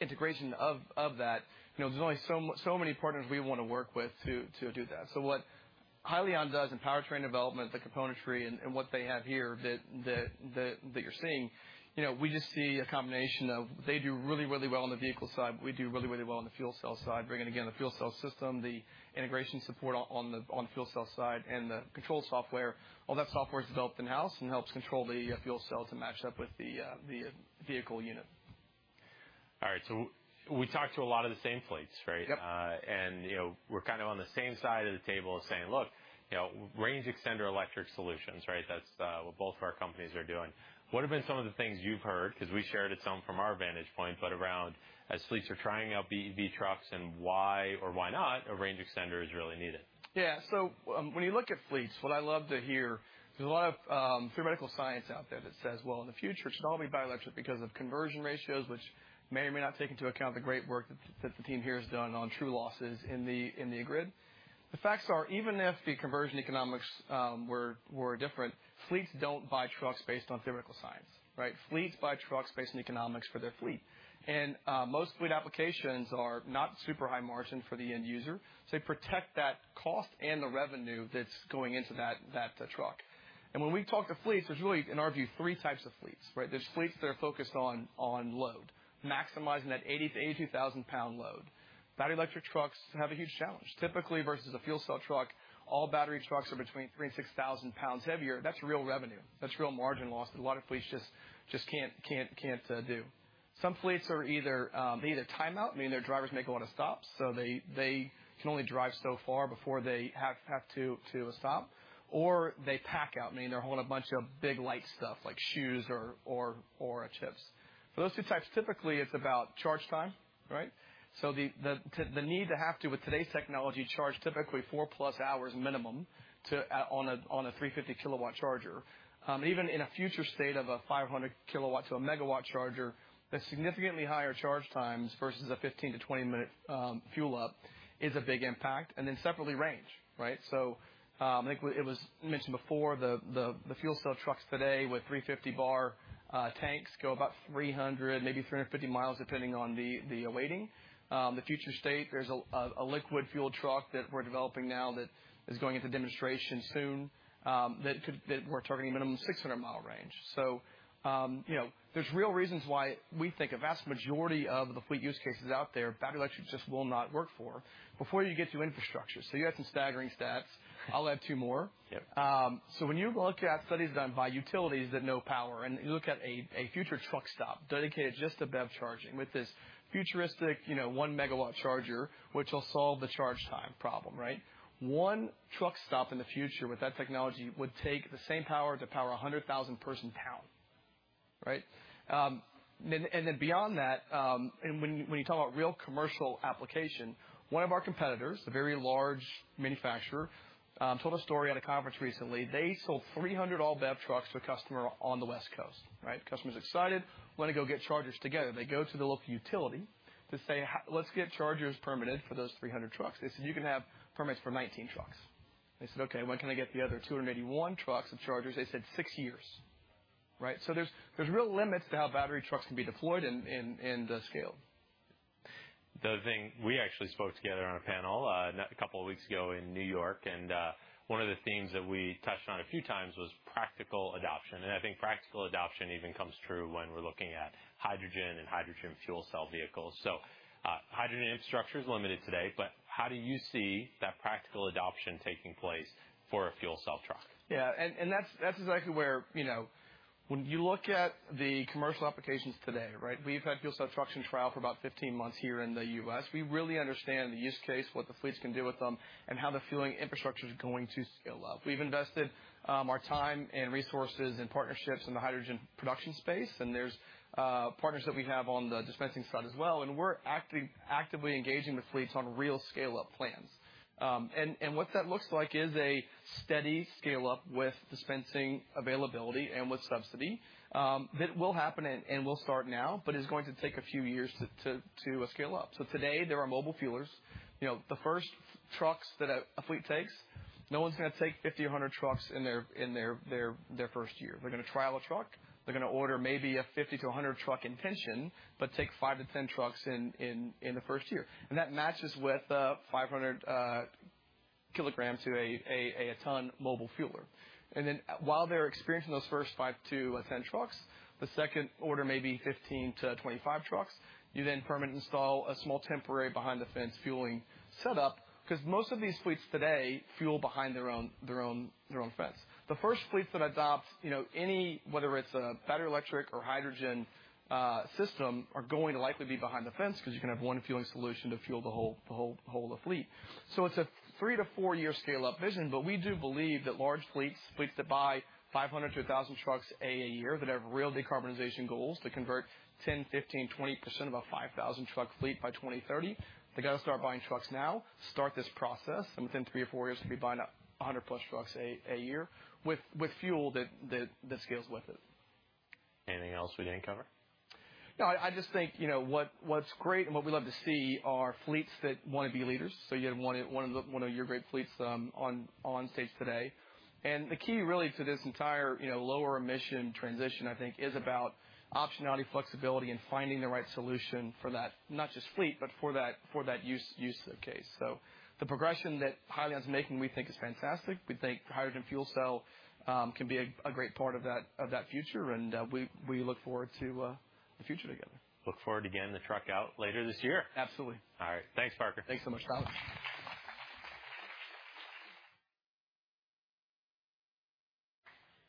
integration of that, you know, there's only so many partners we want to work with to do that. What Hyliion does in powertrain development, the componentry and what they have here, that you're seeing, you know, we just see a combination of they do really, really well on the vehicle side, we do really, really well on the fuel cell side, bringing again, the fuel cell system, the integration support on the fuel cell side, and the control software. All that software is developed in-house and helps control the fuel cells to match up with the vehicle unit. All right. We talked to a lot of the same fleets, right? Yep. You know, we're kind of on the same side of the table as saying, "Look, you know, range extender electric solutions, right?" That's what both of our companies are doing. What have been some of the things you've heard? Because we shared some from our vantage point, but around as fleets are trying out BEV trucks and why or why not a range extender is really needed. Yeah. When you look at fleets, what I love to hear, there's a lot of theoretical science out there that says, well, in the future, it should all be by electric because of conversion ratios, which may or may not take into account the great work that the team here has done on true losses in the grid. The facts are, even if the conversion economics were different, fleets don't buy trucks based on theoretical science, right? Fleets buy trucks based on economics for their fleet. Most fleet applications are not super high margin for the end user, so they protect that cost and the revenue that's going into that truck. When we talk to fleets, there's really, in our view, three types of fleets, right? There's fleets that are focused on load, maximizing that 80,000-82,000 pound load. Battery electric trucks have a huge challenge. Typically, versus a fuel cell truck, all battery trucks are between 3,000 and 6,000 pounds heavier. That's real revenue. That's real margin loss that a lot of fleets just can't do. Some fleets are either they either time out, meaning their drivers make a lot of stops, so they can only drive so far before they have to stop, or they pack out, meaning they're holding a bunch of big, light stuff like shoes or chips. For those two types, typically, it's about charge time, right? The need to have to, with today's technology, charge typically 4+ hours minimum on a 350 kilowatt charger. Even in a future state of a 500 kilowatt to a megawatt charger, the significantly higher charge times versus a 15-20 minute fuel up is a big impact. Separately, range, right. I think it was mentioned before, the fuel cell trucks today with 350 bar tanks go about 300, maybe 350 miles, depending on the weighting. The future state, there's a liquid fuel truck that we're developing now that is going into demonstration soon. That we're targeting a minimum 600-mile range. You know, there's real reasons why we think a vast majority of the fleet use cases out there, battery electric just will not work for before you get to infrastructure. You have some staggering stats. I'll add two more. Yep. When you look at studies done by utilities that know power, you look at a future truck stop dedicated just to BEV charging with this futuristic, you know, 1 megawatt charger, which will solve the charge time problem, right? One truck stop in the future with that technology would take the same power to power a 100,000-person town, right? Beyond that, when you talk about real commercial application, one of our competitors, a very large manufacturer, told a story at a conference recently. They sold 300 all-BEV trucks to a customer on the West Coast, right? Customer's excited, want to go get chargers together. They go to the local utility to say, "let's get chargers permitted for those 300 trucks." They said, "You can have permits for 19 trucks." They said, "Okay, when can I get the other 281 trucks of chargers?" They said, "6 years." Right? There's real limits to how battery trucks can be deployed and, and scaled. The other thing, we actually spoke together on a panel, a couple of weeks ago in New York, and one of the themes that we touched on a few times was practical adoption. I think practical adoption even comes through when we're looking at hydrogen and hydrogen fuel cell vehicles. Hydrogen infrastructure is limited today, but how do you see that practical adoption taking place for a fuel cell truck? That's exactly where, you know, when you look at the commercial applications today, right? We've had fuel cell trucks in trial for about 15 months here in the U.S. We really understand the use case, what the fleets can do with them, and how the fueling infrastructure is going to scale up. We've invested our time and resources and partnerships in the hydrogen production space, and there's partners that we have on the dispensing side as well, and we're actively engaging the fleets on real scale-up plans. And what that looks like is a steady scale-up with dispensing availability and with subsidy. That will happen and will start now, but is going to take a few years to scale up. Today, there are mobile fuelers. You know, the first trucks that a fleet takes, no one's gonna take 50 or 100 trucks in their first year. They're gonna trial a truck. They're gonna order maybe a 50 to 100 truck intention, but take 5 to 10 trucks in the first year. That matches with 500 kilograms to a ton mobile fueler. Then, while they're experiencing those first 5 to 10 trucks, the second order may be 15 to 25 trucks. You then permit install a small, temporary behind-the-fence fueling setup, because most of these fleets today fuel behind their own fence. The first fleets that adopt, you know, any, whether it's a battery, electric, or hydrogen, system, are going to likely be behind the fence because you can have one fueling solution to fuel the whole fleet. It's a 3-4-year scale-up vision, but we do believe that large fleets that buy 500-1,000 trucks a year, that have real decarbonization goals to convert 10%, 15%, 20% of a 5,000-truck fleet by 2030, they got to start buying trucks now, start this process, and within three or four years, to be buying 100+ trucks a year with fuel that scales with it. Anything else we didn't cover? No, I just think, you know, what's great and what we love to see are fleets that wanna be leaders. You had one of your great fleets on stage today. The key really to this entire, you know, lower emission transition, I think, is about optionality, flexibility, and finding the right solution for that, not just fleet, but for that use case. The progression that Hyliion's making, we think is fantastic. We think hydrogen fuel cell can be a great part of that future, and we look forward to the future together. Look forward to getting the truck out later this year. Absolutely. All right. Thanks, Parker. Thanks so much, Thomas.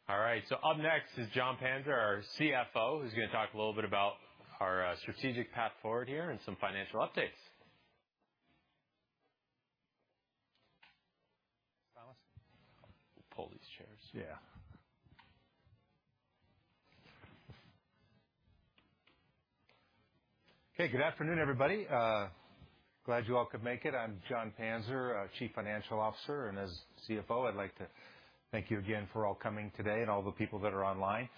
All right, up next is Jon Panzer, our CFO, who's gonna talk a little bit about our strategic path forward here and some financial updates. Thomas. We'll pull these chairs. Hey, good afternoon, everybody. Glad you all could make it. I'm Jon Panzer, Chief Financial Officer, and as CFO, I'd like to thank you again for all coming today and all the people that are online.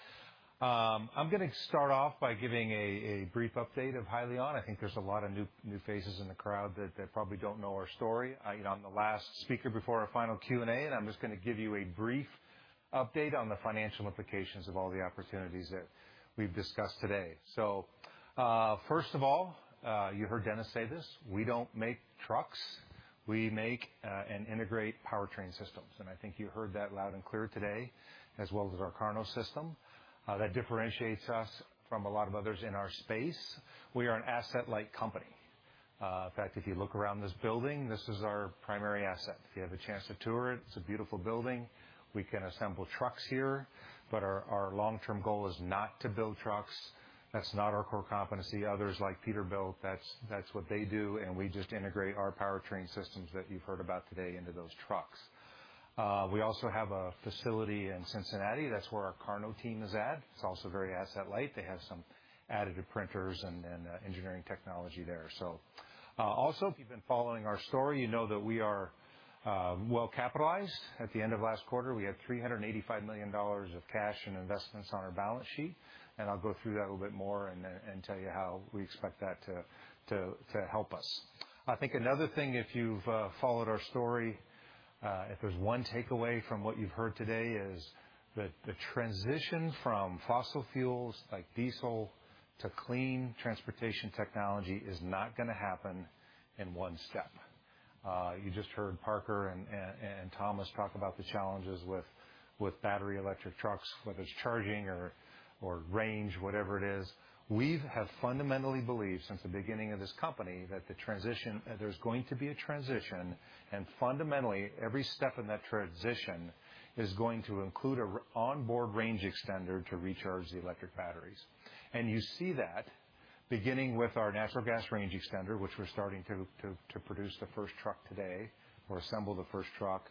I'm gonna start off by giving a brief update of Hyliion. I think there's a lot of new faces in the crowd that probably don't know our story. You know, I'm the last speaker before our final Q&A, I'm just gonna give you a brief update on the financial implications of all the opportunities that we've discussed today. First of all, you heard Dennis say this, we don't make trucks, we make and integrate powertrain systems, I think you heard that loud and clear today, as well as our KARNO system. That differentiates us from a lot of others in our space. We are an asset-light company. In fact, if you look around this building, this is our primary asset. If you have a chance to tour it's a beautiful building. We can assemble trucks here, but our long-term goal is not to build trucks. That's not our core competency. Others like Peterbilt, that's what they do, and we just integrate our powertrain systems that you've heard about today into those trucks. We also have a facility in Cincinnati. That's where our KARNO team is at. It's also very asset light. They have some additive printers and engineering technology there. Also, if you've been following our story, you know that we are well capitalized. At the end of last quarter, we had $385 million of cash and investments on our balance sheet, and I'll go through that a little bit more and then tell you how we expect that to help us. I think another thing, if you've followed our story, if there's one takeaway from what you've heard today, is that the transition from fossil fuels, like diesel, to clean transportation technology is not gonna happen in one step. You just heard Parker and Thomas talk about the challenges with battery electric trucks, whether it's charging or range, whatever it is. We have fundamentally believed since the beginning of this company, that the transition. There's going to be a transition, and fundamentally, every step in that transition is going to include an onboard range extender to recharge the electric batteries. You see that beginning with our natural gas range extender, which we're starting to produce the first truck today or assemble the first truck,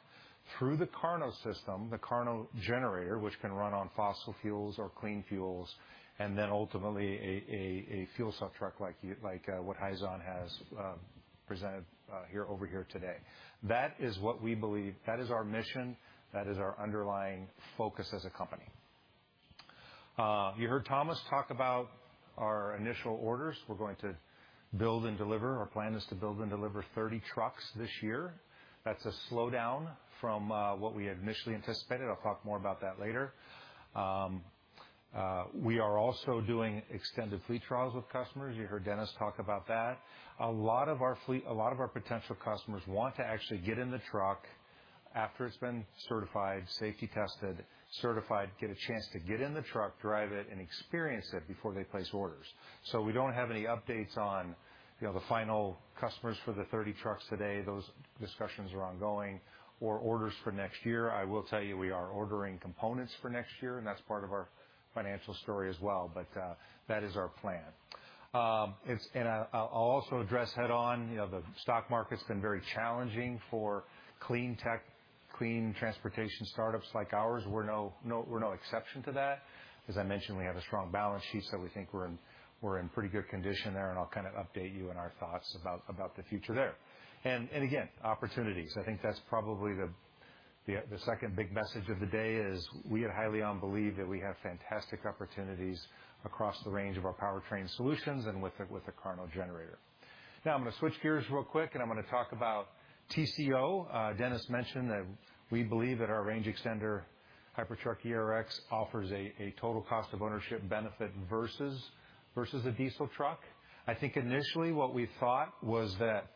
through the KARNO system, the KARNO generator, which can run on fossil fuels or clean fuels, and then ultimately, a fuel cell truck like what Hyliion has presented here, over here today. That is what we believe. That is our mission. That is our underlying focus as a company. You heard Thomas talk about our initial orders. We're going to build and deliver. Our plan is to build and deliver 30 trucks this year. That's a slowdown from what we had initially anticipated. I'll talk more about that later. We are also doing extended fleet trials with customers. You heard Dennis talk about that. A lot of our potential customers want to actually get in the truck after it's been certified, safety tested, certified, get a chance to get in the truck, drive it, and experience it before they place orders. We don't have any updates on, you know, the final customers for the 30 trucks today. Those discussions are ongoing or orders for next year. I will tell you, we are ordering components for next year, and that's part of our financial story as well. That is our plan. It's... I'll also address head on, you know, the stock market's been very challenging for clean tech, clean transportation startups like ours. We're no exception to that. As I mentioned, we have a strong balance sheet, so we think we're in pretty good condition there, and I'll kind of update you on our thoughts about the future there. Again, opportunities. I think that's probably the second big message of the day is we at Hyliion believe that we have fantastic opportunities across the range of our powertrain solutions and with the KARNO generator. I'm gonna switch gears real quick, and I'm gonna talk about TCO. Dennis mentioned that we believe that our range extender, Hypertruck ERX, offers a total cost of ownership benefit versus a diesel truck. I think initially what we thought was that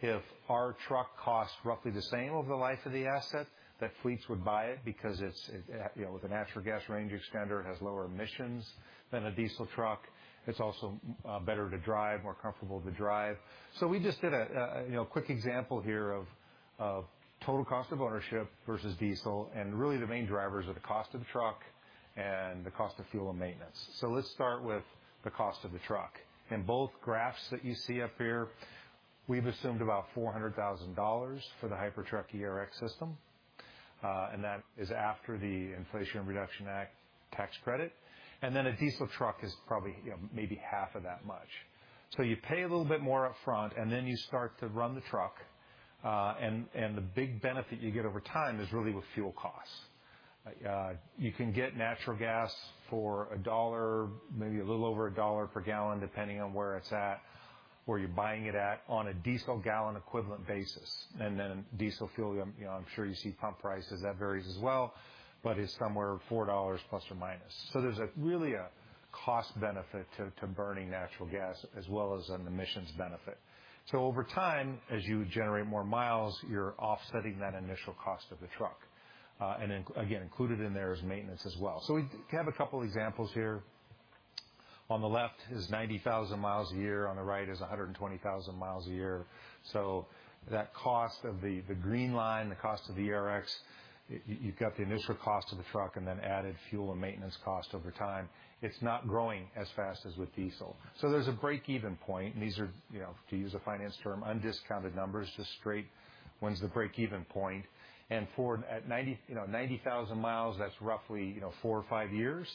if our truck costs roughly the same over the life of the asset, that fleets would buy it because it's, you know, with a natural gas range extender, it has lower emissions than a diesel truck. It's also better to drive, more comfortable to drive. We just did a, you know, quick example here of total cost of ownership versus diesel, and really, the main drivers are the cost of the truck and the cost of fuel and maintenance. Let's start with the cost of the truck. In both graphs that you see up here, we've assumed about $400,000 for the Hypertruck ERX system, and that is after the Inflation Reduction Act tax credit, and then a diesel truck is probably, you know, maybe half of that much. You pay a little bit more up front, and then you start to run the truck. And the big benefit you get over time is really with fuel costs. You can get natural gas for $1, maybe a little over $1 per gallon, depending on where it's at, where you're buying it at, on a diesel gallon equivalent basis, and then diesel fuel, you know, I'm sure you see pump prices, that varies as well, but is somewhere $4 plus or minus. There's a really a cost benefit to burning natural gas as well as an emissions benefit. Over time, as you generate more miles, you're offsetting that initial cost of the truck. And then, again, included in there is maintenance as well. We have a couple examples here. On the left is 90,000 miles a year, on the right is a 120,000 miles a year. That cost of the green line, the cost of the ERX, you've got the initial cost of the truck and then added fuel and maintenance cost over time. It's not growing as fast as with diesel. There's a break-even point, and these are, you know, to use a finance term, undiscounted numbers, just straight, when's the break-even point? For, at 90, you know, 90,000 miles, that's roughly, you know, four or five years,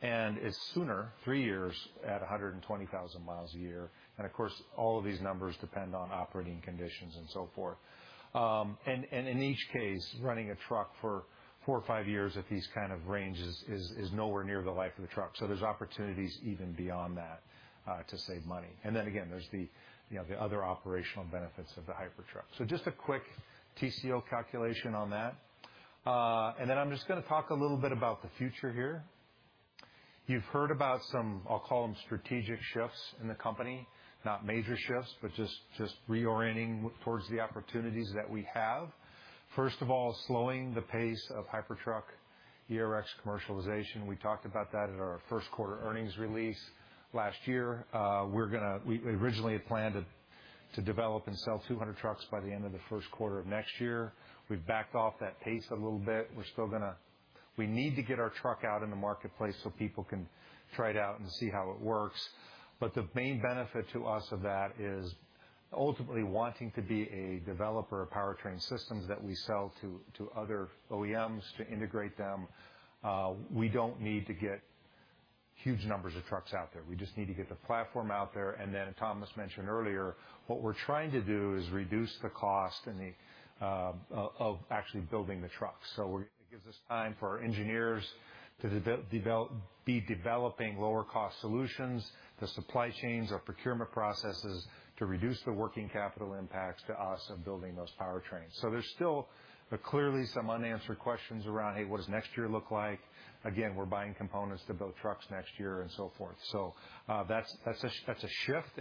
and it's sooner, three years, at 120,000 miles a year. Of course, all of these numbers depend on operating conditions and so forth. And in each case, running a truck for four or five years at these kind of ranges is nowhere near the life of the truck. There's opportunities even beyond that to save money. And then again, there's the, you know, the other operational benefits of the Hypertruck. Just a quick TCO calculation on that. And then I'm just gonna talk a little bit about the future here. You've heard about some, I'll call them, strategic shifts in the company, not major shifts, but just reorienting towards the opportunities that we have. First of all, slowing the pace of Hypertruck ERX commercialization. We talked about that at our first quarter earnings release last year. We originally had planned to develop and sell 200 trucks by the end of the first quarter of next year. We've backed off that pace a little bit. We need to get our truck out in the marketplace so people can try it out and see how it works. The main benefit to us of that is ultimately wanting to be a developer of powertrain systems that we sell to other OEMs to integrate them. We don't need to get huge numbers of trucks out there. We just need to get the platform out there, and then, as Thomas mentioned earlier, what we're trying to do is reduce the cost and the of actually building the trucks. It gives us time for our engineers to be developing lower-cost solutions, the supply chains, our procurement processes, to reduce the working capital impacts to us and building those powertrains. There's still clearly some unanswered questions around, "Hey, what does next year look like?" Again, we're buying components to build trucks next year and so forth. That's a shift.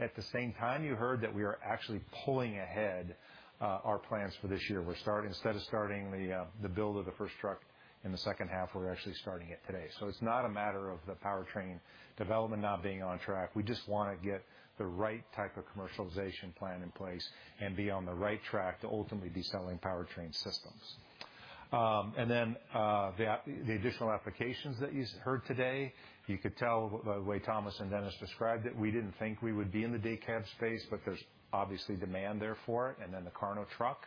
At the same time, you heard that we are actually pulling ahead our plans for this year. We're starting, instead of starting the build of the first truck in the second half, we're actually starting it today. It's not a matter of the powertrain development not being on track. We just wanna get the right type of commercialization plan in place and be on the right track to ultimately be selling powertrain systems. The additional applications that yous heard today, you could tell by the way Thomas and Dennis described it, we didn't think we would be in the day cab space, but there's obviously demand there for it, and then the KARNO truck.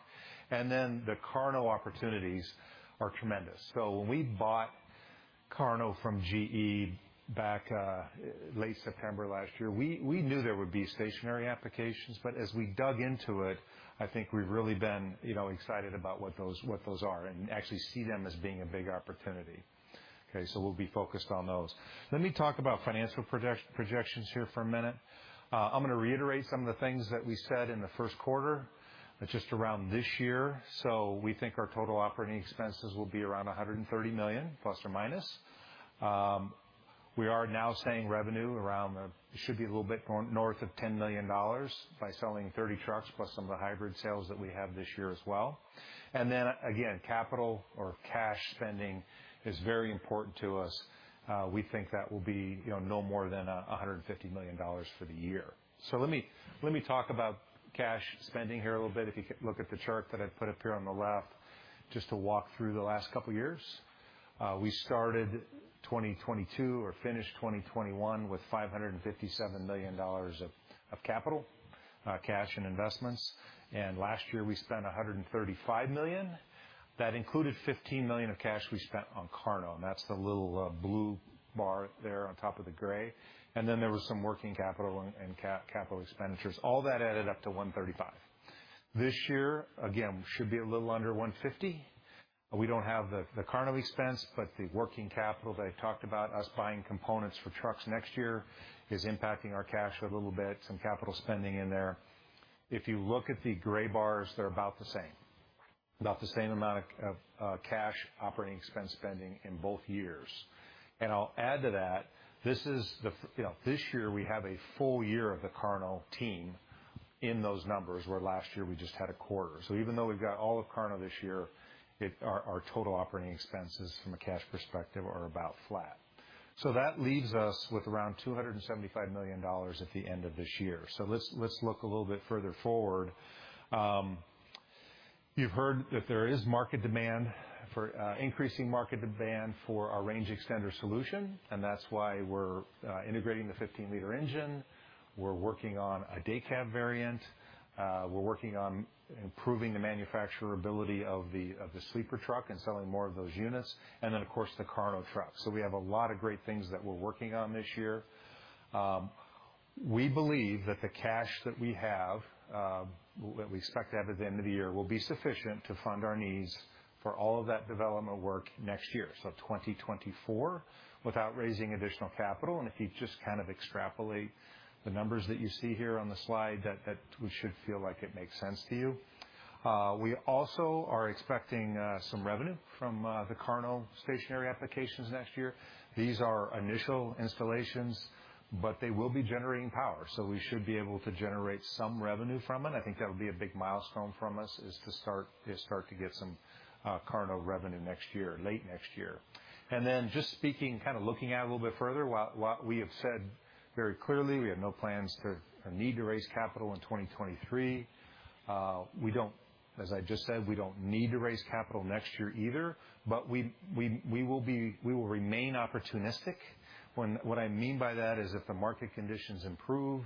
The KARNO opportunities are tremendous. When we bought KARNO from GE back late September last year, we knew there would be stationary applications, but as we dug into it, I think we've really been, you know, excited about what those are and actually see them as being a big opportunity. We'll be focused on those. Let me talk about financial projections here for a minute. I'm gonna reiterate some of the things that we said in the first quarter, but just around this year. We think our total operating expenses will be around $130 million, plus or minus. We are now saying revenue around should be a little bit north of $10 million by selling 30 trucks, plus some of the hybrid sales that we have this year as well. Again, capital or cash spending is very important to us. We think that will be, you know, no more than $150 million for the year. Let me talk about cash spending here a little bit. If you could look at the chart that I've put up here on the left, just to walk through the last couple of years. We started 2022 or finished 2021 with $557 million of capital, cash and investments. Last year, we spent $135 million. That included $15 million of cash we spent on KARNO, and that's the little blue bar there on top of the gray. Then there was some working capital and capital expenditures. All that added up to $135 million. This year, again, should be a little under $150 million. We don't have the KARNO expense, but the working capital that I talked about, us buying components for trucks next year, is impacting our cash a little bit, some capital spending in there. If you look at the gray bars, they're about the same, about the same amount of cash operating expense spending in both years. I'll add to that, this is the you know, this year we have a full year of the KARNO team in those numbers, where last year we just had a quarter. Even though we've got all of KARNO this year, our total operating expenses from a cash perspective are about flat. That leaves us with around $275 million at the end of this year. Let's look a little bit further forward. You've heard that there is market demand for increasing market demand for our range extender solution, and that's why we're integrating the 15-liter engine. We're working on a day cab variant. We're working on improving the manufacturability of the sleeper truck and selling more of those units, and then, of course, the KARNO truck. We have a lot of great things that we're working on this year. We believe that the cash that we have, that we expect to have at the end of the year, will be sufficient to fund our needs for all of that development work next year, so 2024, without raising additional capital. If you just kind of extrapolate the numbers that you see here on the slide, we should feel like it makes sense to you. We also are expecting some revenue from the KARNO stationary applications next year. These are initial installations, but they will be generating power, so we should be able to generate some revenue from it. I think that'll be a big milestone from us, is to start to get some KARNO revenue next year, late next year. Just speaking, kind of looking out a little bit further, while we have said very clearly, we have no plans to or need to raise capital in 2023, we don't, as I just said, we don't need to raise capital next year either, but we will remain opportunistic. What I mean by that is if the market conditions improve,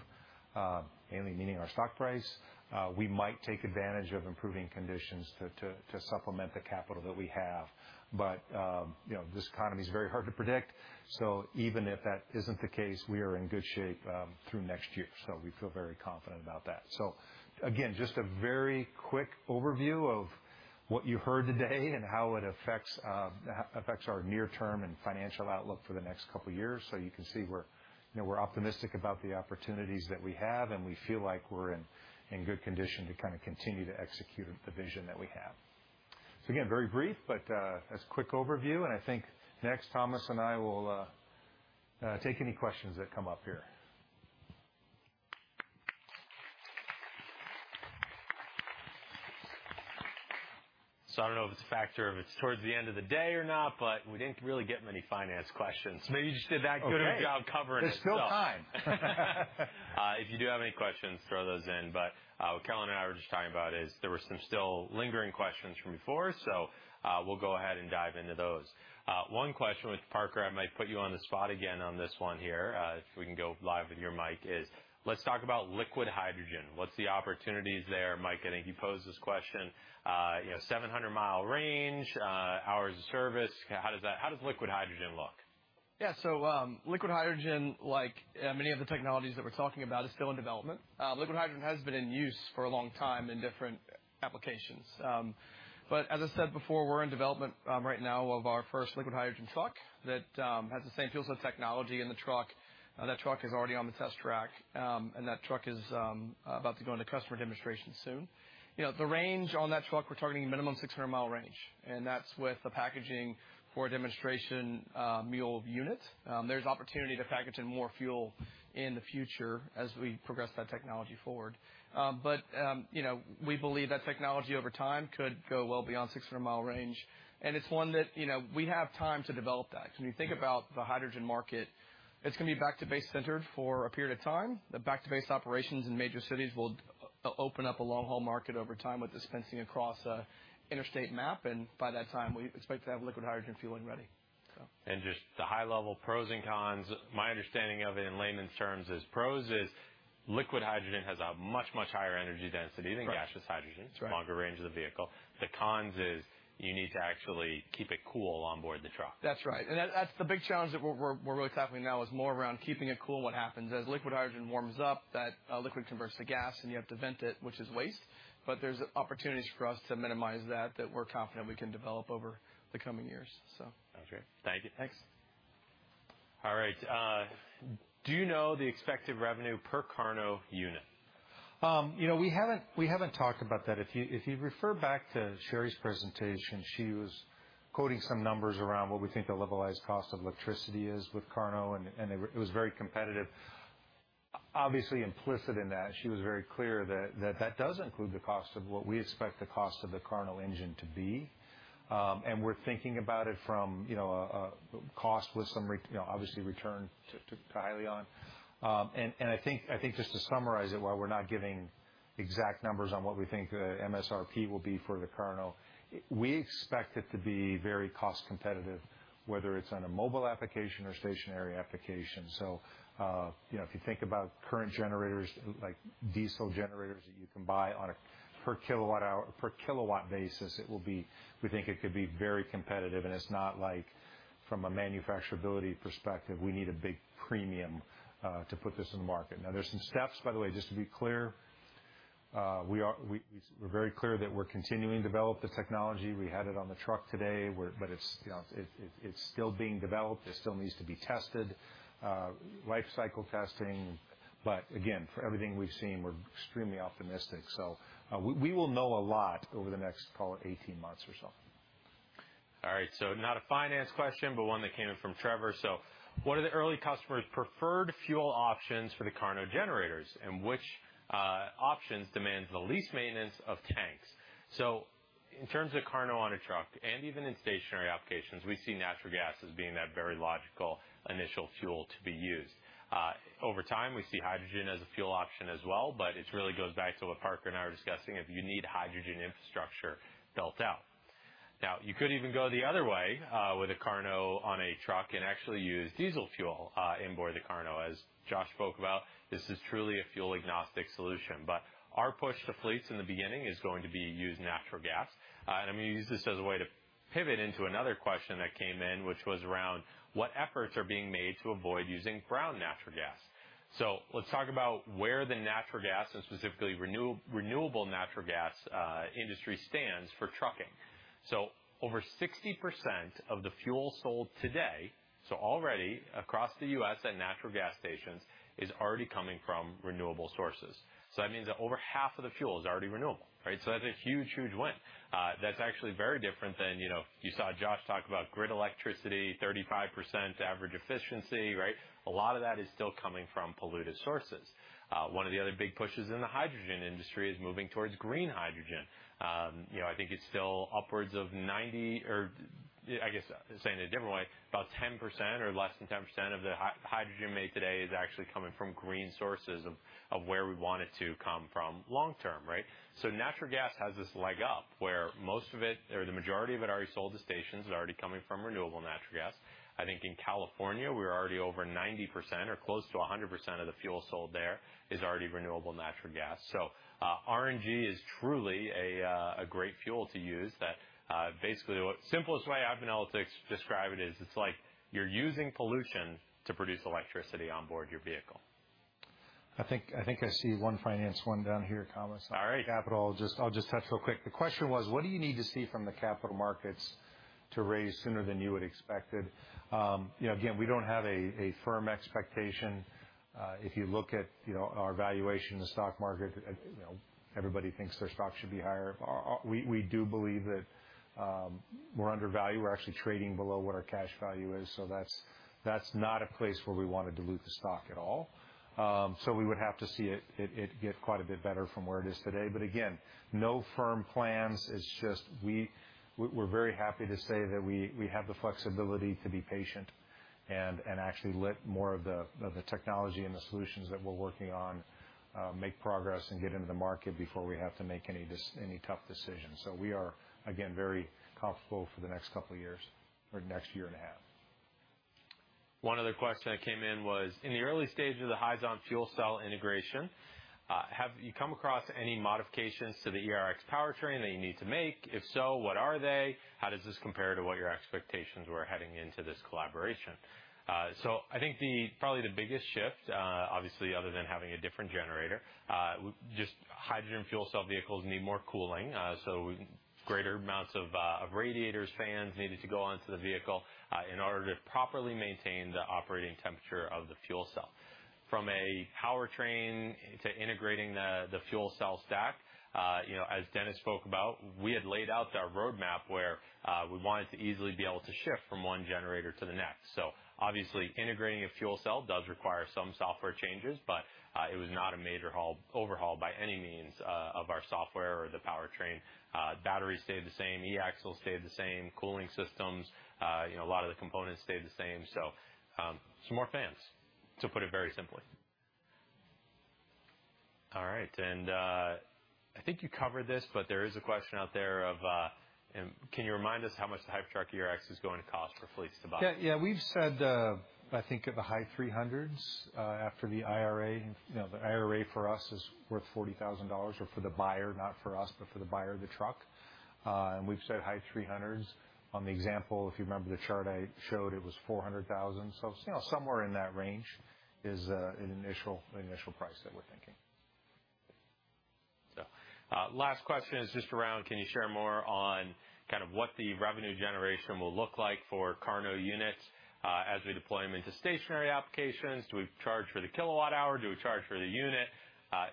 and meaning our stock price, we might take advantage of improving conditions to supplement the capital that we have. You know, this economy is very hard to predict, so even if that isn't the case, we are in good shape through next year, so we feel very confident about that. Again, just a very quick overview of what you heard today and how it affects our near term and financial outlook for the next couple of years. You can see we're, you know, we're optimistic about the opportunities that we have, and we feel like we're in good condition to kind of continue to execute the vision that we have. Again, very brief, but as a quick overview, and I think next, Thomas and I will take any questions that come up here. I don't know if it's a factor, if it's towards the end of the day or not, but we didn't really get many finance questions. Maybe you just did that good of a job covering it. There's still time. If you do have any questions, throw those in. What Kellen and I were just talking about is there were some still lingering questions from before. We'll go ahead and dive into those. One question with Parker, I might put you on the spot again on this one here, if we can go live with your mic, is let's talk about liquid hydrogen. What's the opportunities there? Mike, I think you posed this question. you know, 700 mile range, hours of service. How does liquid hydrogen look? Liquid hydrogen, like many of the technologies that we're talking about, is still in development. Liquid hydrogen has been in use for a long time in different applications. As I said before, we're in development right now of our first liquid hydrogen truck that has the same fuel cell technology in the truck. That truck is already on the test track, and that truck is about to go into customer demonstration soon. You know, the range on that truck, we're targeting a minimum 600 mile range, and that's with the packaging for a demonstration mule unit. There's opportunity to package in more fuel in the future as we progress that technology forward. You know, we believe that technology over time could go well beyond 600 mile range, and it's one that, you know, we have time to develop that. When you think about the hydrogen market, it's gonna be back-to-base centered for a period of time. The back-to-base operations in major cities will open up a long-haul market over time with dispensing across a interstate map, and by that time, we expect to have liquid hydrogen fueling ready, so. Just the high level pros and cons. My understanding of it in layman's terms is, pros is liquid hydrogen has a much, much higher energy density than gaseous hydrogen. Right. Longer range of the vehicle. The cons is you need to actually keep it cool on board the truck. That's right, and that's the big challenge that we're really tackling now is more around keeping it cool. What happens as liquid hydrogen warms up, that liquid converts to gas, and you have to vent it, which is waste, but there's opportunities for us to minimize that we're confident we can develop over the coming years, so. Okay. Thank you. Thanks. All right, do you know the expected revenue per KARNO unit? You know, we haven't talked about that. If you refer back to Cheri Lantz's presentation, she was quoting some numbers around what we think the levelized cost of electricity is with KARNO, and it was very competitive. Obviously, implicit in that, she was very clear that does include the cost of what we expect the cost of the KARNO engine to be. We're thinking about it from, you know, a cost with some, you know, obviously return to Hyliion. I think just to summarize it, while we're not giving exact numbers on what we think the MSRP will be for the KARNO, we expect it to be very cost competitive, whether it's on a mobile application or stationary application. You know, if you think about current generators, like diesel generators, that you can buy on a per kilowatt hour, per kilowatt basis, it will be. We think it could be very competitive, and it's not like from a manufacturability perspective, we need a big premium to put this in the market. There's some steps, by the way, just to be clear, we're very clear that we're continuing to develop the technology. We had it on the truck today, but it's, you know, it's still being developed. It still needs to be tested, life cycle testing. Again, for everything we've seen, we're extremely optimistic. We will know a lot over the next, call it, 18 months or so. All right, not a finance question, but one that came in from Trevor. What are the early customers' preferred fuel options for the KARNO generators, and which options demands the least maintenance of tanks? In terms of KARNO on a truck and even in stationary applications, we see natural gas as being that very logical initial fuel to be used. Over time, we see hydrogen as a fuel option as well, but it really goes back to what Parker and I were discussing, if you need hydrogen infrastructure built out. Now, you could even go the other way, with a KARNO on a truck and actually use diesel fuel onboard the KARNO. As Josh spoke about, this is truly a fuel-agnostic solution, but our push to fleets in the beginning is going to be use natural gas. I'm gonna use this as a way to pivot into another question that came in. What efforts are being made to avoid using brown natural gas? Let's talk about where the natural gas, and specifically renewable natural gas, industry stands for trucking. Over 60% of the fuel sold today, already across the U.S. at natural gas stations, is already coming from renewable sources. That means that over half of the fuel is already renewable, right? That's a huge win. That's actually very different than, you know, you saw Josh talk about grid electricity, 35% average efficiency, right? A lot of that is still coming from polluted sources. One of the other big pushes in the hydrogen industry is moving towards green hydrogen. You know, I think it's still upwards of 90 or, I guess, saying it a different way, about 10% or less than 10% of the hydrogen made today is actually coming from green sources of where we want it to come from long term, right? Natural gas has this leg up, where most of it, or the majority of it, already sold to stations, is already coming from renewable natural gas. I think in California, we're already over 90% or close to 100% of the fuel sold there is already renewable natural gas. RNG is truly a great fuel to use that basically, the simplest way I've been able to describe it is, it's like you're using pollution to produce electricity on board your vehicle. I think I see one finance one down here, Thomas. All right. Capital. I'll just touch real quick. The question was: What do you need to see from the capital markets to raise sooner than you had expected? You know, again, we don't have a firm expectation. If you look at, you know, our valuation in the stock market, you know, everybody thinks their stock should be higher. We do believe that we're undervalued. We're actually trading below what our cash value is, so that's not a place where we want to dilute the stock at all. So we would have to see it get quite a bit better from where it is today. Again, no firm plans. It's just, we're very happy to say that we have the flexibility to be patient and actually let more of the technology and the solutions that we're working on make progress and get into the market before we have to make any tough decisions. We are, again, very comfortable for the next couple of years, or next year and a half. One other question that came in was, in the early stages of the Hyzon fuel cell integration, have you come across any modifications to the ERX powertrain that you need to make? If so, what are they? How does this compare to what your expectations were heading into this collaboration? I think probably the biggest shift, obviously, other than having a different generator, just hydrogen fuel cell vehicles need more cooling, so greater amounts of radiators, fans, needed to go onto the vehicle, in order to properly maintain the operating temperature of the fuel cell. From a powertrain to integrating the fuel cell stack, you know, as Dennis spoke about, we had laid out our roadmap where, we wanted to easily be able to shift from one generator to the next. Obviously, integrating a fuel cell does require some software changes, but it was not a major overhaul by any means, of our software or the powertrain. Batteries stayed the same, eAxles stayed the same, cooling systems, you know, a lot of the components stayed the same, so some more fans, to put it very simply. I think you covered this, but there is a question out there of, can you remind us how much the Hypertruck ERX is going to cost for fleets to buy? Yeah, yeah. We've said, I think at the high three hundreds after the IRA. You know, the IRA for us is worth $40,000 or for the buyer, not for us, but for the buyer of the truck. We've said high three hundreds. On the example, if you remember the chart I showed, it was $400,000. You know, somewhere in that range is an initial, the initial price that we're thinking. Last question is just around, can you share more on kind of what the revenue generation will look like for KARNO units, as we deploy them into stationary applications? Do we charge for the kilowatt hour? Do we charge for the unit?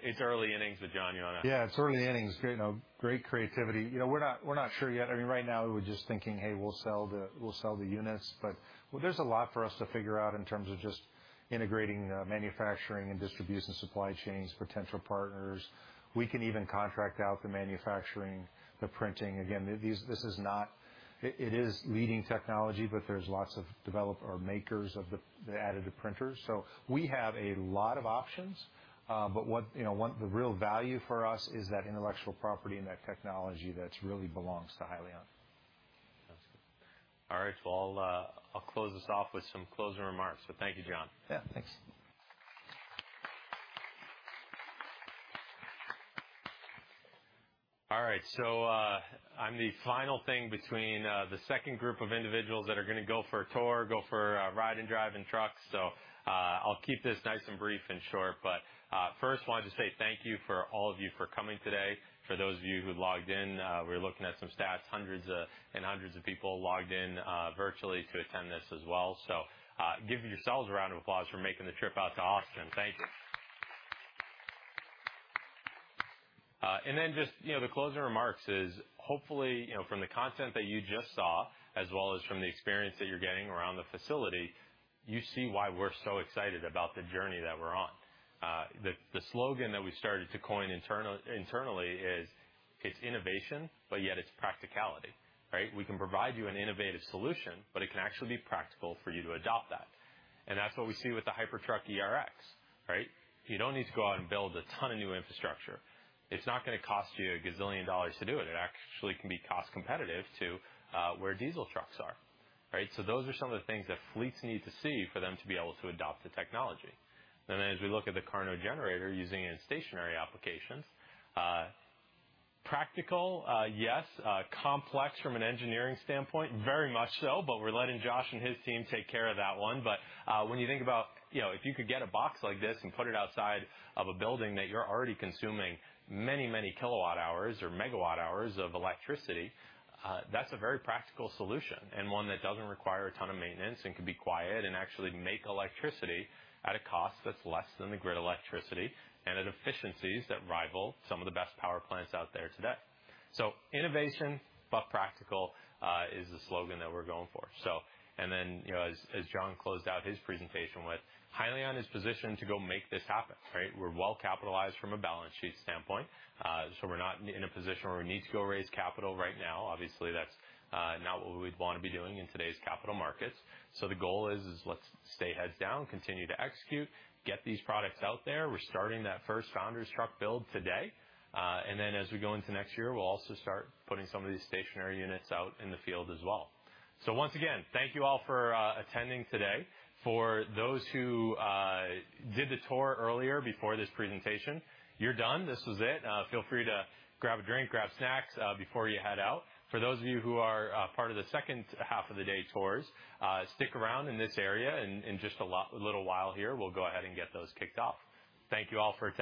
It's early innings with Jon, you want to. It's early innings. Great, you know, great creativity. You know, we're not sure yet. I mean, right now we're just thinking, hey, we'll sell the units, but well, there's a lot for us to figure out in terms of just integrating manufacturing and distribution, supply chains, potential partners. We can even contract out the manufacturing, the printing. Again, this is not. It is leading technology, but there's lots of developer or makers of the additive printers. We have a lot of options, what, you know, what the real value for us is that intellectual property and that technology that's really belongs to Hyliion. All right. Well, I'll close this off with some closing remarks. Thank you, Jon. Yeah, thanks. All right, I'm the final thing between the second group of individuals that are gonna go for a tour, go for a ride and drive in trucks, I'll keep this nice and brief and short. First, wanted to say thank you for all of you for coming today. For those of you who logged in, we're looking at some stats, hundreds of people logged in virtually to attend this as well. Give yourselves a round of applause for making the trip out to Austin. Thank you. Just, you know, the closing remarks is hopefully, you know, from the content that you just saw, as well as from the experience that you're getting around the facility, you see why we're so excited about the journey that we're on. The slogan that we started to coin internally is: It's innovation, but yet it's practicality, right? We can provide you an innovative solution, it can actually be practical for you to adopt that. That's what we see with the Hypertruck ERX, right? You don't need to go out and build a ton of new infrastructure. It's not gonna cost you a gazillion dollars to do it. It actually can be cost competitive to where diesel trucks are, right? Those are some of the things that fleets need to see for them to be able to adopt the technology. As we look at the KARNO generator, using it in stationary applications, practical, yes. Complex from an engineering standpoint? Very much so, but we're letting Josh and his team take care of that one. When you think about, you know, if you could get a box like this and put it outside of a building that you're already consuming many, many kilowatt hours or megawatt hours of electricity, that's a very practical solution, and one that doesn't require a ton of maintenance and can be quiet and actually make electricity at a cost that's less than the grid electricity and at efficiencies that rival some of the best power plants out there today. Innovation, but practical, is the slogan that we're going for. You know, as Jon closed out his presentation with, Hyliion is positioned to go make this happen, right? We're well-capitalized from a balance sheet standpoint, so we're not in a position where we need to go raise capital right now. Obviously, that's not what we'd want to be doing in today's capital markets. The goal is, let's stay heads down, continue to execute, get these products out there. We're starting that first founders truck build today. As we go into next year, we'll also start putting some of these stationary units out in the field as well. Once again, thank you all for attending today. For those who did the tour earlier before this presentation, you're done. This was it. Feel free to grab a drink, grab snacks before you head out. For those of you who are part of the second half of the day tours, stick around in this area, in just a little while here, we'll go ahead and get those kicked off. Thank you all for attending.